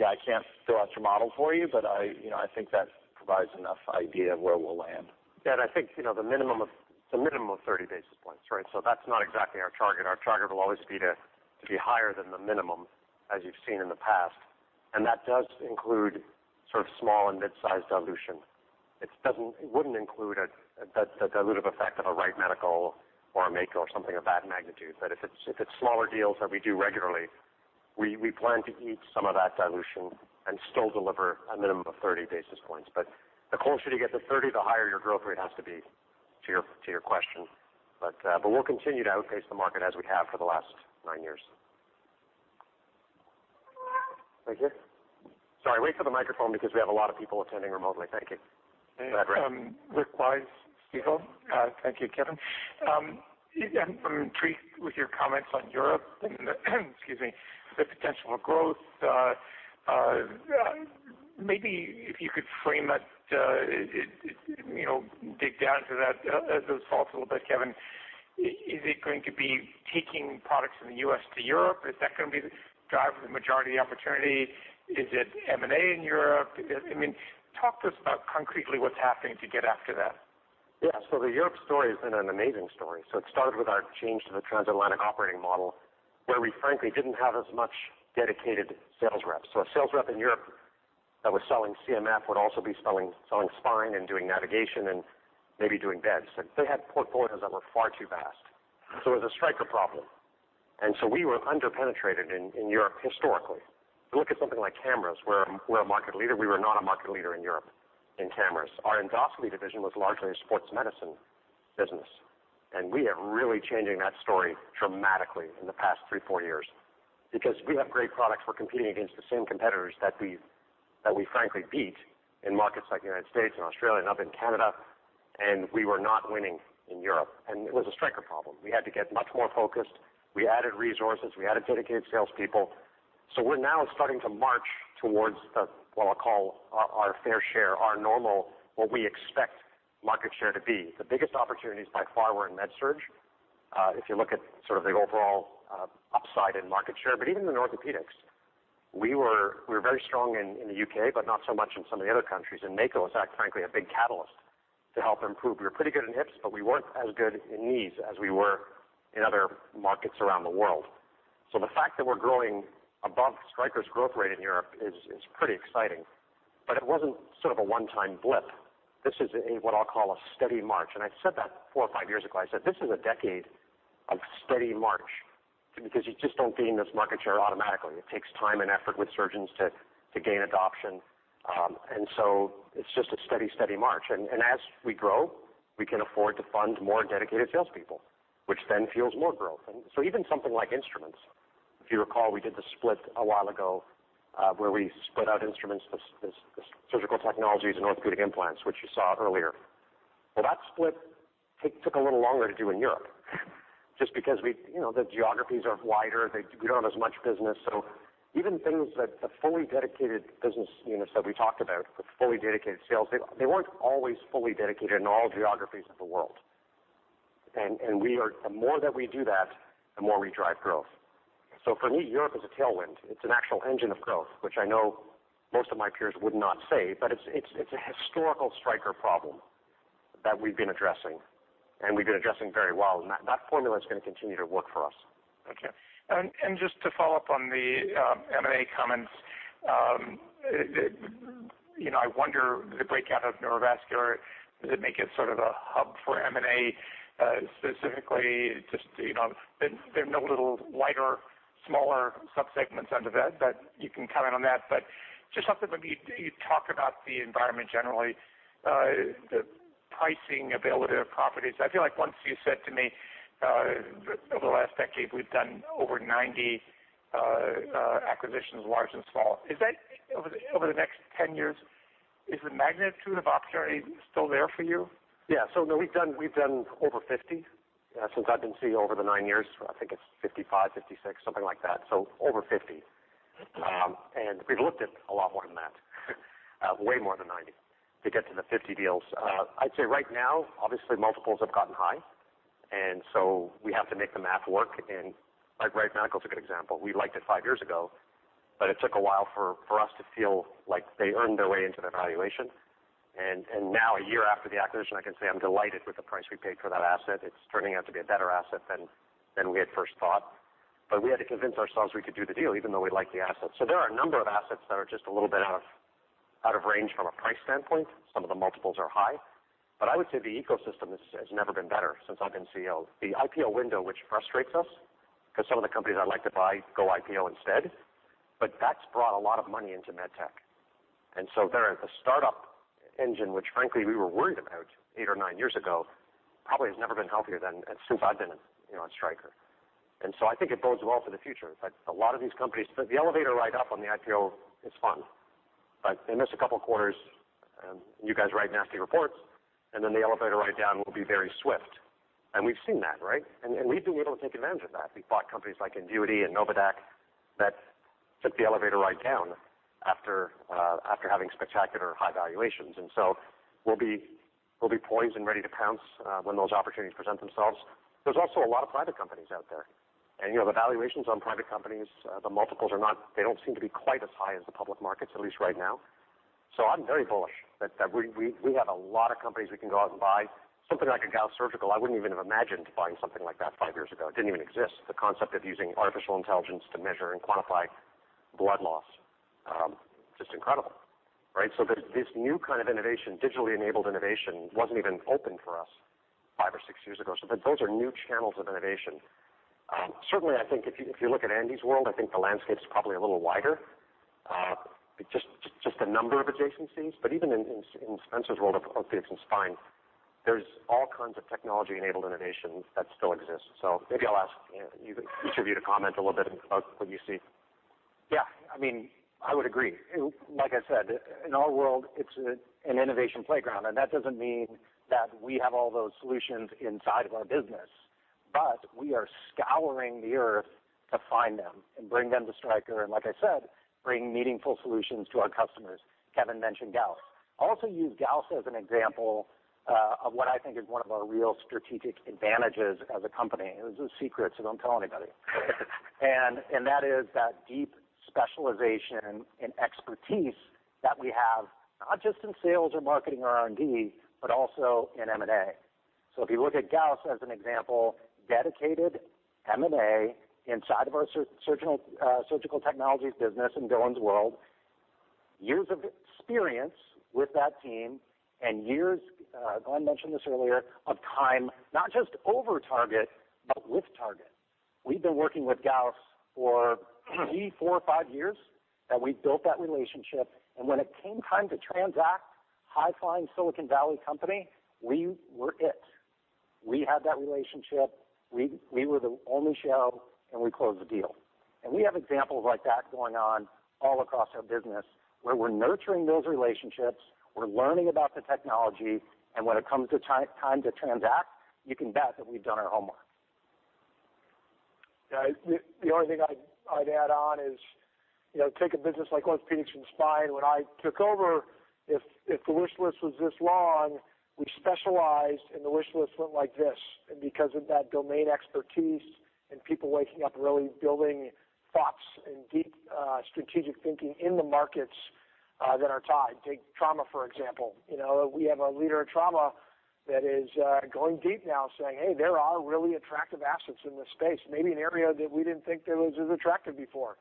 Yeah, I can't throw out your model for you, but you know, I think that provides enough idea of where we'll land. Yeah, I think, you know, the minimum of 30 basis points, right? That's not exactly our target. Our target will always be to be higher than the minimum as you've seen in the past. That does include sort of small and mid-sized dilution. It wouldn't include a dilutive effect of a Wright Medical or a Mako or something of that magnitude. If it's smaller deals that we do regularly, we plan to eat some of that dilution and still deliver a minimum of 30 basis points. The closer you get to 30, the higher your growth rate has to be, to your question. We'll continue to outpace the market as we have for the last nine years. Thank you. Sorry, wait for the microphone because we have a lot of people attending remotely. Thank you. Go ahead, Rick. Rick Wise, Stifel. Thank you, Kevin. I'm intrigued with your comments on Europe, excuse me, the potential for growth. Maybe if you could frame it, you know, dig down to that, those thoughts a little bit, Kevin. Is it going to be taking products from the U.S. to Europe? Is that gonna be the drive for the majority of opportunity? Is it M&A in Europe? I mean, talk to us about concretely what's happening to get after that. Yeah. The Europe story has been an amazing story. It started with our change to the transatlantic operating model, where we frankly didn't have as much dedicated sales reps. A sales rep in Europe that was selling CMF would also be selling spine and doing navigation and maybe doing beds. They had portfolios that were far too vast. It was a Stryker problem. We were under-penetrated in Europe historically. If you look at something like cameras, we're a market leader. We were not a market leader in Europe in cameras. Our endoscopy division was largely a sports medicine business, and we are really changing that story dramatically in the past three, four years because we have great products. We're competing against the same competitors that we frankly beat in markets like United States and Australia and up in Canada, and we were not winning in Europe. It was a Stryker problem. We had to get much more focused. We added resources. We added dedicated salespeople. We're now starting to march towards the what I'll call our fair share, our normal, what we expect market share to be. The biggest opportunities by far were in MedSurg if you look at sort of the overall upside in market share. Even in orthopedics, we were very strong in the U.K., but not so much in some of the other countries. Mako was frankly a big catalyst to help improve. We were pretty good in hips, but we weren't as good in knees as we were in other markets around the world. The fact that we're growing above Stryker's growth rate in Europe is pretty exciting, but it wasn't sort of a one-time blip. This is a, what I'll call a steady march, and I said that four or five years ago. I said, "This is a decade of steady march because you just don't gain this market share automatically. It takes time and effort with surgeons to gain adoption." It's just a steady march. As we grow, we can afford to fund more dedicated salespeople, which then fuels more growth. Even something like instruments, if you recall, we did the split a while ago, where we split out instruments, the Surgical Technologies and orthopedic implants, which you saw earlier. That split took a little longer to do in Europe just because the geographies are wider. We don't have as much business. Even things like the fully dedicated business units that we talked about, the fully dedicated sales, they weren't always fully dedicated in all geographies of the world. The more that we do that, the more we drive growth. For me, Europe is a tailwind. It's an actual engine of growth, which I know most of my peers would not say, but it's a historical Stryker problem that we've been addressing, and we've been addressing very well. That formula is going to continue to work for us. Just to follow up on the M&A comments, you know, I wonder the breakout of Neurovascular, does it make it sort of a hub for M&A, specifically just, you know, there are no little lighter, smaller subsegments under that, but you can comment on that. But just something when you talk about the environment generally, the pricing availability of properties. I feel like once you said to me, over the last decade, we've done over 90 acquisitions, large and small. Is that over the next ten years, is the magnitude of opportunity still there for you? Yeah. No, we've done over 50 since I've been CEO over the nine years. I think it's 55, 56, something like that. Over 50. We've looked at a lot more than that, way more than 90 to get to the 50 deals. I'd say right now, obviously multiples have gotten high, and so we have to make the math work. Like Wright Medical is a good example. We liked it five years ago, but it took a while for us to feel like they earned their way into their valuation. Now a year after the acquisition, I can say I'm delighted with the price we paid for that asset. It's turning out to be a better asset than we had first thought. We had to convince ourselves we could do the deal even though we liked the asset. There are a number of assets that are just a little bit out of range from a price standpoint. Some of the multiples are high. I would say the ecosystem has never been better since I've been CEO. The IPO window, which frustrates us because some of the companies I'd like to buy go IPO instead, but that's brought a lot of money into med tech. There, the startup engine, which frankly we were worried about eight or nine years ago, probably has never been healthier than since I've been, you know, at Stryker. I think it bodes well for the future. A lot of these companies, the elevator ride up on the IPO is fun. They miss a couple of quarters, and you guys write nasty reports, and then the elevator ride down will be very swift. We've seen that, right? We've been able to take advantage of that. We've bought companies like Invuity and Novadaq. That took the elevator right down after having spectacular high valuations. We'll be poised and ready to pounce when those opportunities present themselves. There's also a lot of private companies out there. You know, the valuations on private companies, the multiples are not. They don't seem to be quite as high as the public markets, at least right now. I'm very bullish that we have a lot of companies we can go out and buy. Something like a Gauss Surgical. I wouldn't even have imagined buying something like that five years ago. It didn't even exist, the concept of using artificial intelligence to measure and quantify blood loss. Just incredible, right? This new kind of innovation, digitally enabled innovation, wasn't even open for us five or six years ago. Those are new channels of innovation. Certainly I think if you look at Andy's world, I think the landscape's probably a little wider, just the number of adjacencies. Even in Spencer's world of orthopedics and spine, there's all kinds of technology-enabled innovations that still exist. Maybe I'll ask, you know, each of you to comment a little bit about what you see. Yeah, I mean, I would agree. Like I said, in our world, it's an innovation playground, and that doesn't mean that we have all those solutions inside of our business. But we are scouring the earth to find them and bring them to Stryker, and like I said, bring meaningful solutions to our customers. Kevin mentioned Gauss. I'll also use Gauss as an example of what I think is one of our real strategic advantages as a company. This is secret, so don't tell anybody. That is that deep specialization and expertise that we have, not just in sales or marketing or R&D, but also in M&A. If you look at Gauss as an example, dedicated M&A inside of our surgical technologies business in Dylan's world, years of experience with that team and years, Glenn mentioned this earlier, of time, not just over target, but with target. We've been working with Gauss for three, four, five years, and we built that relationship. When it came time to transact high flying Silicon Valley company, we were it. We had that relationship. We were the only show, and we closed the deal. We have examples like that going on all across our business, where we're nurturing those relationships, we're learning about the technology, and when it comes to time to transact, you can bet that we've done our homework. Yeah, the only thing I'd add on is, you know, take a business like Orthopedics and Spine. When I took over, if the wish list was this long, we specialized and the wish list went like this. Because of that domain expertise and people waking up really building those and deep strategic thinking in the markets that are tied. Take Trauma, for example. You know, we have a leader of Trauma that is going deep now saying, "Hey, there are really attractive assets in this space, maybe an area that we didn't think that was as attractive before."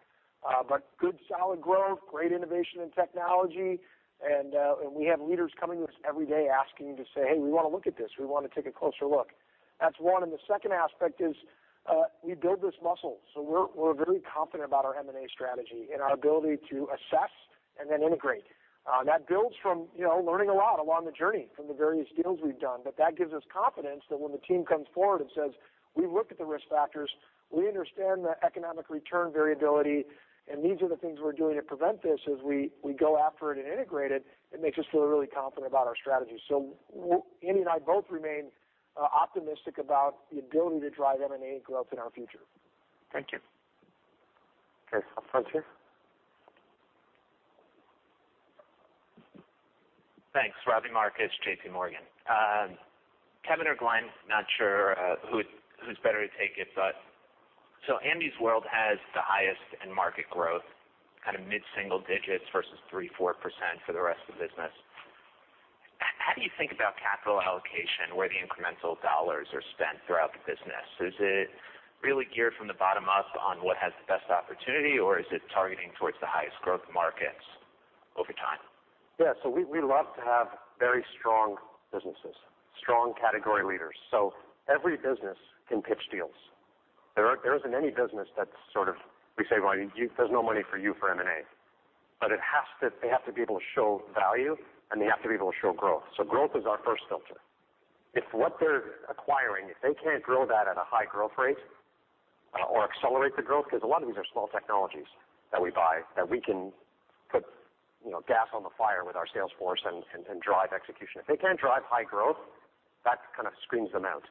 Good solid growth, great innovation and technology, and we have leaders coming to us every day asking to say, "Hey, we wanna look at this. We wanna take a closer look." That's one, and the second aspect is, we build this muscle. We're very confident about our M&A strategy and our ability to assess and then integrate. That builds from, you know, learning a lot along the journey from the various deals we've done. That gives us confidence that when the team comes forward and says, "We looked at the risk factors, we understand the economic return variability, and these are the things we're doing to prevent this as we go after it and integrate it," it makes us feel really confident about our strategy. Andy and I both remain optimistic about the ability to drive M&A growth in our future. Thank you. Okay, up front here. Thanks. Robbie Marcus, JPMorgan. Kevin or Glenn, not sure who's better to take it. Andy's world has the highest end market growth, kind of mid-single digits versus 3%-4% for the rest of the business. How do you think about capital allocation, where the incremental dollars are spent throughout the business? Is it really geared from the bottom up on what has the best opportunity, or is it targeting towards the highest growth markets over time? Yeah. We love to have very strong businesses, strong category leaders. Every business can pitch deals. There isn't any business that sort of we say, "Well, there's no money for you for M&A." They have to be able to show value, and they have to be able to show growth. Growth is our first filter. If what they're acquiring, if they can't grow that at a high growth rate or accelerate the growth, because a lot of these are small technologies that we buy, that we can put, you know, gas on the fire with our sales force and drive execution. If they can't drive high growth, that kind of screens them out.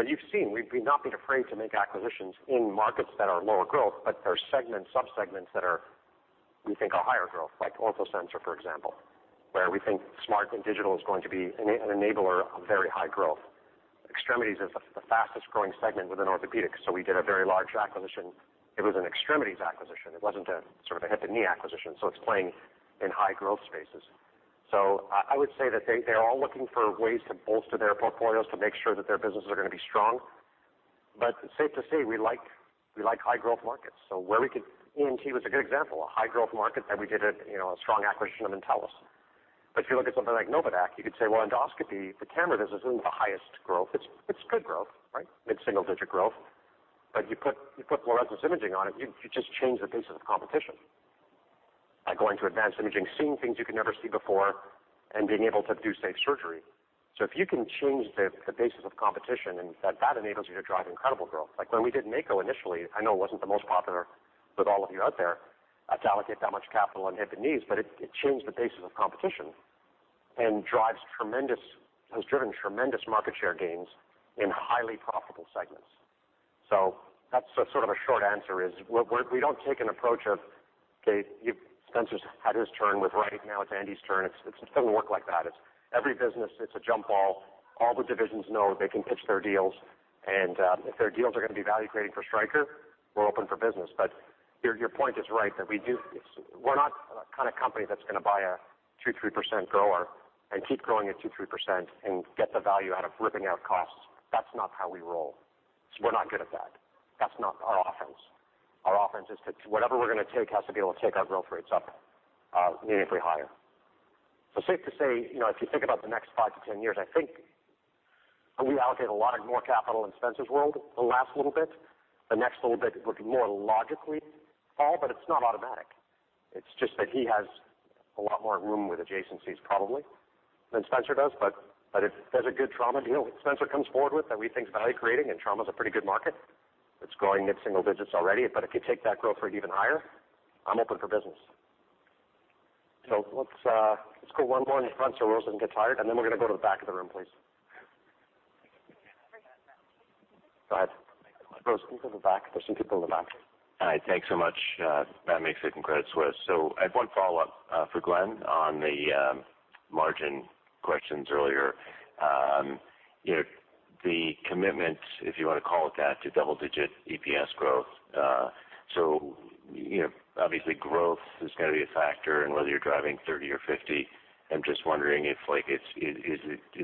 You've seen, we've not been afraid to make acquisitions in markets that are lower growth, but there are segments, sub-segments that are, we think, are higher growth, like OrthoSensor, for example, where we think smart and digital is going to be an enabler of very high growth. Extremities is the fastest growing segment within orthopedics, so we did a very large acquisition. It was an extremities acquisition. It wasn't a sort of a hip and knee acquisition, so it's playing in high growth spaces. I would say that they're all looking for ways to bolster their portfolios to make sure that their businesses are going to be strong. It's safe to say we like high growth markets. Where we could... ENT was a good example, a high-growth market that we did, you know, a strong acquisition in Entellus. If you look at something like Novadaq, you could say, well, endoscopy, the camera business isn't the highest growth. It's good growth, right? Mid-single-digit growth. You put fluorescence imaging on it, you just change the basis of competition by going to advanced imaging, seeing things you could never see before, and being able to do safe surgery. If you can change the basis of competition and that enables you to drive incredible growth. Like when we did Mako initially, I know it wasn't the most popular with all of you out there to allocate that much capital on hip and knees, but it changed the basis of competition and has driven tremendous market share gains in highly profitable segments. That's sort of a short answer. We don't take an approach of, okay, if Spencer's had his turn with Wright, now it's Andy's turn. It doesn't work like that. It's every business, it's a jump ball. All the divisions know they can pitch their deals, and if their deals are going to be value creating for Stryker, we're open for business. Your point is right that we do, we're not the kind of company that's going to buy a 2%-3% grower and keep growing at 2%-3% and get the value out of ripping out costs. That's not how we roll. We're not good at that. That's not our offense. Our offense is to whatever we're going to take has to be able to take our growth rates up, meaningfully higher. Safe to say, you know, if you think about the next 5-10 years, I think we allocate a lot more capital in Spencer's world the last little bit. The next little bit looking more logically, Paul, but it's not automatic. It's just that he has a lot more room with adjacencies probably than Spencer does. If there's a good trauma deal Spencer comes forward with that we think is value creating and trauma is a pretty good market, it's growing mid-single digits already. If you take that growth rate even higher, I'm open for business. Let's go one more in the front so Rosi doesn't get tired, and then we're going to go to the back of the room, please. Go ahead. Rosi, can you go to the back? There's some people in the back. Hi. Thanks so much. Matt Miksic from Credit Suisse. I have one follow-up for Glenn on the margin questions earlier. You know, the commitment, if you want to call it that, to double-digit EPS growth. You know, obviously growth is going to be a factor in whether you're driving 30 or 50. I'm just wondering if like it's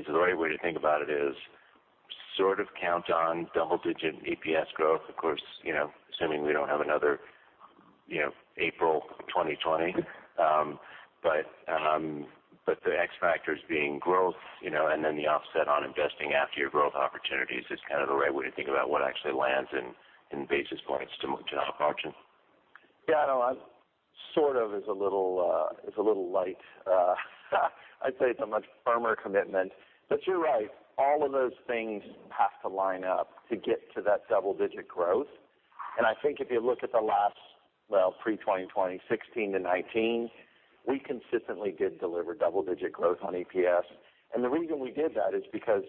the right way to think about it is sort of count on double-digit EPS growth. Of course, you know, assuming we don't have another, you know, April 2020. The X factors being growth, you know, and then the offset on investing after your growth opportunities is kind of the right way to think about what actually lands in basis points to op margin. Yeah, no, it's a little light. I'd say it's a much firmer commitment. But you're right, all of those things have to line up to get to that double-digit growth. I think if you look at the last, pre-2020, 2016 to 2019, we consistently did deliver double-digit growth on EPS. The reason we did that is because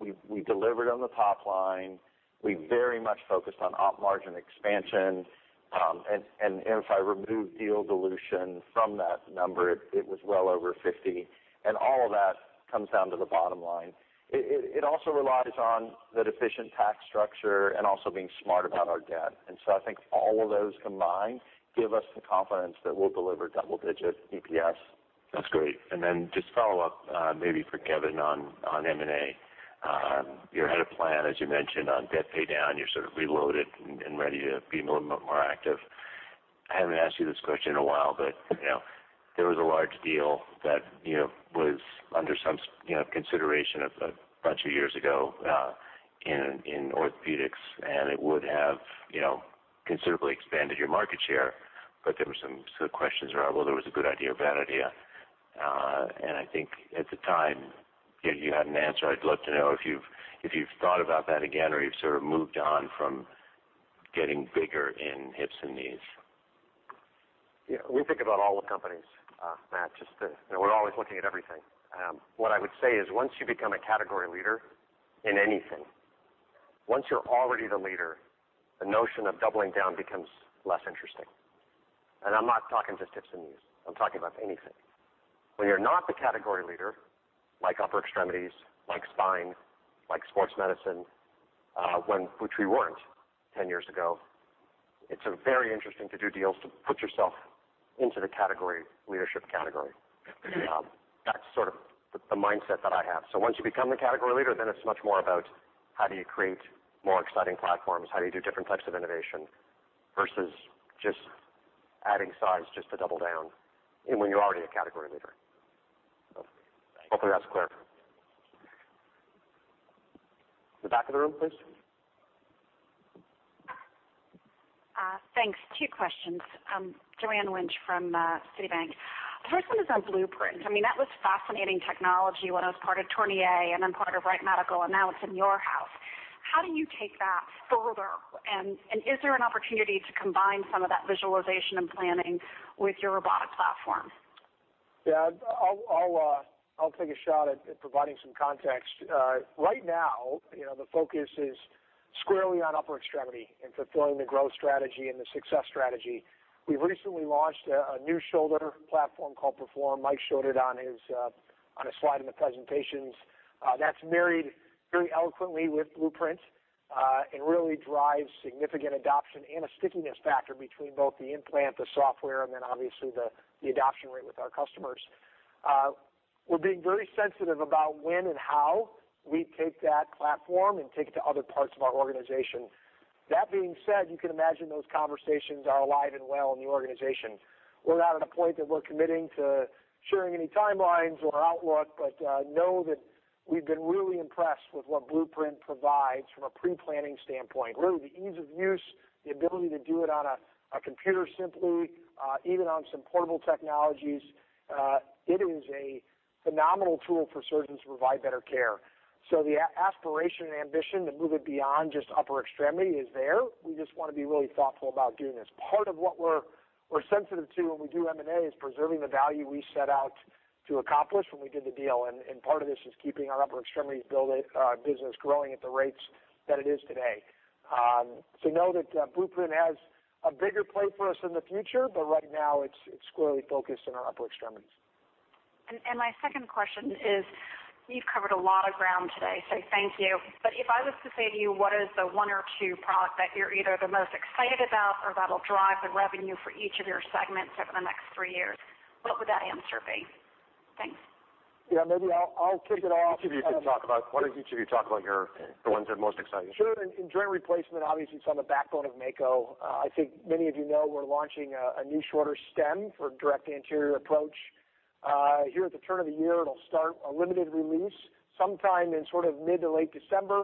we delivered on the top line. We very much focused on op margin expansion. If I remove deal dilution from that number, it was well over 50. All of that comes down to the bottom line. It also relies on the efficient tax structure and also being smart about our debt. I think all of those combined give us the confidence that we'll deliver double-digit EPS. That's great. Just follow up, maybe for Kevin on M&A. You had a plan, as you mentioned, on debt pay down. You're sort of reloaded and ready to be a little bit more active. I haven't asked you this question in a while, but you know, there was a large deal that you know, was under some you know, consideration a bunch of years ago in orthopedics, and it would have you know, considerably expanded your market share. There were some sort of questions around whether it was a good idea or bad idea. I think at the time, you had an answer. I'd love to know if you've thought about that again or you've sort of moved on from getting bigger in hips and knees. Yeah, we think about all the companies, Matt, just to you know, we're always looking at everything. What I would say is once you become a category leader in anything, once you're already the leader, the notion of doubling down becomes less interesting. I'm not talking just hips and knees, I'm talking about anything. When you're not the category leader, like upper extremities, like spine, like sports medicine, when, which we weren't 10 years ago, it's very interesting to do deals to put yourself into the category, leadership category. That's sort of the mindset that I have. Once you become the category leader, then it's much more about how do you create more exciting platforms, how do you do different types of innovation versus just adding size just to double down and when you're already a category leader. Hopefully that's clear. The back of the room, please. Thanks. Two questions. Joanne Wuensch from Citibank. The first one is on Blueprint. I mean, that was fascinating technology when it was part of Tornier and then part of Wright Medical, and now it's in your house. How do you take that further? Is there an opportunity to combine some of that visualization and planning with your robotic platform? Yeah, I'll take a shot at providing some context. Right now, you know, the focus is squarely on upper extremity and fulfilling the growth strategy and the success strategy. We recently launched a new shoulder platform called Perform. Mike showed it on a slide in the presentations, that's married very eloquently with Blueprint, and really drives significant adoption and a stickiness factor between both the implant, the software, and then obviously the adoption rate with our customers. We're being very sensitive about when and how we take that platform and take it to other parts of our organization. That being said, you can imagine those conversations are alive and well in the organization. We're not at a point that we're committing to sharing any timelines or outlook, but know that we've been really impressed with what Blueprint provides from a pre-planning standpoint. Really the ease of use, the ability to do it on a computer simply, even on some portable technologies. It is a phenomenal tool for surgeons to provide better care. The aspiration and ambition to move it beyond just upper extremity is there. We just want to be really thoughtful about doing this. Part of what we're sensitive to when we do M&A is preserving the value we set out to accomplish when we did the deal. Part of this is keeping our upper extremities business growing at the rates that it is today. You know that Blueprint has a bigger play for us in the future, but right now it's squarely focused on our upper extremities. My second question is, you've covered a lot of ground today, so thank you. If I was to say to you, what is the one or two product that you're either the most excited about or that'll drive the revenue for each of your segments over the next three years, what would that answer be? Thanks. Yeah, maybe I'll kick it off. Why don't each of you talk about your, the ones you're most excited about? Sure. In joint replacement, obviously it's on the backbone of Mako. I think many of you know we're launching a new shorter stem for direct anterior approach here at the turn of the year. It'll start a limited release sometime in sort of mid to late December,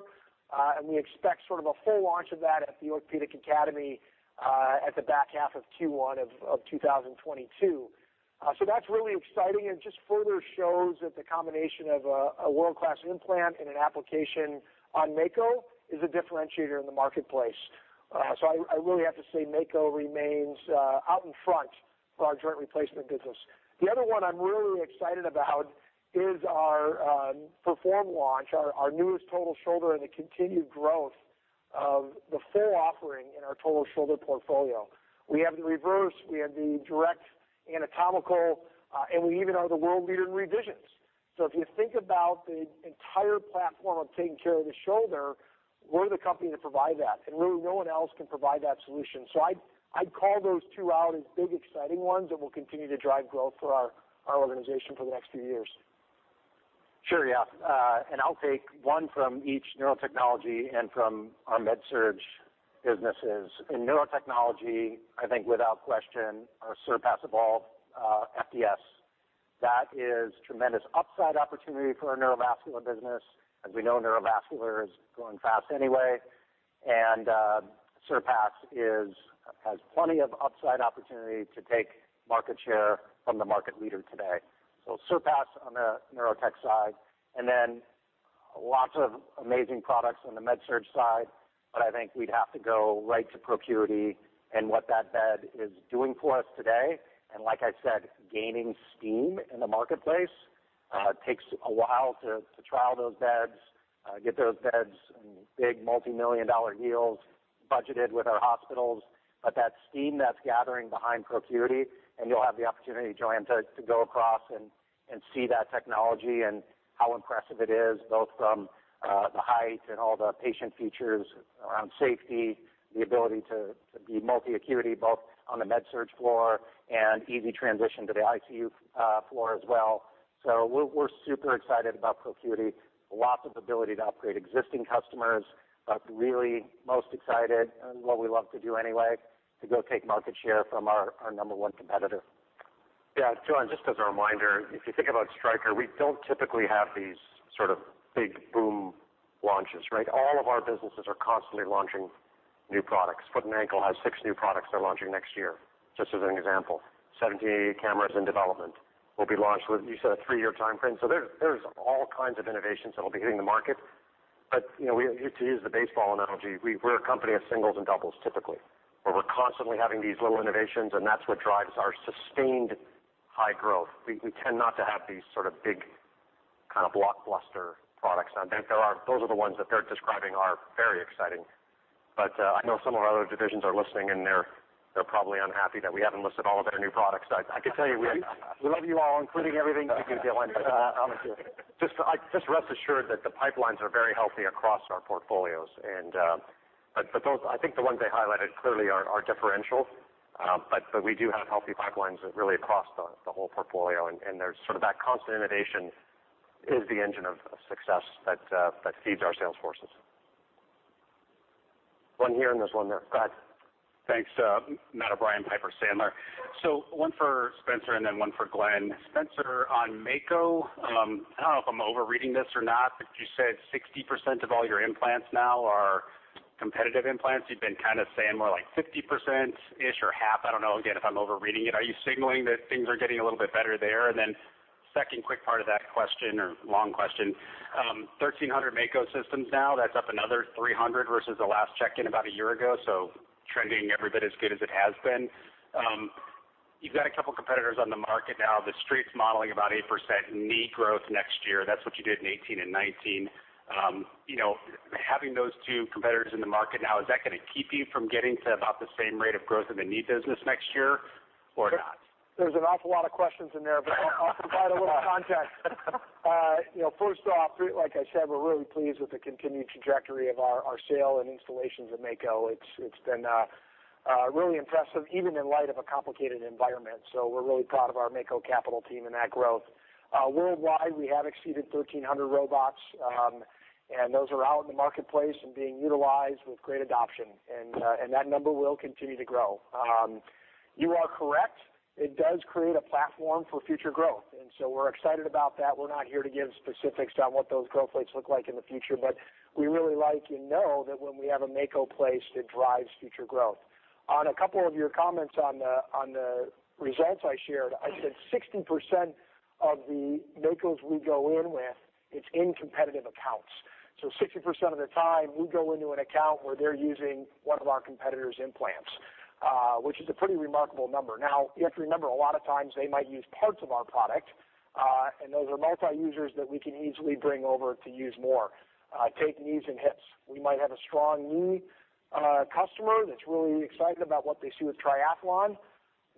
and we expect sort of a full launch of that at the Orthopedic Academy at the back half of Q1 of 2022. That's really exciting, and just further shows that the combination of a world-class implant and an application on Mako is a differentiator in the marketplace. I really have to say Mako remains out in front for our joint replacement business. The other one I'm really excited about is our Perform launch, our newest total shoulder, and the continued growth of the full offering in our total shoulder portfolio. We have the reverse, we have the direct anatomical, and we even are the world leader in revisions. If you think about the entire platform of taking care of the shoulder, we're the company that provide that, and really no one else can provide that solution. I'd call those two out as big, exciting ones that will continue to drive growth for our organization for the next few years. Sure. Yeah. I'll take one from each Neurotechnology and from our MedSurg businesses. In Neurotechnology, I think without question, our Surpass Evolve FDS. That is tremendous upside opportunity for our Neurovascular business. As we know, Neurovascular is growing fast anyway, and Surpass has plenty of upside opportunity to take market share from the market leader today. Surpass on the Neurotech side, and then lots of amazing products on the MedSurg side, but I think we'd have to go right to ProCuity and what that bed is doing for us today. Like I said, gaining steam in the marketplace takes a while to trial those beds, get those beds and big multimillion-dollar deals budgeted with our hospitals. That steam that's gathering behind ProCuity, and you'll have the opportunity, Joanne, to go across and see that technology and how impressive it is, both from the height and all the patient features around safety, the ability to be multi acuity, both on the MedSurg floor and easy transition to the ICU floor as well. We're super excited about ProCuity. Lots of ability to upgrade existing customers, but really most excited and what we love to do anyway, to go take market share from our number one competitor. Yeah. Joanne, just as a reminder, if you think about Stryker, we don't typically have these sort of big boom launches, right? All of our businesses are constantly launching new products. Foot & Ankle has six new products they're launching next year, just as an example. 70 cameras in development will be launched with, you said, a three-year timeframe. There, there's all kinds of innovations that'll be hitting the market. You know, we. To use the baseball analogy, we're a company of singles and doubles typically, where we're constantly having these little innovations, and that's what drives our sustained high growth. We tend not to have these sort of big kind of blockbuster products. Now, I think there are. Those are the ones that they're describing are very exciting. I know some of our other divisions are listening, and they're probably unhappy that we haven't listed all of their new products. I can tell you, we We love you all, including everything you do, Glenn. Honestly. Just rest assured that the pipelines are very healthy across our portfolios. But those I think the ones they highlighted clearly are differential. But we do have healthy pipelines really across the whole portfolio, and there's sort of that constant innovation is the engine of success that feeds our sales forces. One here and there's one there. Go ahead. Thanks. Matthew O'Brien, Piper Sandler. One for Spencer and then one for Glenn. Spencer, on Mako, I don't know if I'm overreading this or not, but you said 60% of all your implants now are competitive implants. You've been kind of saying more like 50% ish or half. I don't know, again, if I'm overreading it. Are you signaling that things are getting a little bit better there? Then second quick part of that question or long question, 1,300 Mako systems now. That's up another 300 versus the last check-in about a year ago. Trending every bit as good as it has been. You've got a couple competitors on the market now. The Street's modeling about 8% knee growth next year. That's what you did in 2018 and 2019. You know, having those two competitors in the market now, is that gonna keep you from getting to about the same rate of growth in the knee business next year or not? There's an awful lot of questions in there, but I'll provide a little context. You know, first off, like I said, we're really pleased with the continued trajectory of our sales and installations at Mako. It's been really impressive even in light of a complicated environment. We're really proud of our Mako capital team and that growth. Worldwide, we have exceeded 1,300 robots, and those are out in the marketplace and being utilized with great adoption. That number will continue to grow. You are correct, it does create a platform for future growth. We're excited about that. We're not here to give specifics on what those growth rates look like in the future, but we really like and know that when we have a Mako placed, it drives future growth. On a couple of your comments on the results I shared, I said 60% of the Mako we go in with, it's in competitive accounts. 60% of the time we go into an account where they're using one of our competitors' implants, which is a pretty remarkable number. Now, you have to remember, a lot of times they might use parts of our product, and those are multi-users that we can easily bring over to use more. Take knees and hips. We might have a strong knee customer that's really excited about what they see with Triathlon.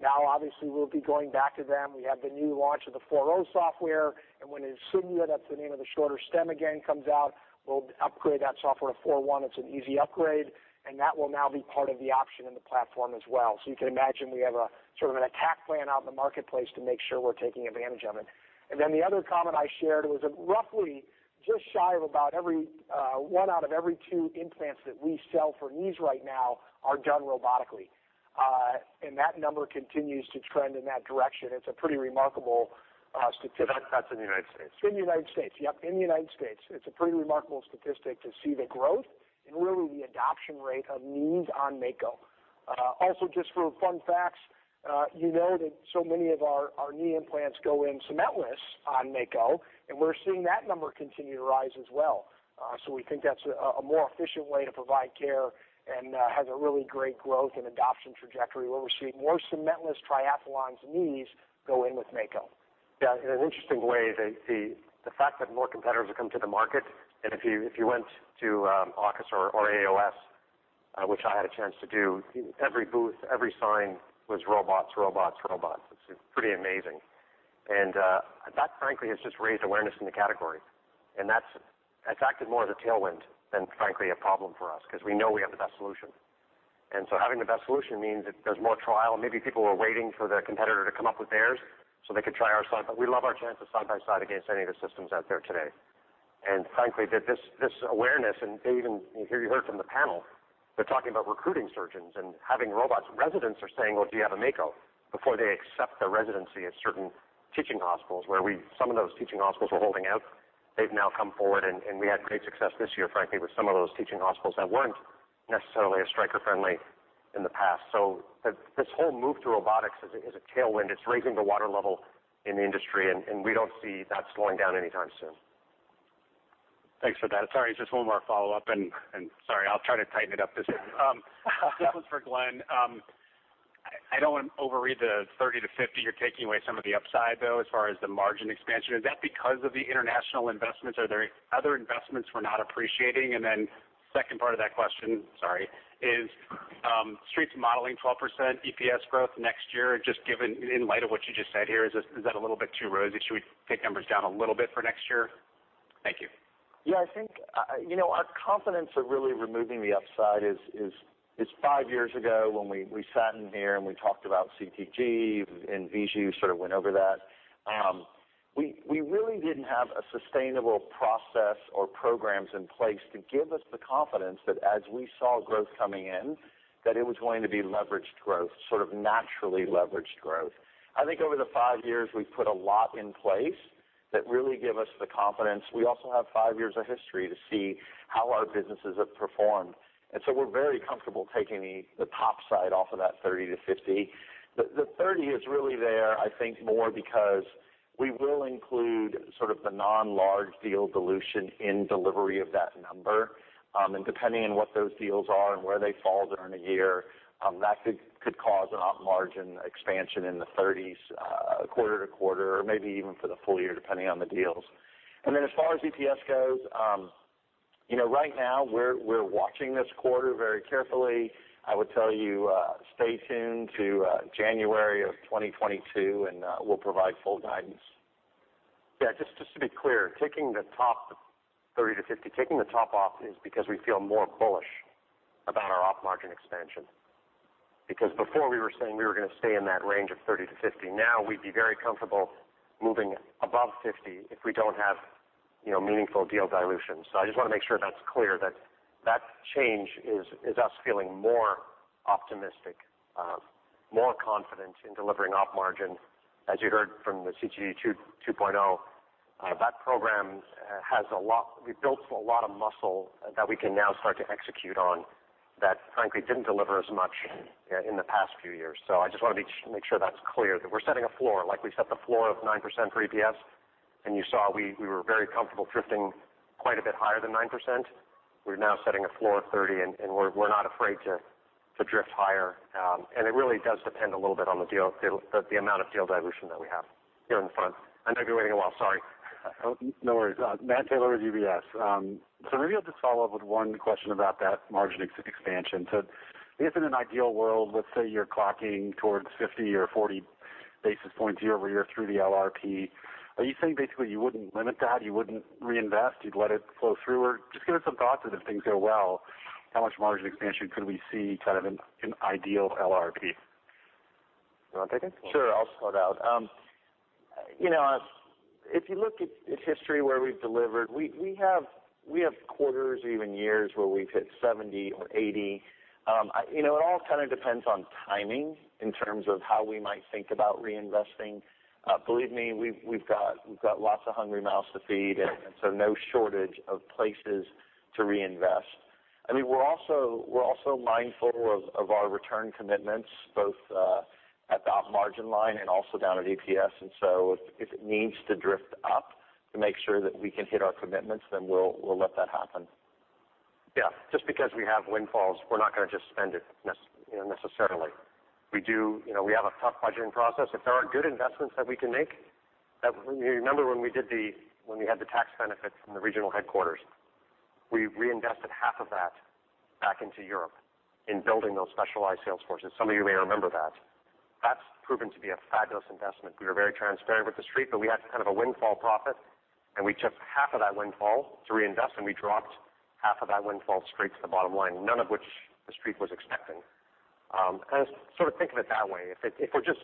Now, obviously, we'll be going back to them. We have the new launch of the 4.0 software, and when Insignia, that's the name of the shorter stem again, comes out, we'll upgrade that software to 4.1. It's an easy upgrade, and that will now be part of the option in the platform as well. You can imagine we have a sort of an attack plan out in the marketplace to make sure we're taking advantage of it. The other comment I shared was that roughly just shy of about every one out of every two implants that we sell for knees right now are done robotically. That number continues to trend in that direction. It's a pretty remarkable statistic. That's in the United States? In the United States. Yep, in the United States. It's a pretty remarkable statistic to see the growth and really the adoption rate of knees on Mako. Also, just for fun facts, you know that so many of our knee implants go in cementless on Mako, and we're seeing that number continue to rise as well. We think that's a more efficient way to provide care and has a really great growth and adoption trajectory where we're seeing more cementless Triathlon knees go in with Mako. Yeah. In an interesting way, the fact that more competitors have come to the market, and if you went to AOFAS or AAOS, which I had a chance to do, every booth, every sign was robots, robots. It's pretty amazing. That frankly has just raised awareness in the category. That's acted more as a tailwind than frankly a problem for us, because we know we have the best solution. Having the best solution means that there's more trial. Maybe people are waiting for the competitor to come up with theirs so they could try ours. We love our chance side-by-side against any of the systems out there today. Frankly, this awareness, and even here you heard from the panel, they're talking about recruiting surgeons and having robots. Residents are saying, "Well, do you have a Mako?" before they accept the residency at certain teaching hospitals. Some of those teaching hospitals were holding out. They've now come forward, and we had great success this year, frankly, with some of those teaching hospitals that weren't necessarily as Stryker friendly in the past. This whole move to robotics is a tailwind. It's raising the water level in the industry, and we don't see that slowing down anytime soon. Thanks for that. Sorry, just one more follow-up and sorry, I'll try to tighten it up this time. This one's for Glenn. I don't want to overread the 30-50. You're taking away some of the upside, though, as far as the margin expansion. Is that because of the international investments? Are there other investments we're not appreciating? And then second part of that question, sorry, is, Street's modeling 12% EPS growth next year. Just given in light of what you just said here, is that a little bit too rosy? Should we take numbers down a little bit for next year? Thank you. Yeah, I think you know, our confidence of really removing the upside is five years ago when we sat in here and we talked about CTG, and Viju sort of went over that. We really didn't have a sustainable process or programs in place to give us the confidence that as we saw growth coming in, that it was going to be leveraged growth, sort of naturally leveraged growth. I think over the five years, we've put a lot in place that really give us the confidence. We also have five years of history to see how our businesses have performed, and so we're very comfortable taking the top side off of that 30-50. The 30 is really there, I think more because we will include sort of the non-large deal dilution in delivery of that number. Depending on what those deals are and where they fall during the year, that could cause an op margin expansion in the 30s, quarter to quarter or maybe even for the full year, depending on the deals. As far as EPS goes, you know, right now we're watching this quarter very carefully. I would tell you, stay tuned to January of 2022, and we'll provide full guidance. Yeah, just to be clear, taking the top 30-50, taking the top off is because we feel more bullish about our op margin expansion. Before we were saying we were going to stay in that range of 30-50. Now we'd be very comfortable moving above 50 if we don't have, you know, meaningful deal dilution. I just want to make sure that's clear that that change is us feeling more optimistic, more confident in delivering op margin. As you heard from the CTG 2.0, that program has a lot. We've built a lot of muscle that we can now start to execute on that frankly didn't deliver as much in the past few years. I just want to make sure that's clear, that we're setting a floor, like we set the floor of 9% for EPS, and you saw we were very comfortable drifting quite a bit higher than 9%. We're now setting a floor of 30%, and we're not afraid to drift higher. It really does depend a little bit on the deal, the amount of deal dilution that we have here in front. I know you're waiting a while. Sorry. No worries. Matthew Taylor with UBS. Maybe I'll just follow up with one question about that margin expansion. If in an ideal world, let's say you're clocking towards 50 or 40 basis points year-over-year through the LRP, are you saying basically you wouldn't limit that, you wouldn't reinvest, you'd let it flow through? Just give us some thoughts if things go well, how much margin expansion could we see kind of in ideal LRP? You want to take it? Sure. I'll start out. You know, if you look at history where we've delivered, we have quarters or even years where we've hit 70 or 80. You know, it all kind of depends on timing in terms of how we might think about reinvesting. Believe me, we've got lots of hungry mouths to feed and so no shortage of places to reinvest. I mean, we're also mindful of our return commitments, both at the op margin line and also down at EPS. If it needs to drift up to make sure that we can hit our commitments, then we'll let that happen. Yeah. Just because we have windfalls, we're not gonna just spend it necessarily. You know, we have a tough budgeting process. If there are good investments that we can make, you remember when we had the tax benefit from the regional headquarters? We reinvested half of that back into Europe in building those specialized sales forces. Some of you may remember that. That's proven to be a fabulous investment. We were very transparent with the Street, but we had kind of a windfall profit, and we took half of that windfall to reinvest, and we dropped half of that windfall straight to the bottom line, none of which the Street was expecting. Kind of sort of think of it that way. If we're just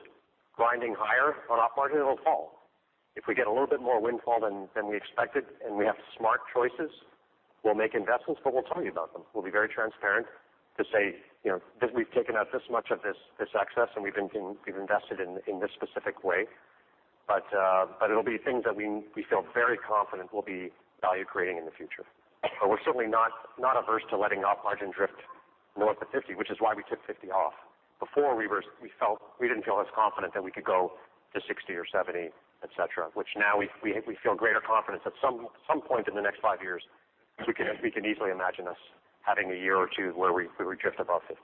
grinding higher on op margin, it'll fall. If we get a little bit more windfall than we expected and we have smart choices, we'll make investments, but we'll tell you about them. We'll be very transparent to say, you know, that we've taken out this much of this excess, and we've invested in this specific way. It'll be things that we feel very confident will be value-creating in the future. We're certainly not averse to letting op margin drift north of 50%, which is why we took 50 off. Before we didn't feel as confident that we could go to 60% or 70%, et cetera, which now we feel greater confidence. At some point in the next five years, we can easily imagine us having a year or two where we drift above 50%.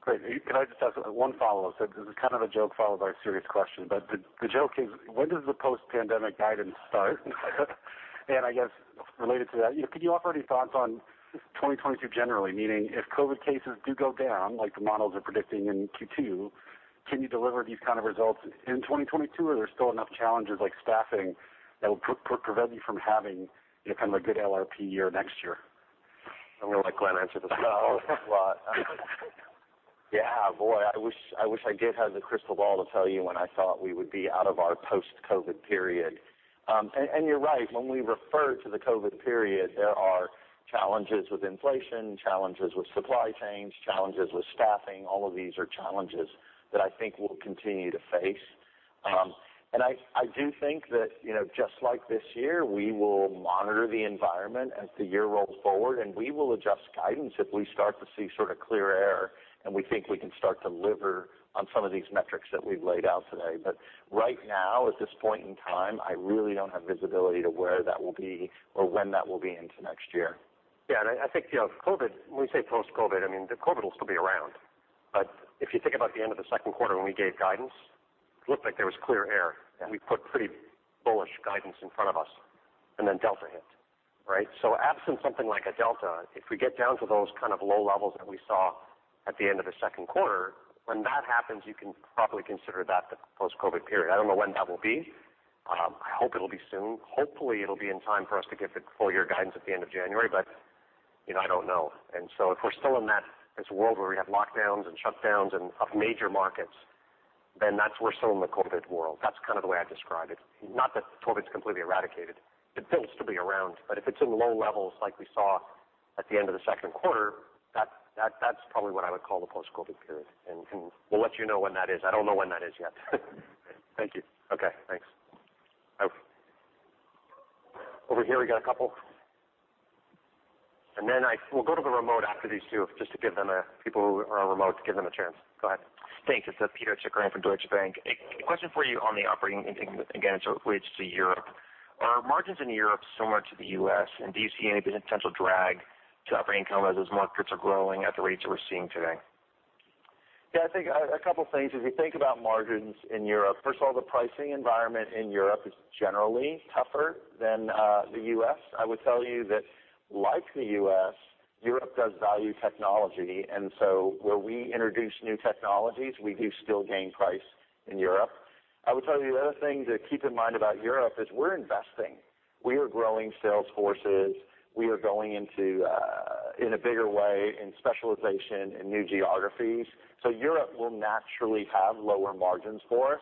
Great. Can I just ask one follow-up? This is kind of a joke followed by a serious question. The joke is, when does the post-pandemic guidance start? I guess related to that, you know, could you offer any thoughts on 2022 generally, meaning if COVID cases do go down, like the models are predicting in Q2, can you deliver these kind of results in 2022? Or are there still enough challenges like staffing that will prevent you from having, you know, kind of a good LRP year next year? I'm gonna let Glenn answer this one. Yeah. Boy, I wish I did have the crystal ball to tell you when I thought we would be out of our post-COVID period. You're right. When we refer to the COVID period, there are challenges with inflation, challenges with supply chains, challenges with staffing. All of these are challenges that I think we'll continue to face. I do think that, you know, just like this year, we will monitor the environment as the year rolls forward, and we will adjust guidance if we start to see sort of clear air and we think we can start to deliver on some of these metrics that we've laid out today. But right now, at this point in time, I really don't have visibility to where that will be or when that will be into next year. Yeah. I think, you know, COVID, when we say post-COVID, I mean, the COVID will still be around. If you think about the end of the second quarter when we gave guidance, it looked like there was clear air. Yeah. We put pretty bullish guidance in front of us, and then Delta hit, right? Absent something like a Delta, if we get down to those kind of low levels that we saw at the end of the second quarter, when that happens, you can probably consider that the post-COVID period. I don't know when that will be. I hope it'll be soon. Hopefully, it'll be in time for us to give the full year guidance at the end of January. You know, I don't know. If we're still in that, this world where we have lockdowns and shutdowns of major markets, then that's where we're still in the COVID world. That's kind of the way I describe it. Not that COVID's completely eradicated. It will still be around. If it's in low levels like we saw at the end of the second quarter, that's probably what I would call the post-COVID period. We'll let you know when that is. I don't know when that is yet. Thank you. Okay, thanks. Over here, we got a couple. We'll go to the remote after these two just to give them, people who are on remote, a chance. Go ahead. Thanks. This is Pito Chickering from Deutsche Bank. A question for you on the operating, again, so relates to Europe. Are margins in Europe similar to the U.S., and do you see any potential drag to operating income as those markets are growing at the rates that we're seeing today? Yeah, I think a couple things. As we think about margins in Europe, first of all, the pricing environment in Europe is generally tougher than the U.S. I would tell you that like the U.S., Europe does value technology, and so where we introduce new technologies, we do still gain price in Europe. I would tell you the other thing to keep in mind about Europe is we're investing. We are growing sales forces. We are going into in a bigger way in specialization, in new geographies. Europe will naturally have lower margins for us.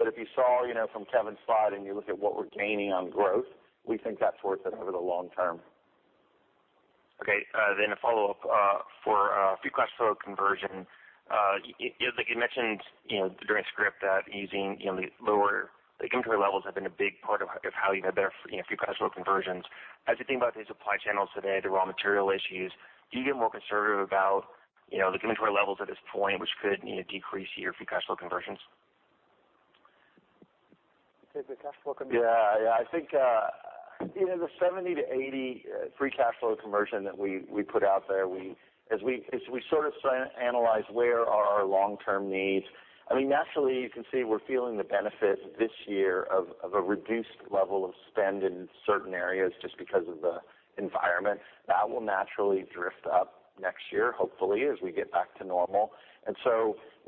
If you saw, you know, from Kevin's slide and you look at what we're gaining on growth, we think that's worth it over the long term. Okay. A follow-up for a few questions around conversion. You know, like you mentioned, you know, during script that using, you know, the lower, like inventory levels have been a big part of how you've had better, you know, free cash flow conversions. As you think about the supply chain today, the raw material issues, do you get more conservative about, you know, the inventory levels at this point, which could, you know, decrease your free cash flow conversions? You said the cash flow conversion? Yeah. Yeah. I think, you know, the 70%-80% free cash flow conversion that we put out there, as we sort of start to analyze where are our long-term needs, I mean, naturally, you can see we're feeling the benefit this year of a reduced level of spend in certain areas just because of the environment. That will naturally drift up next year, hopefully, as we get back to normal.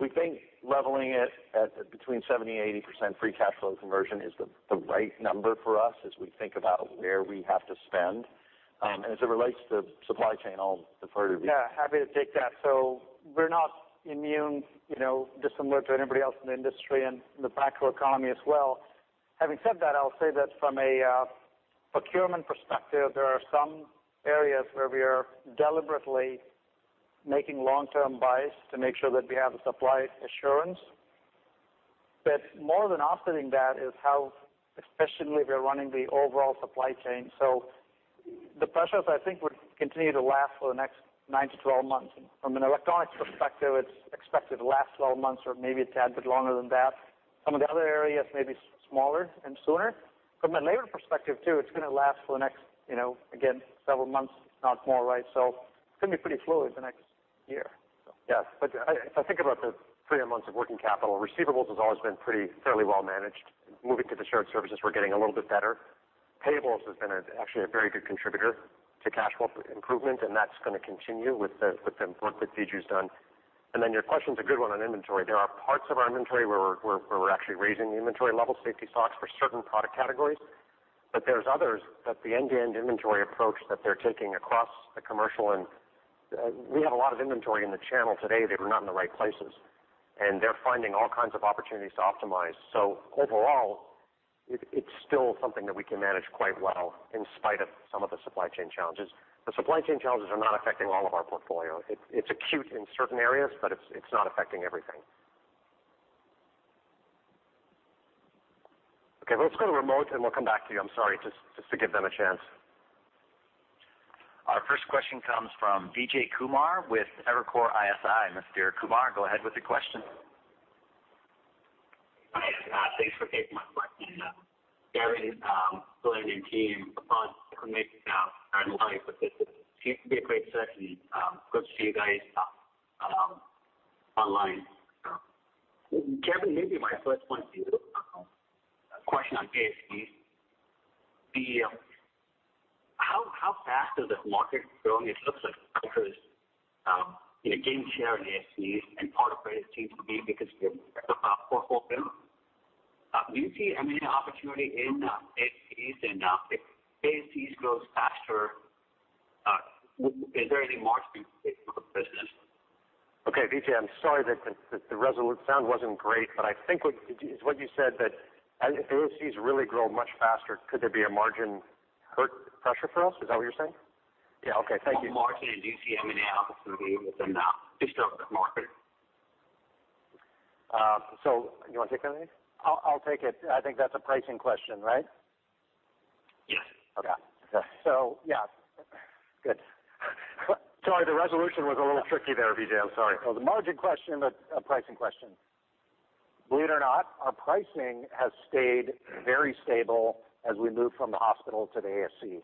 We think leveling it at between 70%-80% free cash flow conversion is the right number for us as we think about where we have to spend. As it relates to supply chain, I'll defer to Viju. Yeah, happy to take that. We're not immune, dissimilar to anybody else in the industry and the macroeconomy as well. Having said that, I'll say that from a procurement perspective, there are some areas where we are deliberately making long-term buys to make sure that we have the supply assurance. More than offsetting that is how efficiently we are running the overall supply chain. The pressures I think would continue to last for the next 9-12 months. From an electronics perspective, it's expected to last 12 months or maybe a tad bit longer than that. Some of the other areas may be smaller and sooner. From a labor perspective too, it's gonna last for the next, again, several months, if not more. It's gonna be pretty fluid the next year. Yes. I, if I think about the three months of working capital, receivables has always been pretty fairly well managed. Moving to the shared services, we're getting a little bit better. Payables has been actually a very good contributor to cash flow improvement, and that's gonna continue with the work that Viju's done. Then your question's a good one on inventory. There are parts of our inventory where we're actually raising the inventory level safety stocks for certain product categories. There's others that the end-to-end inventory approach that they're taking across the commercial and we have a lot of inventory in the channel today that were not in the right places, and they're finding all kinds of opportunities to optimize. Overall, it's still something that we can manage quite well in spite of some of the supply chain challenges. The supply chain challenges are not affecting all of our portfolio. It's acute in certain areas, but it's not affecting everything. Okay, let's go to remote, and we'll come back to you. I'm sorry, just to give them a chance. Our first question comes from Vijay Kumar with Evercore ISI. Mr. Kumar, go ahead with your question. Hi, thanks for taking my question. Kevin Lobo, Glenn and your team, upon coming out online with this, it seems to be a great session. Good to see you guys online. Kevin Lobo, maybe my first one to you, a question on ASCs. How fast is this market growing? It looks like there's, you know, gain share in ASCs and part of credit seems to be because of your portfolio. Do you see M&A opportunity in ASCs? And, if ASCs grows faster, is there any margin for the business? Okay, Vijay, I'm sorry that the resolution sound wasn't great, but I think what you said is that as ASCs really grow much faster, could there be a margin pressure for us? Is that what you're saying? Yeah. Okay. Thank you. On margin, do you see M&A opportunity based on the market? You wanna take that one? I'll take it. I think that's a pricing question, right? Yes. Okay. Yeah. Good. Sorry, the resolution was a little tricky there, Vijay. I'm sorry. The margin question, a pricing question. Believe it or not, our pricing has stayed very stable as we move from the hospital to the ASC.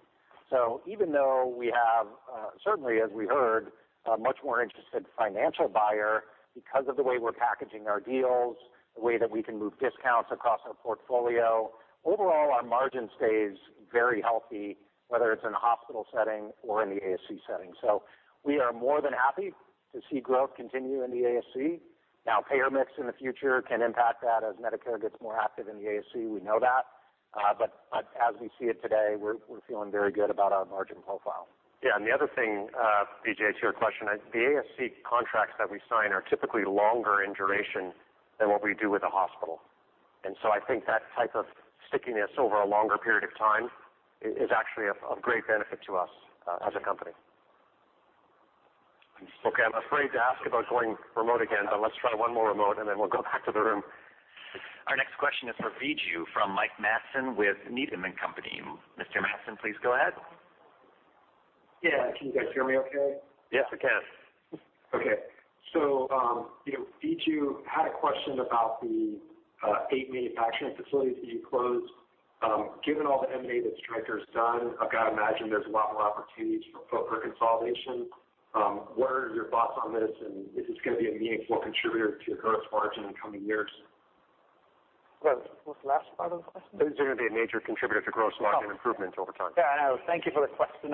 Even though we have certainly, as we heard, a much more interested financial buyer because of the way we're packaging our deals, the way that we can move discounts across our portfolio, overall, our margin stays very healthy, whether it's in a hospital setting or in the ASC setting. We are more than happy to see growth continue in the ASC. Now, payer mix in the future can impact that as Medicare gets more active in the ASC. We know that. But as we see it today, we're feeling very good about our margin profile. Yeah, the other thing, Vijay, to your question, the ASC contracts that we sign are typically longer in duration than what we do with the hospital. I think that type of stickiness over a longer period of time is actually of great benefit to us as a company. Okay. I'm afraid to ask about going remote again, but let's try one more remote, and then we'll go back to the room. Our next question is for Viju from Mike Matson with Needham & Company. Mr. Matson, please go ahead. Yeah. Can you guys hear me okay? Yes, I can. You know, Viju had a question about the 8 manufacturing facilities being closed. Given all the M&A that Stryker's done, I've gotta imagine there's a lot more opportunities for consolidation. What are your thoughts on this, and is this gonna be a meaningful contributor to your gross margin in coming years? Well, what's the last part of the question? Is it gonna be a major contributor to gross margin improvement over time? Yeah, I know. Thank you for the question.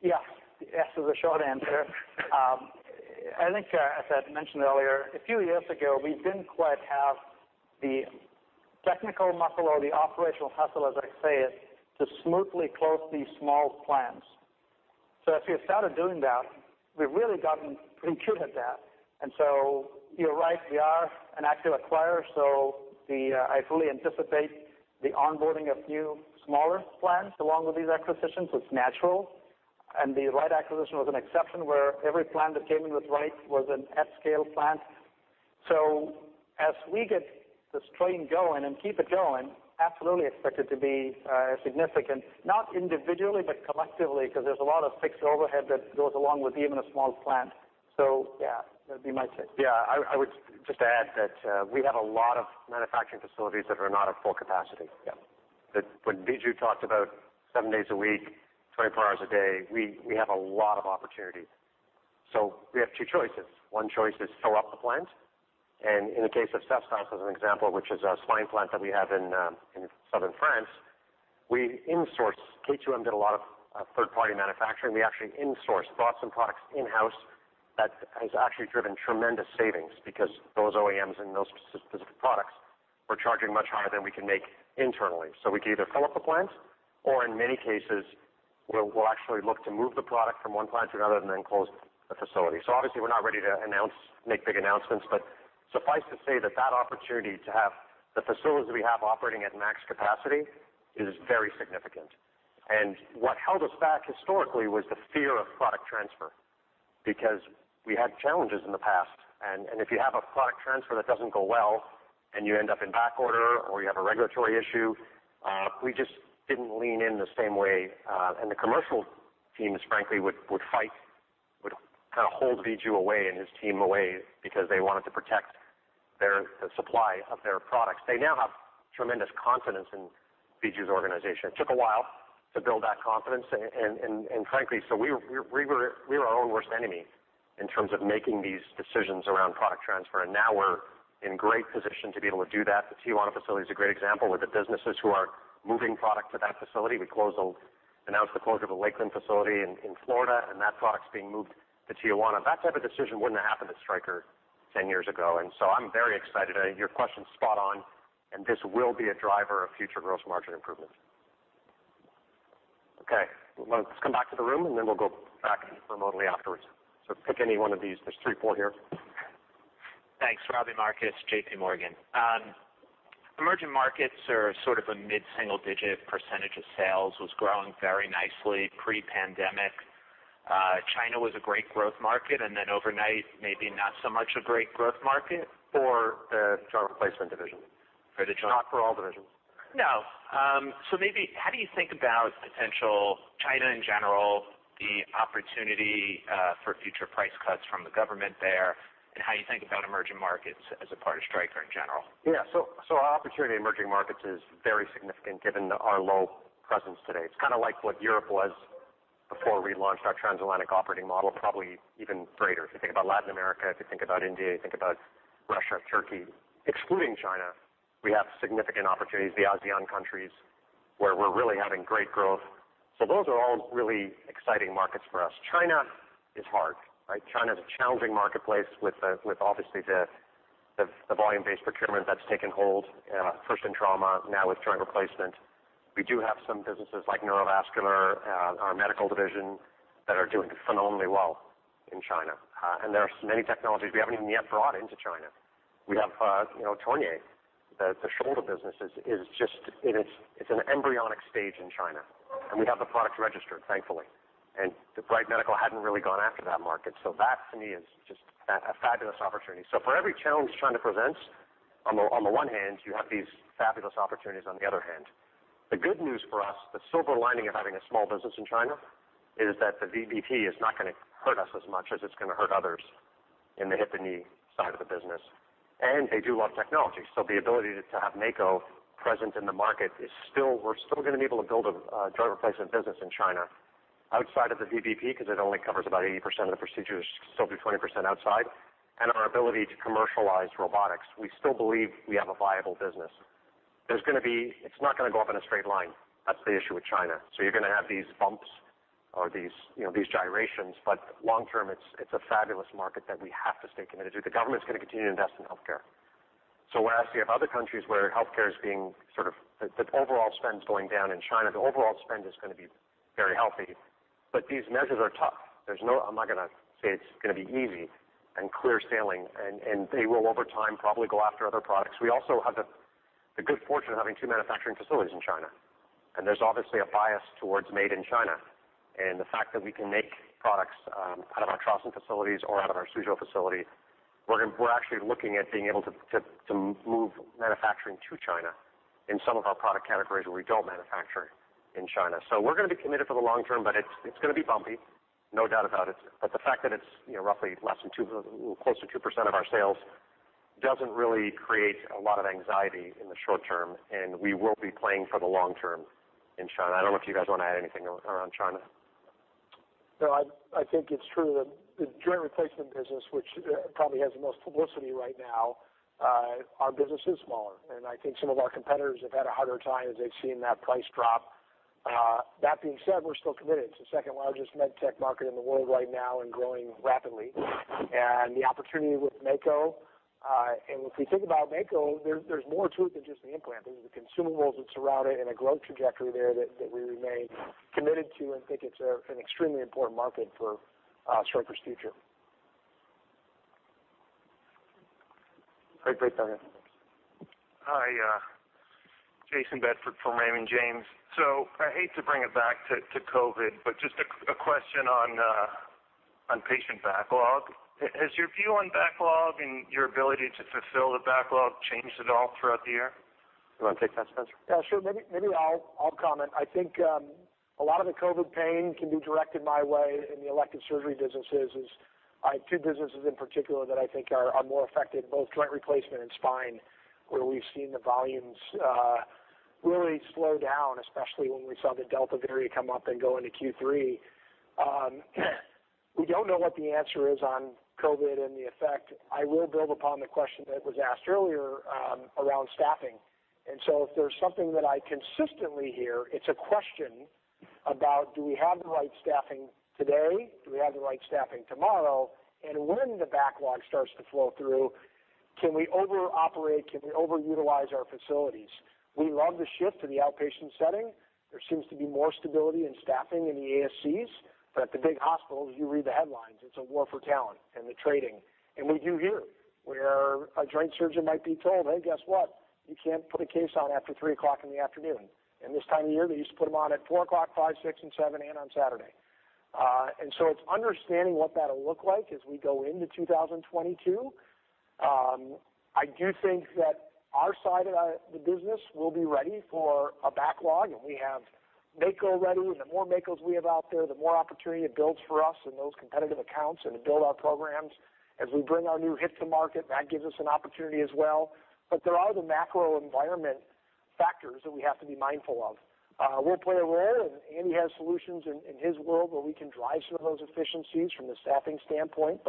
Yes. Yes is the short answer. I think, as I mentioned earlier, a few years ago, we didn't quite have the technical muscle or the operational hustle, as I say it, to smoothly close these small plants. As we started doing that, we've really gotten pretty good at that. You're right, we are an active acquirer. I fully anticipate the onboarding of new smaller plants along with these acquisitions. It's natural. The Wright acquisition was an exception where every plant that came in with Wright was an at-scale plant. As we get this train going and keep it going, absolutely expect it to be significant, not individually, but collectively, 'cause there's a lot of fixed overhead that goes along with even a small plant. Yeah, that'd be my take. Yeah. I would just add that we have a lot of manufacturing facilities that are not at full capacity. Yeah. When Viju talked about seven days a week, 24 hours a day, we have a lot of opportunity. We have two choices. One choice is fill up the plant. In the case of Cestas, as an example, which is a spine plant that we have in Southern France, we insourced. K2M did a lot of third-party manufacturing. We actually insourced, brought some products in-house that has actually driven tremendous savings because those OEMs and those specific products were charging much higher than we can make internally. We can either fill up a plant, or in many cases, we'll actually look to move the product from one plant to another and then close the facility. Obviously, we're not ready to announce, make big announcements. Suffice to say that that opportunity to have the facilities we have operating at max capacity is very significant. What held us back historically was the fear of product transfer because we had challenges in the past. If you have a product transfer that doesn't go well and you end up in backorder or you have a regulatory issue, we just didn't lean in the same way. The commercial teams frankly would fight, would kind of hold Viju away and his team away because they wanted to protect their, the supply of their products. They now have tremendous confidence in Viju's organization. It took a while to build that confidence and frankly, so we were our own worst enemy in terms of making these decisions around product transfer, and now we're in great position to be able to do that. The Tijuana facility is a great example with the businesses who are moving product to that facility. We announced the closure of the Lakeland facility in Florida, and that product's being moved to Tijuana. That type of decision wouldn't have happened at Stryker 10 years ago, so I'm very excited. Your question's spot on, and this will be a driver of future gross margin improvements. Okay. Let's come back to the room, and then we'll go back remotely afterwards. So pick any one of these. There's three, four here. Thanks. Robbie Marcus, JPMorgan. Emerging markets are sort of a mid-single digit percentage of sales was growing very nicely pre-pandemic. China was a great growth market, and then overnight, maybe not so much a great growth market for the joint replacement division. For the joint- Not for all divisions. No. Maybe how do you think about potential in China, in general, the opportunity, for future price cuts from the government there? How you think about emerging markets as a part of Stryker in general? Yeah, our opportunity in emerging markets is very significant given our low presence today. It's kind of like what Europe was before we launched our transatlantic operating model, probably even greater. If you think about Latin America, if you think about India, you think about Russia, Turkey. Excluding China, we have significant opportunities, the ASEAN countries, where we're really having great growth. Those are all really exciting markets for us. China is hard, right? China's a challenging marketplace with obviously the volume-based procurement that's taken hold, first in trauma, now with joint replacement. We do have some businesses like Neurovascular, our Medical Division that are doing phenomenally well in China. There are many technologies we haven't even yet brought into China. We have, you know, Tornier. The shoulder business is just an embryonic stage in China. We have the products registered, thankfully. The Wright Medical hadn't really gone after that market. That, to me, is just a fabulous opportunity. For every challenge China presents, on the one hand, you have these fabulous opportunities on the other hand. The good news for us, the silver lining of having a small business in China, is that the VBP is not gonna hurt us as much as it's gonna hurt others in the hip and knee side of the business. They do love technology, so the ability to have Mako present in the market is still. We're still gonna be able to build a joint replacement business in China outside of the VBP, because it only covers about 80% of the procedures. There's still 20% upside. Our ability to commercialize robotics, we still believe we have a viable business. It's not gonna go up in a straight line. That's the issue with China. You're gonna have these bumps or these, you know, these gyrations. Long term, it's a fabulous market that we have to stay committed to. The government's gonna continue to invest in healthcare. Whereas you have other countries where healthcare is being sort of, the overall spend's going down, in China, the overall spend is gonna be very healthy. These measures are tough. There's no. I'm not gonna say it's gonna be easy and clear sailing. They will, over time, probably go after other products. We also have the good fortune of having two manufacturing facilities in China, and there's obviously a bias towards made in China. The fact that we can make products out of our Changzhou facilities or out of our Suzhou facility, we're actually looking at being able to move manufacturing to China in some of our product categories where we don't manufacture in China. We're gonna be committed for the long term, but it's gonna be bumpy. No doubt about it. The fact that it's, you know, roughly less than two—close to 2% of our sales doesn't really create a lot of anxiety in the short term, and we will be playing for the long term in China. I don't know if you guys want to add anything around China. No, I think it's true that the joint replacement business, which probably has the most publicity right now, our business is smaller. I think some of our competitors have had a harder time as they've seen that price drop. That being said, we're still committed. It's the second-largest med tech market in the world right now and growing rapidly. The opportunity with Mako, and if we think about Mako, there's more to it than just the implant. There's the consumables that surround it and a growth trajectory there that we remain committed to and think it's an extremely important market for Stryker's future. Great. Great, thanks. Hi, Jayson Bedford from Raymond James. I hate to bring it back to COVID, but just a quick question on patient backlog. Has your view on backlog and your ability to fulfill the backlog changed at all throughout the year? You wanna take that, Spencer? Yeah, sure. Maybe I'll comment. I think a lot of the COVID pain can be directed my way in the elective surgery businesses. I have two businesses in particular that I think are more affected, both joint replacement and spine, where we've seen the volumes really slow down, especially when we saw the Delta variant come up and go into Q3. We don't know what the answer is on COVID and the effect. I will build upon the question that was asked earlier around staffing. If there's something that I consistently hear, it's a question about, do we have the right staffing today? Do we have the right staffing tomorrow? When the backlog starts to flow through, can we over-operate, can we over-utilize our facilities? We love the shift to the outpatient setting. There seems to be more stability in staffing in the ASCs. At the big hospitals, you read the headlines, it's a war for talent and the trading. We do hear where a joint surgeon might be told, "Hey, guess what? You can't put a case on after 3:00 P.M." This time of year, they used to put them on at 4:00 P.M., 5:00 P.M., 6:00 P.M., and 7:00 P.M., and on Saturday. It's understanding what that'll look like as we go into 2022. I do think that our side of the business will be ready for a backlog, and we have Mako ready. The more Makos we have out there, the more opportunity it builds for us in those competitive accounts and to build our programs. As we bring our new hip to market, that gives us an opportunity as well. There are the macro environment factors that we have to be mindful of. We'll play a role, and Andy has solutions in his world where we can drive some of those efficiencies from the staffing standpoint.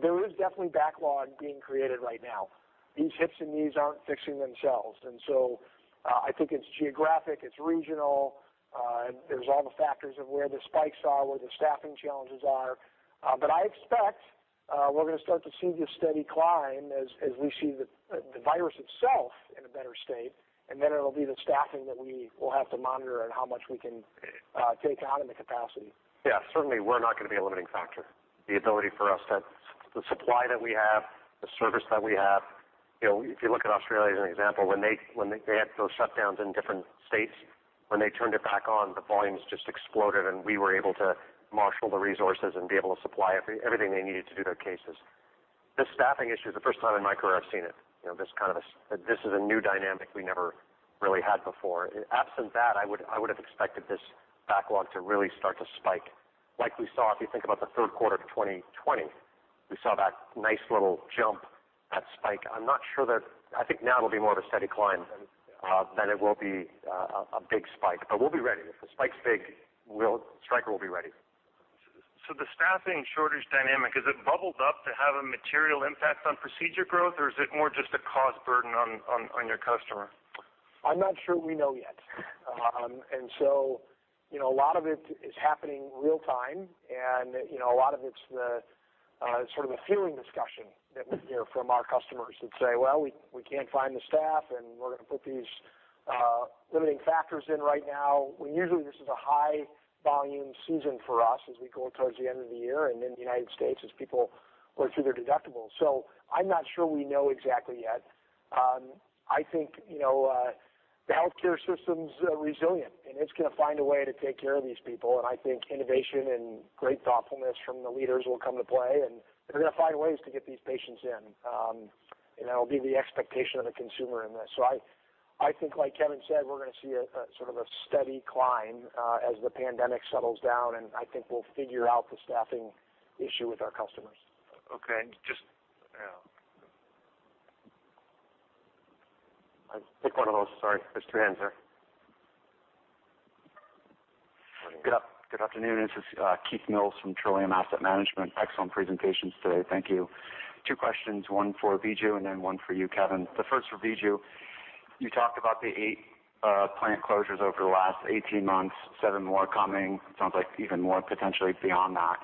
There is definitely backlog being created right now. These hips and knees aren't fixing themselves. I think it's geographic, it's regional, and there's all the factors of where the spikes are, where the staffing challenges are. I expect we're gonna start to see this steady climb as we see the virus itself in a better state, and then it'll be the staffing that we will have to monitor and how much we can take on in the capacity. Yeah. Certainly, we're not gonna be a limiting factor. The supply that we have, the service that we have, you know, if you look at Australia as an example, when they had those shutdowns in different states, when they turned it back on, the volumes just exploded, and we were able to marshal the resources and be able to supply everything they needed to do their cases. The staffing issue is the first time in my career I've seen it, you know. This is a new dynamic we never really had before. Absent that, I would have expected this backlog to really start to spike like we saw if you think about the third quarter of 2020. We saw that nice little jump, that spike. I'm not sure that. I think now it'll be more of a steady climb than it will be a big spike. We'll be ready. If the spike's big, Stryker will be ready. The staffing shortage dynamic, has it bubbled up to have a material impact on procedure growth, or is it more just a cost burden on your customer? I'm not sure we know yet. You know, a lot of it is happening real time and, you know, a lot of it's the, sort of a feeling discussion that we hear from our customers that say, "Well, we can't find the staff, and we're gonna put these, limiting factors in right now." When usually this is a high volume season for us as we go towards the end of the year and in the United States as people work through their deductibles. I'm not sure we know exactly yet. I think, you know, the healthcare system's, resilient, and it's gonna find a way to take care of these people. I think innovation and great thoughtfulness from the leaders will come to play, and they're gonna find ways to get these patients in. That'll be the expectation of the consumer in this. I think like Kevin said, we're gonna see sort of a steady climb as the pandemic settles down, and I think we'll figure out the staffing issue with our customers. Okay. Just, I'll take one of those. Sorry. There's two hands there. Good afternoon. This is Keith Mills from Trillium Asset Management. Excellent presentations today. Thank you. Two questions, one for Viju and then one for you, Kevin. The first for Viju. You talked about the eight plant closures over the last 18 months, 7 more coming. Sounds like even more potentially beyond that.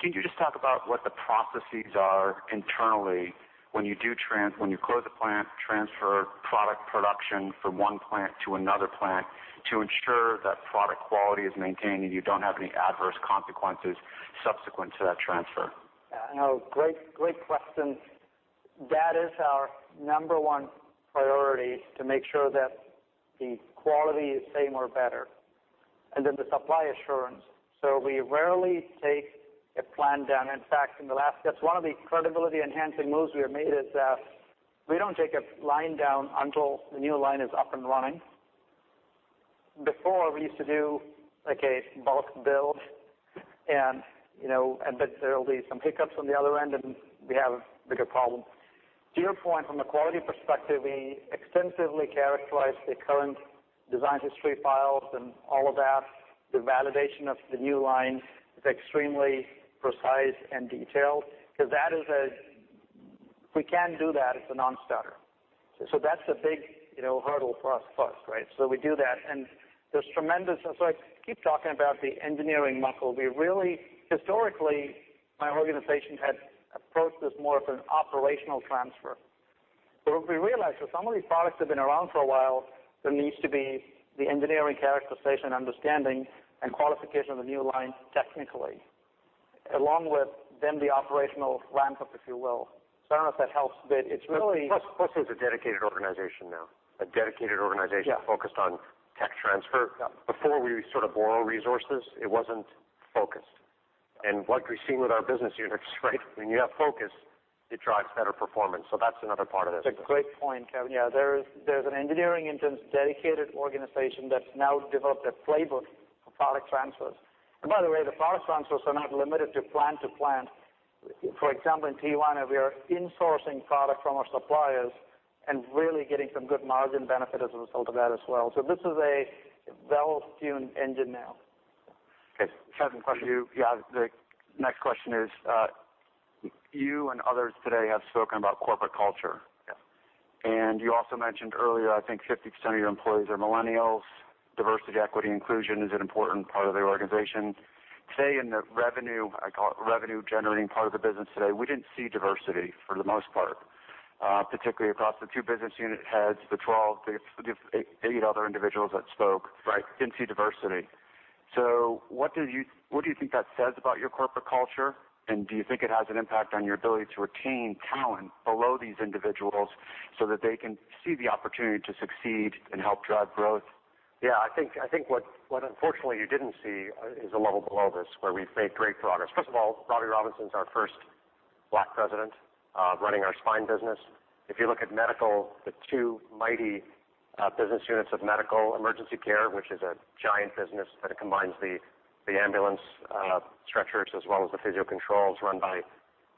Can you just talk about what the processes are internally when you close a plant, transfer product production from one plant to another plant to ensure that product quality is maintained and you don't have any adverse consequences subsequent to that transfer? Yeah, no. Great, great question. That is our number one priority, to make sure that the quality is same or better, and then the supply assurance. We rarely take a plant down. In fact, that's one of the credibility enhancing moves we have made is that we don't take a line down until the new line is up and running. Before, we used to do like a bulk build and, you know, and that there'll be some hiccups on the other end, and we have bigger problem. To your point, from a quality perspective, we extensively characterize the current design history files and all of that. The validation of the new line is extremely precise and detailed because if we can't do that, it's a non-starter. That's the big, you know, hurdle for us first, right? We do that. I keep talking about the engineering muscle. Historically, my organization had approached this more of an operational transfer. What we realized was some of these products have been around for a while. There needs to be the engineering characterization, understanding, and qualification of the new line technically, along with then the operational ramp up, if you will. I don't know if that helps, but it's really- Plus, there's a dedicated organization now. Yeah. Focused on tech transfer. Yeah. Before, we sort of borrow resources. It wasn't focused. What we've seen with our business units, right, when you have focus, it drives better performance. That's another part of this. It's a great point, Kevin. Yeah. There's an engineering intense dedicated organization that's now developed a playbook for product transfers. By the way, the product transfers are not limited to plant to plant. For example, in Tijuana, we are insourcing product from our suppliers and really getting some good margin benefit as a result of that as well. This is a well-tuned engine now. Okay. Kevin, question to you. Yeah. The next question is, you and others today have spoken about corporate culture. Yeah. You also mentioned earlier, I think 50% of your employees are millennials. Diversity, equity, inclusion is an important part of the organization. Today in the revenue, I call it revenue generating part of the business, we didn't see diversity for the most part, particularly across the two business unit heads, the 12, the eight other individuals that spoke. Right. Didn't see diversity. What do you think that says about your corporate culture? Do you think it has an impact on your ability to retain talent below these individuals so that they can see the opportunity to succeed and help drive growth? Yeah. I think what unfortunately you didn't see is a level below this where we've made great progress. First of all, Robbie Robinson's our first black president running our spine business. If you look at medical, the two mighty business units of medical emergency care, which is a giant business that combines the ambulance stretchers as well as the Physio-Control run by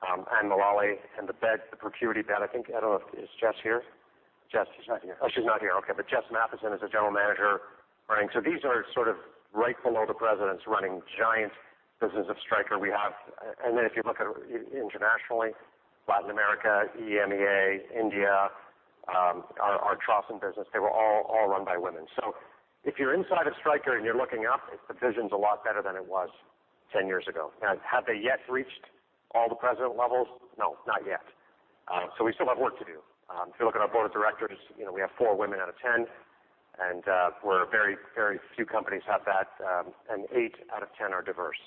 Anne Mullally and the bed, the ProCuity bed, I think. I don't know if Jess is here? Jess? She's not here. She's not here. Okay. Jess Mathieson is a general manager running. These are sort of right below the presidents running giant business of Stryker. We have if you look internationally, Latin America, EMEA, India, our Trauson business, they were all run by women. If you're inside of Stryker and you're looking up, the vision's a lot better than it was 10 years ago. Now, have they yet reached all the president levels? No, not yet. We still have work to do. If you look at our board of directors, you know, we have four women out of 10, and very few companies have that, and eight out of 10 are diverse.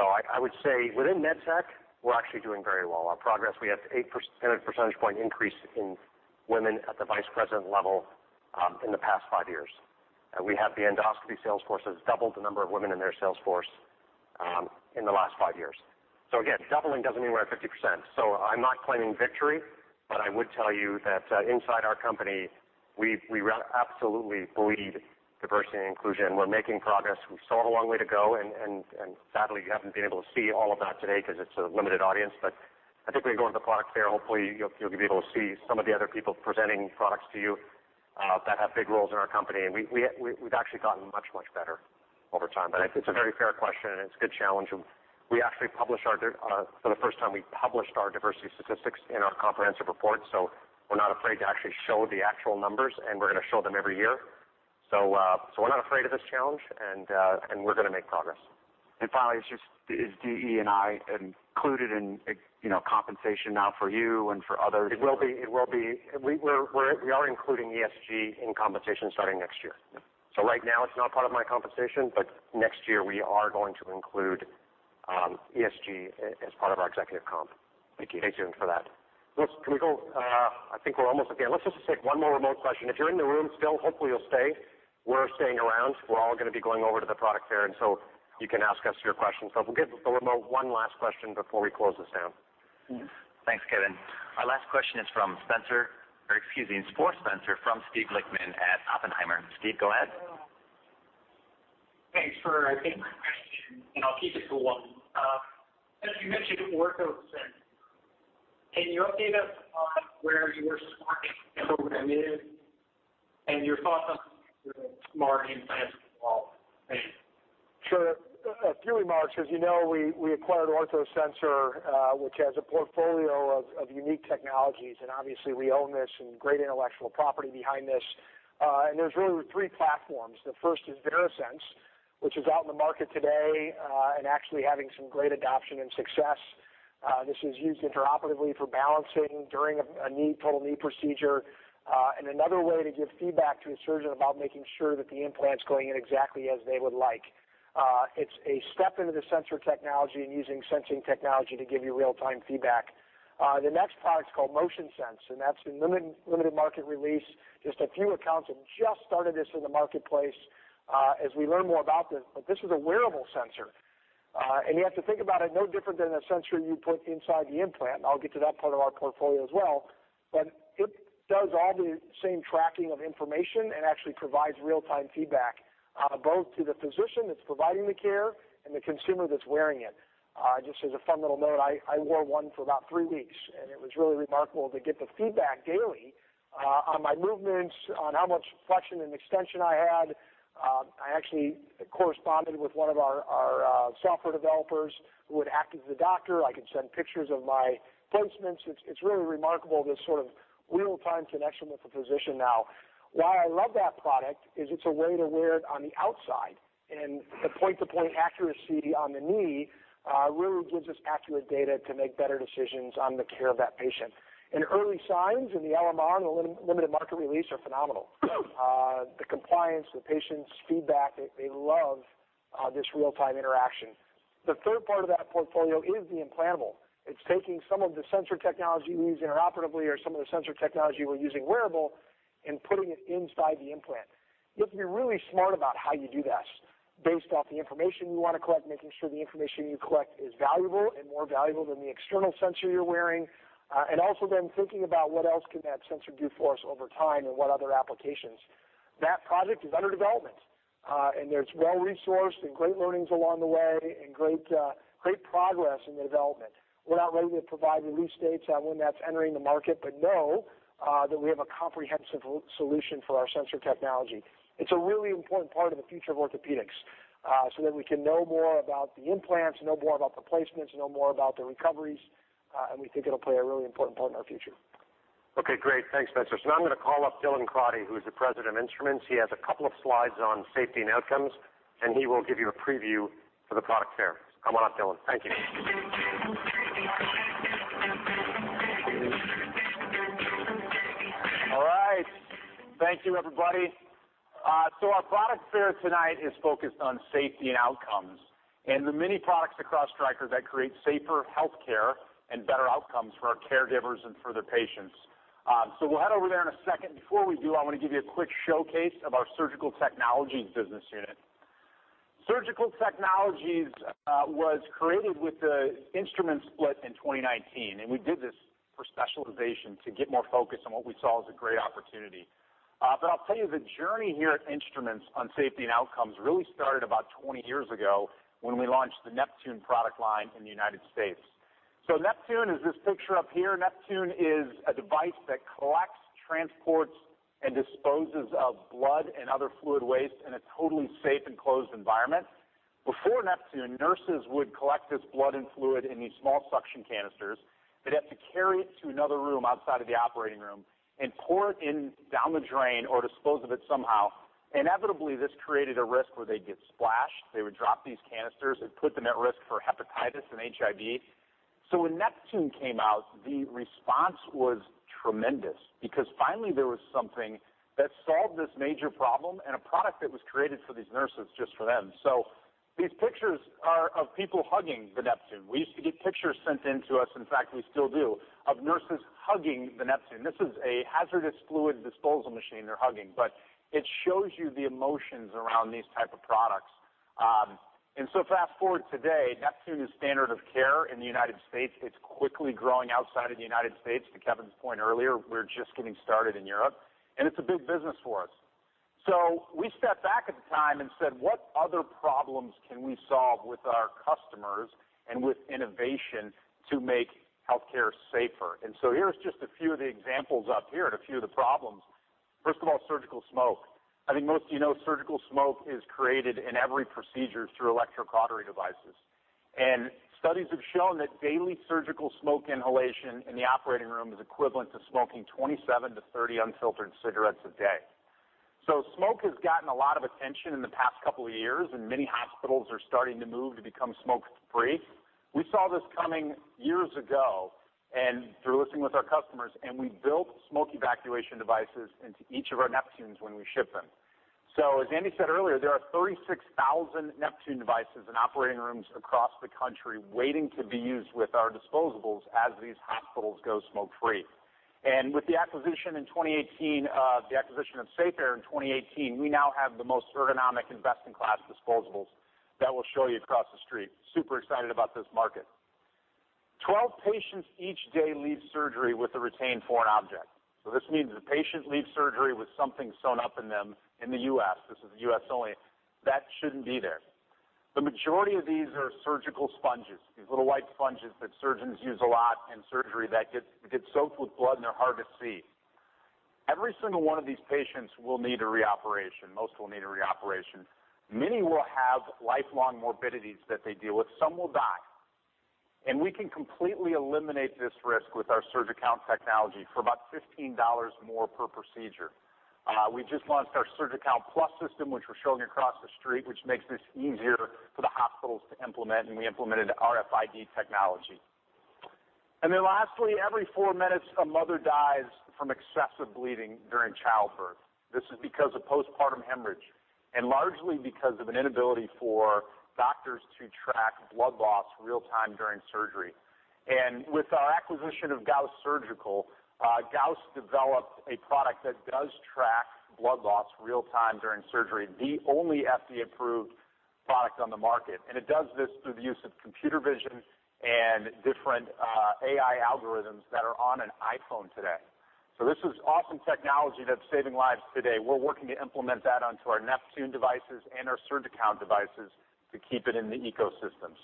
I would say within MedTech, we're actually doing very well. Our progress, we have eight percentage point increase in women at the Vice President level in the past five years. We have the Endoscopy sales force has doubled the number of women in their sales force in the last five years. So again, doubling doesn't mean we're at 50%. So I'm not claiming victory, but I would tell you that inside our company, we absolutely bleed diversity and inclusion. We're making progress. We still have a long way to go. Sadly, you haven't been able to see all of that today because it's a limited audience. I think we go into the product fair. Hopefully you'll be able to see some of the other people presenting products to you that have big roles in our company. We've actually gotten much better over time. But it's a very fair question, and it's a good challenge. We actually published our diversity statistics for the first time in our comprehensive report. We're not afraid to actually show the actual numbers, and we're gonna make progress. Finally, is DE&I included in, you know, compensation now for you and for others? It will be. We are including ESG in compensation starting next year. Right now it's not part of my compensation, but next year we are going to include ESG as part of our executive comp. Thank you. Thanks, Keith, for that. Can we go? I think we're almost at the end. Let's just take one more remote question. If you're in the room still, hopefully you'll stay. We're staying around. We're all gonna be going over to the product fair, and so you can ask us your questions. If we get the remote one last question before we close this down. Thanks, Kevin. Our last question is for Spencer from Steven Lichtman at Oppenheimer. Steve, go ahead. Thanks for taking my question, and I'll keep it to one. As you mentioned, OrthoSensor. Can you update us on where your smart program is and your thoughts on smart implants as well? Thank you. Sure. A few remarks. As you know, we acquired OrthoSensor, which has a portfolio of unique technologies, and obviously we own this and great intellectual property behind this. There's really three platforms. The first is Verasense, which is out in the market today, and actually having some great adoption and success. This is used intraoperatively for balancing during a knee, total knee procedure, and another way to give feedback to a surgeon about making sure that the implant's going in exactly as they would like. It's a step into the sensor technology and using sensing technology to give you real-time feedback. The next product is called MotionSense, and that's been limited market release. Just a few accounts have just started this in the marketplace, as we learn more about this. This is a wearable sensor, and you have to think about it no different than a sensor you put inside the implant. I'll get to that part of our portfolio as well. It does all the same tracking of information and actually provides real-time feedback, both to the physician that's providing the care and the consumer that's wearing it. Just as a fun little note, I wore one for about three weeks, and it was really remarkable to get the feedback daily, on my movements, on how much flexion and extension I had. I actually corresponded with one of our software developers who would act as a doctor. I could send pictures of my placements. It's really remarkable, this sort of real-time connection with the physician now. Why I love that product is it's a way to wear it on the outside, and the point-to-point accuracy on the knee really gives us accurate data to make better decisions on the care of that patient. Early signs in the LMR, in the limited market release, are phenomenal. The compliance, the patient's feedback, they love this real-time interaction. The third part of that portfolio is the implantable. It's taking some of the sensor technology we use interoperatively or some of the sensor technology we're using wearable and putting it inside the implant. You have to be really smart about how you do that based off the information you want to collect, making sure the information you collect is valuable and more valuable than the external sensor you're wearing. Thinking about what else can that sensor do for us over time and what other applications. That project is under development, and it's well-resourced and great learnings along the way and great progress in the development. We're not ready to provide release dates on when that's entering the market, but know that we have a comprehensive solution for our sensor technology. It's a really important part of the future of orthopedics, so that we can know more about the implants, know more about the placements, know more about the recoveries, and we think it'll play a really important part in our future. Okay, great. Thanks, Spencer. Now I'm gonna call up Dylan Crotty, who is the President of Instruments. He has a couple of slides on safety and outcomes, and he will give you a preview for the product fair. Come on up, Dylan. Thank you. All right. Thank you, everybody. So our product fair tonight is focused on safety and outcomes and the many products across Stryker that create safer healthcare and better outcomes for our caregivers and for their patients. So we'll head over there in a second. Before we do, I want to give you a quick showcase of our Surgical Technologies business unit. Surgical Technologies was created with the instrument split in 2019, and we did this for specialization to get more focus on what we saw as a great opportunity. I'll tell you, the journey here at Instruments on safety and outcomes really started about 20 years ago when we launched the Neptune product line in the United States. Neptune is this picture up here. Neptune is a device that collects, transports, and disposes of blood and other fluid waste in a totally safe and closed environment. Before Neptune, nurses would collect this blood and fluid in these small suction canisters. They'd have to carry it to another room outside of the operating room and pour it in down the drain or dispose of it somehow. Inevitably, this created a risk where they'd get splashed. They would drop these canisters. It put them at risk for hepatitis and HIV. When Neptune came out, the response was tremendous because finally there was something that solved this major problem and a product that was created for these nurses, just for them. These pictures are of people hugging the Neptune. We used to get pictures sent in to us, in fact, we still do, of nurses hugging the Neptune. This is a hazardous fluid disposal machine they're hugging, but it shows you the emotions around these type of products. Fast-forward today, Neptune is standard of care in the United States. It's quickly growing outside of the United States. To Kevin's point earlier, we're just getting started in Europe, and it's a big business for us. We stepped back at the time and said, "What other problems can we solve with our customers and with innovation to make healthcare safer?" Here's just a few of the examples up here and a few of the problems. First of all, surgical smoke. I think most of you know. Surgical smoke is created in every procedure through electrocautery devices. Studies have shown that daily surgical smoke inhalation in the operating room is equivalent to smoking 27-30 unfiltered cigarettes a day. Smoke has gotten a lot of attention in the past couple of years, and many hospitals are starting to move to become smoke-free. We saw this coming years ago and through listening with our customers, and we built smoke evacuation devices into each of our Neptunes when we ship them. As Andy said earlier, there are 36,000 Neptune devices in operating rooms across the country waiting to be used with our disposables as these hospitals go smoke-free. With the acquisition of SafeAir in 2018, we now have the most ergonomic and best-in-class disposables that we'll show you across the street. Super excited about this market. 12 patients each day leave surgery with a retained foreign object. This means the patient leaves surgery with something sewn up in them in the U.S., this is U.S. only, that shouldn't be there. The majority of these are surgical sponges, these little white sponges that surgeons use a lot in surgery that get soaked with blood, and they're hard to see. Every single one of these patients will need a reoperation. Most will need a reoperation. Many will have lifelong morbidities that they deal with. Some will die. We can completely eliminate this risk with our SurgiCount technology for about $15 more per procedure. We just launched our SurgiCount+ system, which we're showing across the street, which makes this easier for the hospitals to implement, and we implemented RFID technology. Lastly, every four minutes, a mother dies from excessive bleeding during childbirth. This is because of postpartum hemorrhage and largely because of an inability for doctors to track blood loss real-time during surgery. With our acquisition of Gauss Surgical, Gauss developed a product that does track blood loss real-time during surgery, the only FDA-approved product on the market. It does this through the use of computer vision and different AI algorithms that are on an iPhone today. This is awesome technology that's saving lives today. We're working to implement that onto our Neptune devices and our SurgiCount devices to keep it in the ecosystem.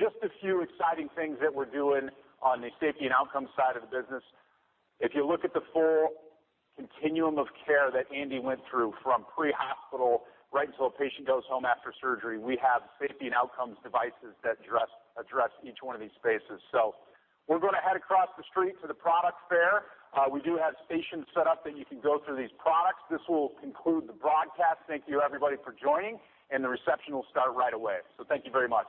Just a few exciting things that we're doing on the safety and outcomes side of the business. If you look at the full continuum of care that Andy went through from pre-hospital right until a patient goes home after surgery, we have safety and outcomes devices that address each one of these spaces. We're gonna head across the street to the product fair. We do have stations set up that you can go through these products. This will conclude the broadcast. Thank you everybody for joining, and the reception will start right away. Thank you very much.